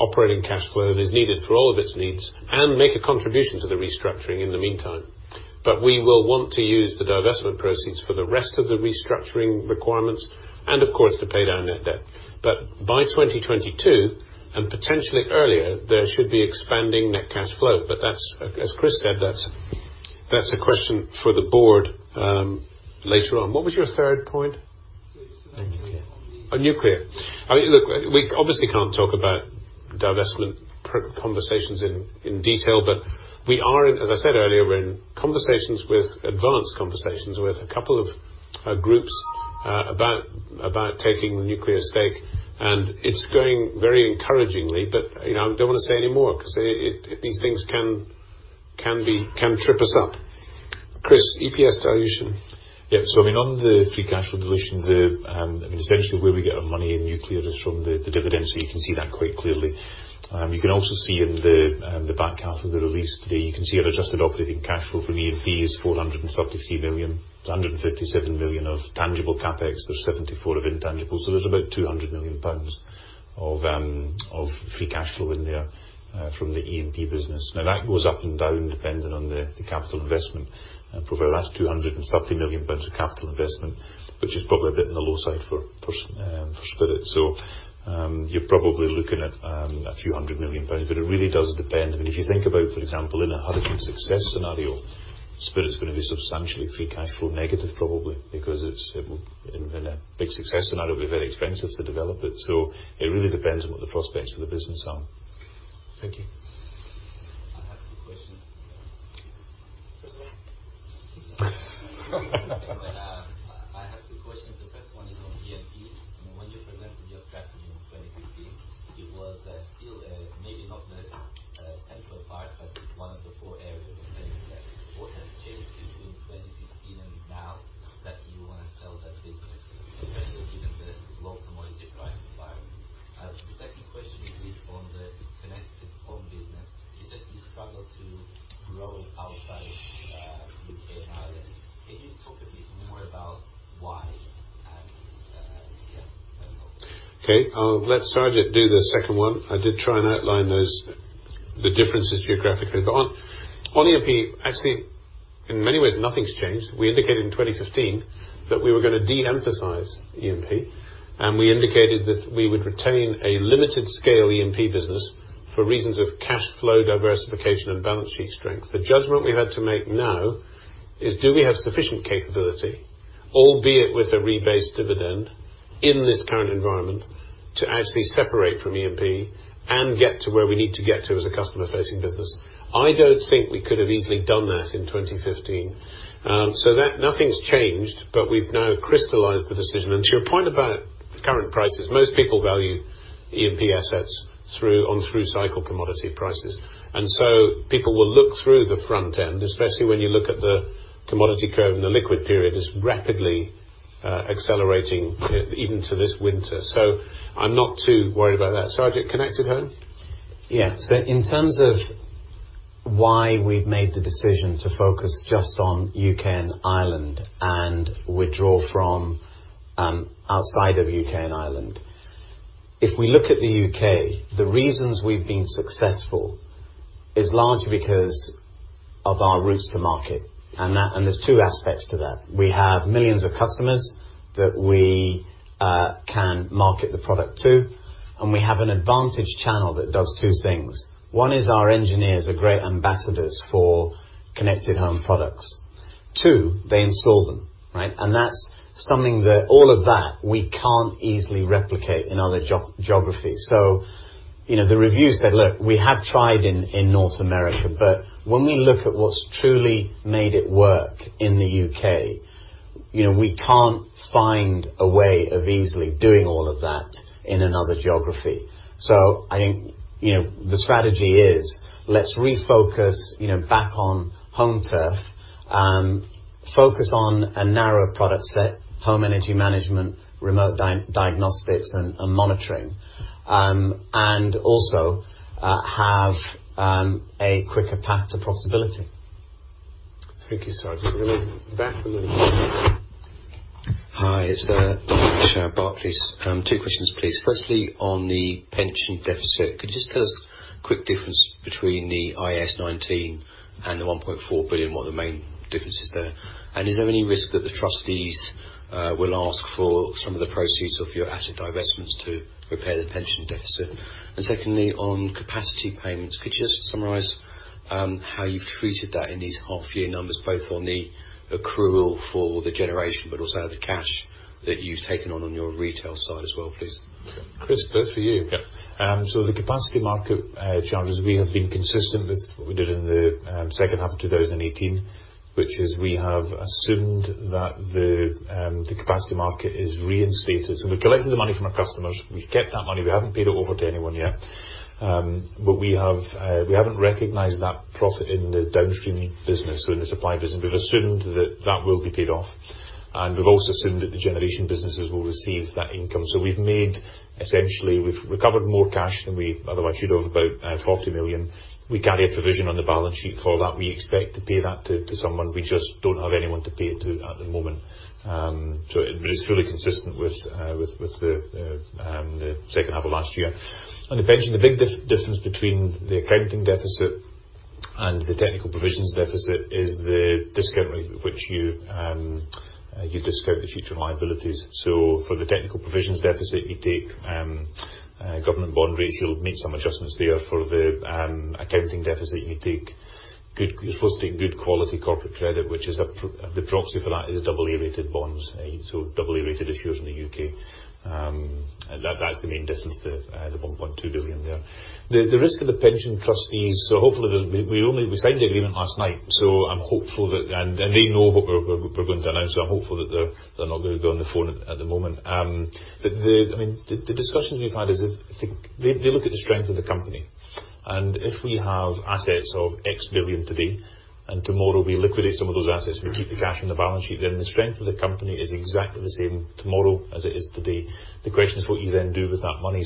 operating cash flow that is needed for all of its needs and make a contribution to the restructuring in the meantime. We will want to use the divestment proceeds for the rest of the restructuring requirements and of course, to pay down net debt. By 2022, and potentially earlier, there should be expanding net cash flow. As Chris said, that's a question for the board later on. What was your third point? On nuclear. On nuclear. Look, we obviously can't talk about divestment conversations in detail, but as I said earlier, we're in conversations with, advanced conversations, with a couple of groups about taking the nuclear stake, and it's going very encouragingly. I don't want to say anymore because these things can trip us up. Chris, EPS dilution. On the free cash flow dilution, essentially where we get our money in nuclear is from the dividends. You can see that quite clearly. You can also see in the back half of the release today, you can see our adjusted operating cash flow from E&P is 433 million. There's 157 million of tangible CapEx. There's 74 million of intangible. There's about 200 million pounds of free cash flow in there from the E&P business. That goes up and down depending on the capital investment profile. That's 230 million pounds of capital investment, which is probably a bit on the low side for Spirit. You're probably looking at a few hundred million GBP, but it really does depend. If you think about, for example, in a Hurricane success scenario, Spirit's going to be substantially free cash flow negative, probably. In a big success scenario, it'll be very expensive to develop it. It really depends on what the prospects for the business are. Thank you. Question. I have two questions. The first one is on E&P. When you presented your strategy in 2015, it was still maybe not the central part, but one of the four areas of strength there. What has changed between 2015 and now that you want to sell that business? Especially given the low commodity price environment. The second question is on the Connected Home business. You said you struggle to grow outside U.K. and Ireland. Can you talk a bit more about why and the outlook? Okay. I'll let Sarwjit do the second one. I did try and outline the differences geographically. On E&P, actually, in many ways, nothing's changed. We indicated in 2015 that we were going to de-emphasize E&P, and we indicated that we would retain a limited scale E&P business for reasons of cash flow diversification and balance sheet strength. The judgment we had to make now is do we have sufficient capability, albeit with a rebased dividend in this current environment, to actually separate from E&P and get to where we need to get to as a customer-facing business? I don't think we could have easily done that in 2015. Nothing's changed, but we've now crystallized the decision. To your point about current prices, most people value E&P assets on through-cycle commodity prices. People will look through the front end, especially when you look at the commodity curve, and the liquid period is rapidly accelerating even to this winter. I'm not too worried about that. Sarwjit, Connected Home? In terms of why we've made the decision to focus just on U.K. and Ireland and withdraw from outside of U.K. and Ireland, if we look at the U.K., the reasons we've been successful is largely because of our routes to market. There's two aspects to that. We have millions of customers that we can market the product to, and we have an advantage channel that does two things. One is our engineers are great ambassadors for Connected Home products. Two, they install them, right? That's something that all of that we can't easily replicate in other geographies. The review said, look, we have tried in North America, but when we look at what's truly made it work in the U.K., we can't find a way of easily doing all of that in another geography. The strategy is let's refocus back on home turf and focus on a narrow product set, home energy management, remote diagnostics, and monitoring, and have a quicker path to profitability. Thank you, Sarwjit. We're going back to the room. Hi. It's Charles at Barclays. Two questions, please. Firstly, on the pension deficit, could you just tell us the quick difference between the IAS 19 and the 1.4 billion, what the main difference is there? Is there any risk that the trustees will ask for some of the proceeds of your asset divestments to repair the pension deficit? Secondly, on capacity payments, could you just summarize how you've treated that in these half year numbers, both on the accrual for the generation but also the cash that you've taken on your retail side as well, please? Chris, both for you. The capacity market charges, we have been consistent with what we did in the second half of 2018, which is we have assumed that the capacity market is reinstated. We've collected the money from our customers. We've kept that money. We haven't paid it over to anyone yet. We haven't recognized that profit in the downstream business or in the supply business. We've assumed that that will be paid off. We've also assumed that the generation businesses will receive that income. Essentially, we've recovered more cash than we otherwise should have, about 40 million. We carry a provision on the balance sheet for that. We expect to pay that to someone. We just don't have anyone to pay it to at the moment. It's fully consistent with the second half of last year. On the pension, the big difference between the accounting deficit and the technical provisions deficit is the discount rate with which you discount the future liabilities. For the technical provisions deficit, you take government bond rates. You'll make some adjustments there. For the accounting deficit, you're supposed to take good quality corporate credit, which is the proxy for that is double A-rated bonds. Double A-rated issuers in the U.K. That's the main difference, the 1.2 billion there. The risk of the pension trustees, we signed the agreement last night, and they know what we're going to announce, so I'm hopeful that they're not going to be on the phone at the moment. The discussions we've had is, they look at the strength of the company. If we have assets of GBP x billion today and tomorrow we liquidate some of those assets, we keep the cash on the balance sheet, then the strength of the company is exactly the same tomorrow as it is today. The question is what you then do with that money.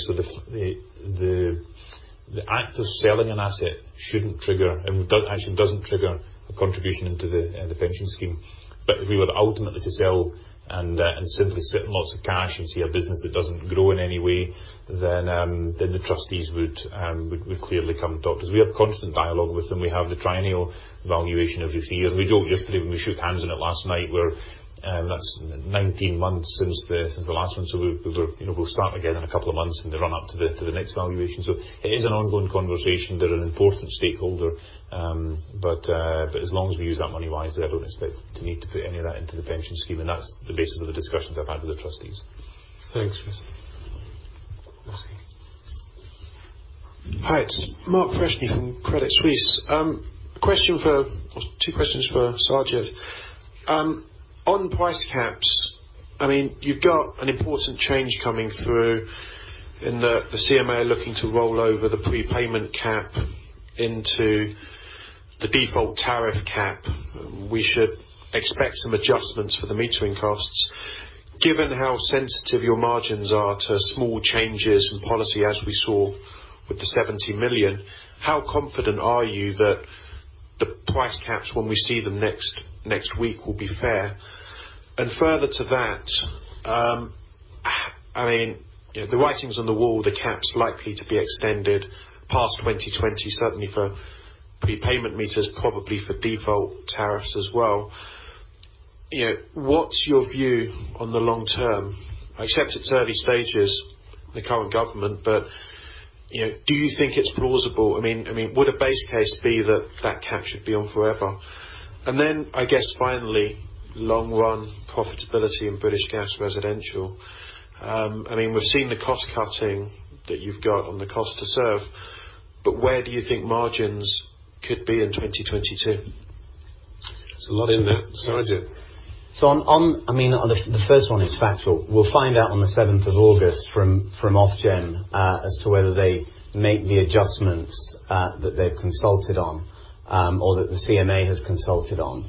The act of selling an asset shouldn't trigger, and actually doesn't trigger a contribution into the pension scheme. If we were to ultimately to sell and simply sit in lots of cash and see a business that doesn't grow in any way, then the trustees would clearly come and talk to us. We have constant dialogue with them. We have the triennial valuation every three years. We joked yesterday when we shook hands on it last night, that's 19 months since the last one, so we'll start again in a couple of months in the run-up to the next valuation. It is an ongoing conversation. They're an important stakeholder. As long as we use that money wisely, I don't expect to need to put any of that into the pension scheme. That's the basis of the discussions I've had with the trustees. Thanks, Chris. Hi, it's Mark Freshney from Credit Suisse. Two questions for Sarwjit. On price caps, you've got an important change coming through in the CMA looking to roll over the prepayment cap into the default tariff cap. We should expect some adjustments for the metering costs. Given how sensitive your margins are to small changes in policy, as we saw with the 70 million, how confident are you that the price caps, when we see them next week, will be fair? Further to that, the writing's on the wall, the cap's likely to be extended past 2020, certainly for prepayment meters, probably for default tariffs as well. What's your view on the long term? I accept it's early stages, the current government, but do you think it's plausible? Would a base case be that that cap should be on forever? Finally, long-run profitability in British Gas residential. We've seen the cost cutting that you've got on the cost to serve, but where do you think margins could be in 2022? There's a lot in there, Sarwjit. On the first one is factual. We'll find out on the 7th of August from Ofgem as to whether they make the adjustments that they've consulted on, or that the CMA has consulted on,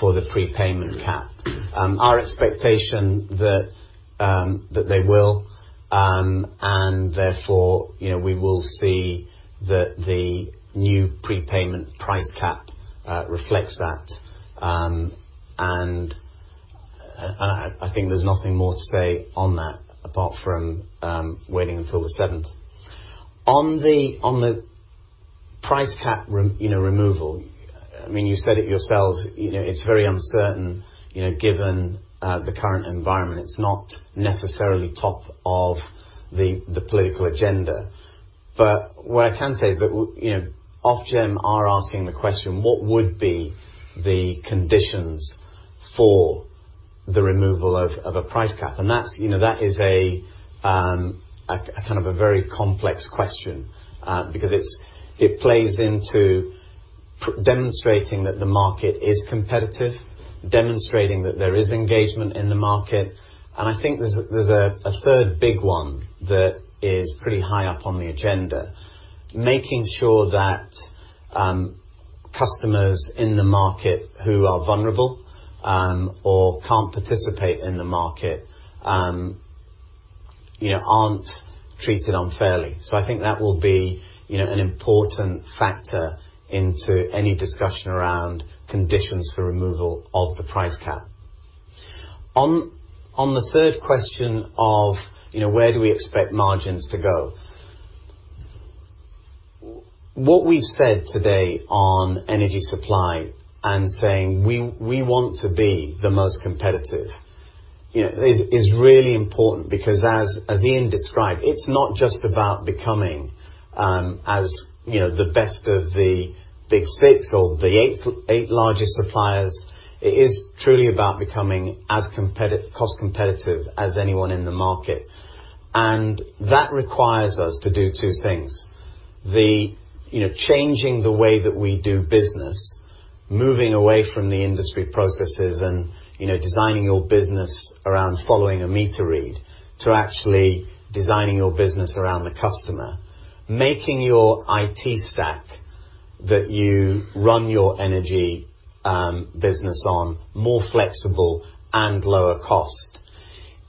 for the prepayment cap. Our expectation that they will, therefore, we will see that the new prepayment price cap reflects that. I think there's nothing more to say on that apart from waiting until the 7th. On the price cap removal, you said it yourselves, it's very uncertain, given the current environment. It's not necessarily top of the political agenda. What I can say is that Ofgem are asking the question, what would be the conditions for the removal of a price cap? That is a very complex question, because it plays into demonstrating that the market is competitive, demonstrating that there is engagement in the market. I think there's a third big one that is pretty high up on the agenda, making sure that customers in the market who are vulnerable or can't participate in the market aren't treated unfairly. I think that will be an important factor into any discussion around conditions for removal of the price cap. On the third question of where do we expect margins to go? What we said today on energy supply and saying we want to be the most competitive is really important because as Iain described, it's not just about becoming the best of the Big Six or the eight largest suppliers. It is truly about becoming as cost competitive as anyone in the market. That requires us to do two things. Changing the way that we do business, moving away from the industry processes and designing your business around following a meter read to actually designing your business around the customer. Making your IT stack that you run your energy business on more flexible and lower cost.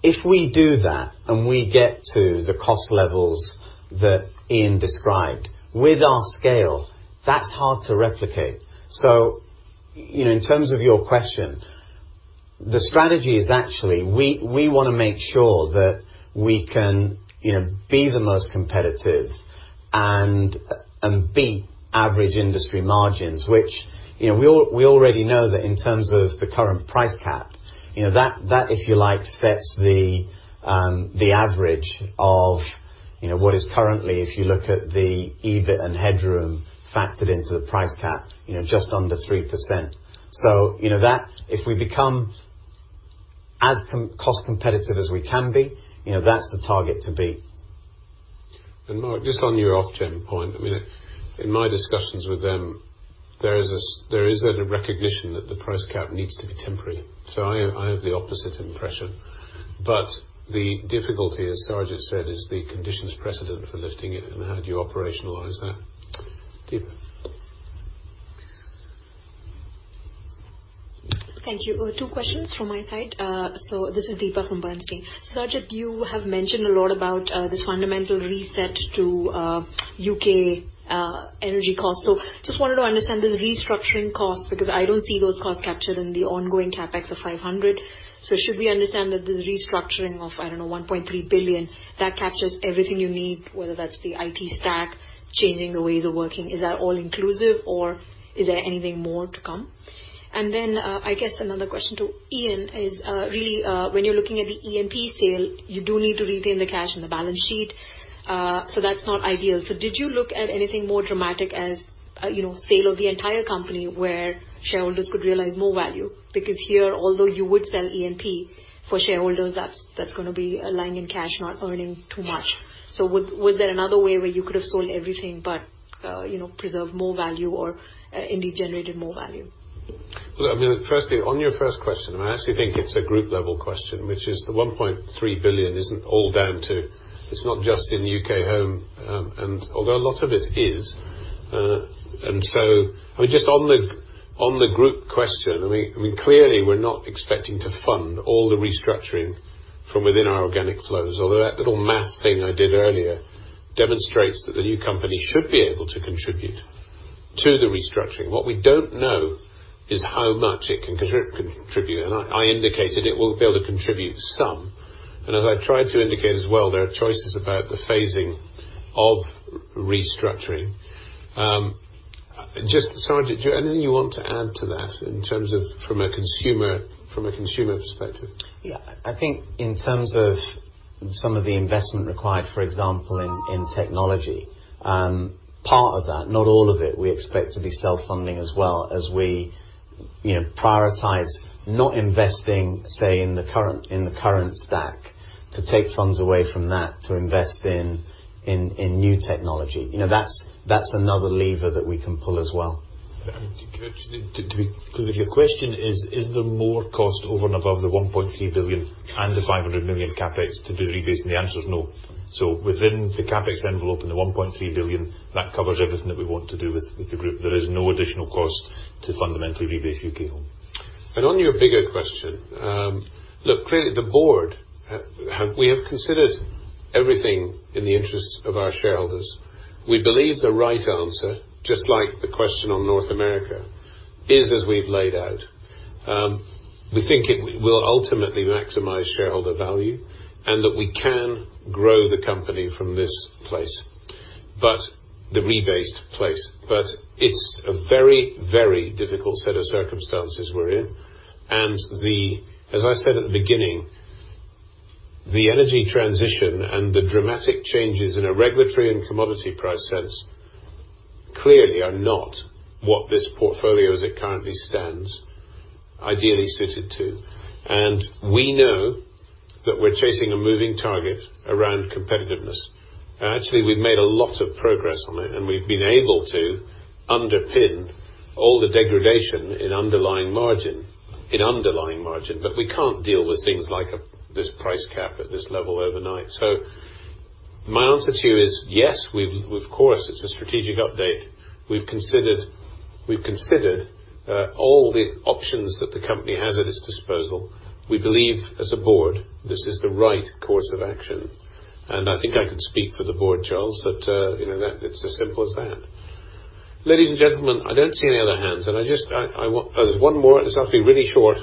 If we do that and we get to the cost levels that Iain described, with our scale, that's hard to replicate. In terms of your question, the strategy is actually we want to make sure that we can be the most competitive and beat average industry margins. Which we already know that in terms of the current price cap, that, if you like, sets the average of what is currently, if you look at the EBIT and headroom factored into the price cap, just under 3%. If we become as cost competitive as we can be, that's the target to beat. Mark, just on your Ofgem point. In my discussions with them, there is a recognition that the price cap needs to be temporary. I have the opposite impression. The difficulty, as Sarwjit said, is the conditions precedent for lifting it and how do you operationalize that? Deepa. Thank you. Two questions from my side. This is Deepa from Bernstein. Sarwjit, you have mentioned a lot about this fundamental reset to U.K. energy costs. Just wanted to understand this restructuring cost, because I don't see those costs captured in the ongoing CapEx of 500. Should we understand that this restructuring of, I don't know, 1.3 billion, that captures everything you need, whether that's the IT stack, changing the way you're working? Is that all inclusive or is there anything more to come? I guess another question to Iain is really when you're looking at the E&P sale, you do need to retain the cash in the balance sheet. That's not ideal. Did you look at anything more dramatic as sale of the entire company where shareholders could realize more value? Here, although you would sell E&P, for shareholders, that's going to be lying in cash, not earning too much. Was there another way where you could have sold everything but preserve more value or indeed generated more value? Well, firstly, on your first question, and I actually think it's a group-level question, which is the 1.3 billion isn't all down to, it's not just in U.K. Home, and although a lot of it is. Just on the group question, clearly we're not expecting to fund all the restructuring from within our organic flows. Although that little math thing I did earlier demonstrates that the new company should be able to contribute to the restructuring. What we don't know is how much it can contribute. I indicated it will be able to contribute some, and as I tried to indicate as well, there are choices about the phasing of restructuring. Just, Sarwjit, is there anything you want to add to that in terms of from a consumer perspective? Yeah. I think in terms of some of the investment required, for example, in technology, part of that, not all of it, we expect to be self-funding as well as we prioritize not investing, say, in the current stack to take funds away from that to invest in new technology. That's another lever that we can pull as well. To be clear with your question, is there more cost over and above the 1.3 billion and the 500 million CapEx to do the rebasing? The answer is no. Within the CapEx envelope and the 1.3 billion, that covers everything that we want to do with the group. There is no additional cost to fundamentally rebase U.K. Home. On your bigger question. Look, clearly the board, we have considered everything in the interests of our shareholders. We believe the right answer, just like the question on North America, is as we've laid out. We think it will ultimately maximize shareholder value and that we can grow the company from this place. The rebased place. It's a very, very difficult set of circumstances we're in, and as I said at the beginning, the energy transition and the dramatic changes in a regulatory and commodity price sense clearly are not what this portfolio, as it currently stands, ideally suited to. We know that we're chasing a moving target around competitiveness. Actually, we've made a lot of progress on it, and we've been able to underpin all the degradation in underlying margin. We can't deal with things like this price cap at this level overnight. My answer to you is yes, of course, it's a strategic update. We've considered all the options that the company has at its disposal. We believe as a board this is the right course of action, and I think I can speak for the board, Charles, that it's as simple as that. Ladies and gentlemen, I don't see any other hands. There's one more. This has to be really short.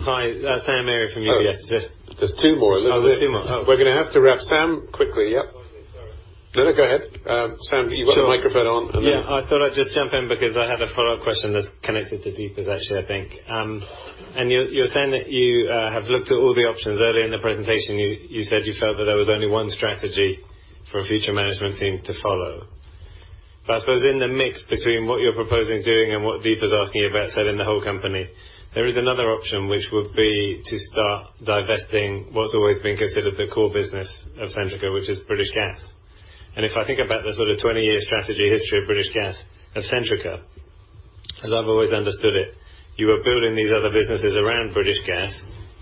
Hi, Sam Arie from UBS. Yes. There's two more. Oh, there's two more. Oh. We're going to have to wrap. Sam, quickly. Yep. Sorry. No, no, go ahead. Sam, you've got the microphone on. I thought I'd just jump in because I had a follow-up question that's connected to Deepa's, actually, I think. You're saying that you have looked at all the options. Earlier in the presentation, you said you felt that there was only one strategy for a future management team to follow. I suppose in the mix between what you're proposing doing and what Deepa's asking you about selling the whole company, there is another option which would be to start divesting what's always been considered the core business of Centrica, which is British Gas. If I think about the sort of 20-year strategy history of Centrica, as I've always understood it, you were building these other businesses around British Gas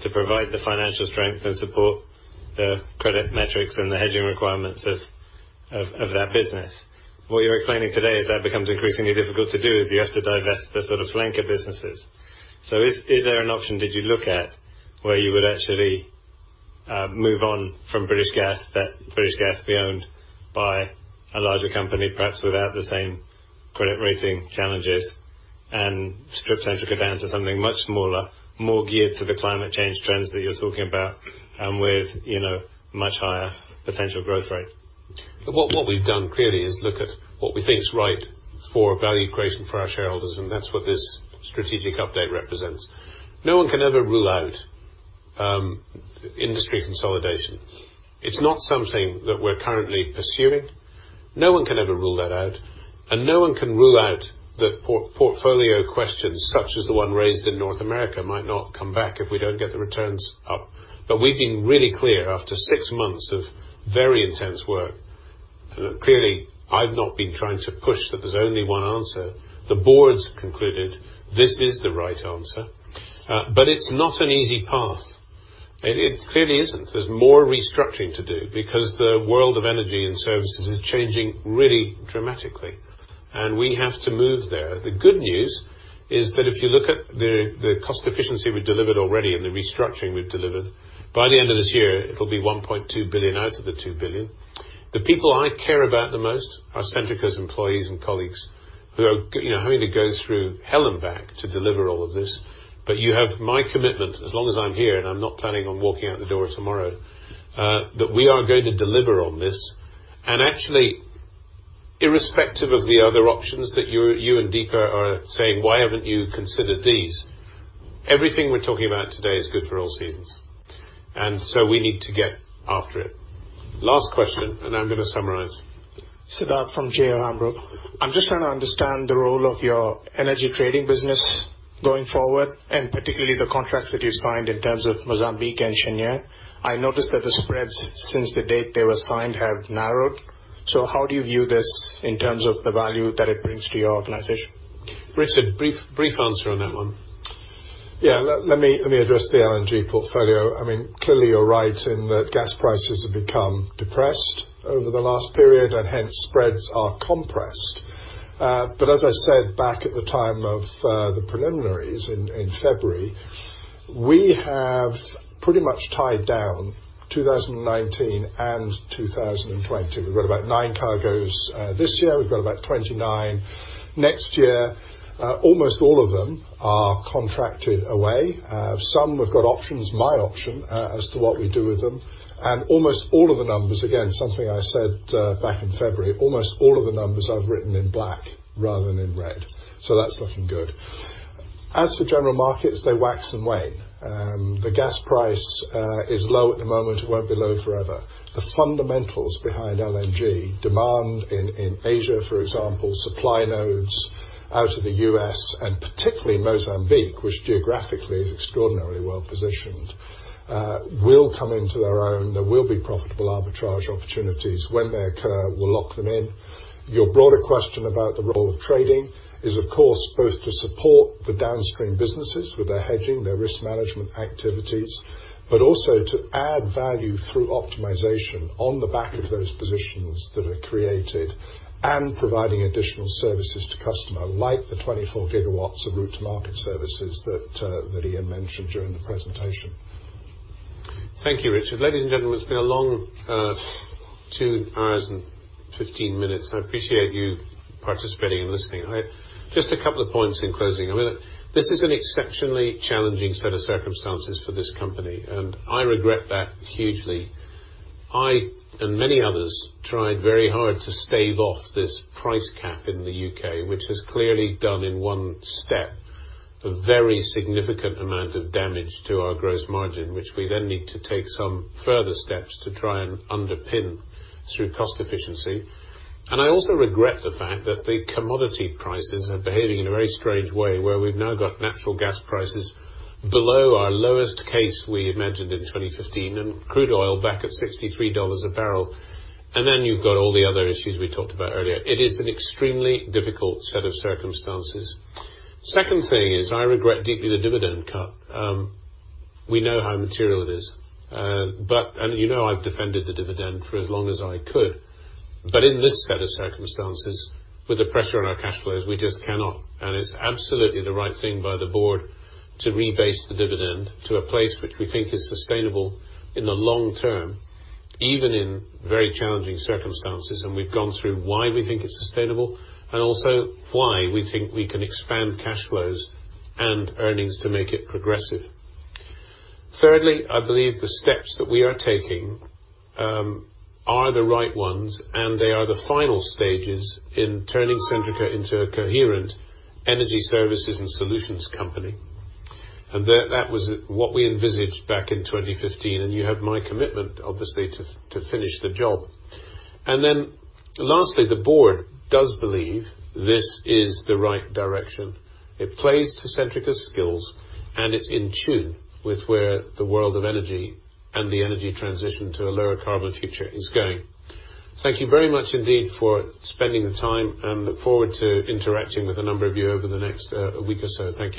to provide the financial strength and support the credit metrics and the hedging requirements of that business. What you're explaining today is that becomes increasingly difficult to do is you have to divest the sort of flanker businesses. Is there an option, did you look at, where you would actually move on from British Gas, that British Gas be owned by a larger company, perhaps without the same credit rating challenges, and strip Centrica down to something much smaller, more geared to the climate change trends that you're talking about, with much higher potential growth rate? What we've done, clearly, is look at what we think is right for value creation for our shareholders, and that's what this strategic update represents. No one can ever rule out industry consolidation. It's not something that we're currently pursuing. No one can ever rule that out. No one can rule out that portfolio questions such as the one raised in North America might not come back if we don't get the returns up. We've been really clear after six months of very intense work. Clearly, I've not been trying to push that there's only one answer. The board's concluded this is the right answer. It's not an easy path. It clearly isn't. There's more restructuring to do because the world of energy and services is changing really dramatically, and we have to move there. The good news is that if you look at the cost efficiency we delivered already and the restructuring we've delivered, by the end of this year, it'll be 1.2 billion out of the 2 billion. The people I care about the most are Centrica's employees and colleagues who are having to go through hell and back to deliver all of this. You have my commitment as long as I'm here, and I'm not planning on walking out the door tomorrow, that we are going to deliver on this. Irrespective of the other options that you and Deepa are saying, why haven't you considered these? Everything we're talking about today is good for All Seasons. We need to get after it. Last question. I'm going to summarize. Siddharth from J O Hambro. I'm just trying to understand the role of your energy trading business going forward, and particularly the contracts that you signed in terms of Mozambique and Cheniere. I noticed that the spreads since the date they were signed have narrowed. How do you view this in terms of the value that it brings to your organization? Richard, brief answer on that one. Yeah, let me address the LNG portfolio. You're right in that gas prices have become depressed over the last period, and hence spreads are compressed. As I said back at the time of the preliminaries in February, we have pretty much tied down 2019 and 2020. We've got about nine cargos this year. We've got about 29 next year. Almost all of them are contracted away. Some have got options, my option, as to what we do with them. Almost all of the numbers, again, something I said back in February, almost all of the numbers I've written in black rather than in red. That's looking good. As for general markets, they wax and wane. The gas price is low at the moment. It won't be low forever. The fundamentals behind LNG demand in Asia, for example, supply nodes out of the U.S. and particularly Mozambique, which geographically is extraordinarily well-positioned, will come into their own. There will be profitable arbitrage opportunities. When they occur, we'll lock them in. Your broader question about the role of trading is, of course, both to support the downstream businesses with their hedging, their risk management activities, but also to add value through optimization on the back of those positions that are created, and providing additional services to customer, like the 24 gigawatts of route-to-market services that Iain mentioned during the presentation. Thank you, Richard. Ladies and gentlemen, it's been a long 2 hours and 15 minutes. I appreciate you participating and listening. Just a couple of points in closing. This is an exceptionally challenging set of circumstances for this company. I regret that hugely. I, and many others, tried very hard to stave off this price cap in the U.K., which has clearly done in one step, a very significant amount of damage to our gross margin, which we then need to take some further steps to try and underpin through cost efficiency. I also regret the fact that the commodity prices are behaving in a very strange way, where we've now got natural gas prices below our lowest case we imagined in 2015 and crude oil back at $63 a barrel. You've got all the other issues we talked about earlier. It is an extremely difficult set of circumstances. Second thing is, I regret deeply the dividend cut. We know how material it is. You know I've defended the dividend for as long as I could. In this set of circumstances, with the pressure on our cash flows, we just cannot. It's absolutely the right thing by the board to rebase the dividend to a place which we think is sustainable in the long term, even in very challenging circumstances. We've gone through why we think it's sustainable and also why we think we can expand cash flows and earnings to make it progressive. Thirdly, I believe the steps that we are taking are the right ones, and they are the final stages in turning Centrica into a coherent energy services and solutions company. That was what we envisaged back in 2015, and you have my commitment, obviously, to finish the job. Lastly, the board does believe this is the right direction. It plays to Centrica's skills, and it's in tune with where the world of energy and the energy transition to a lower carbon future is going. Thank you very much indeed for spending the time, and look forward to interacting with a number of you over the next week or so. Thank you.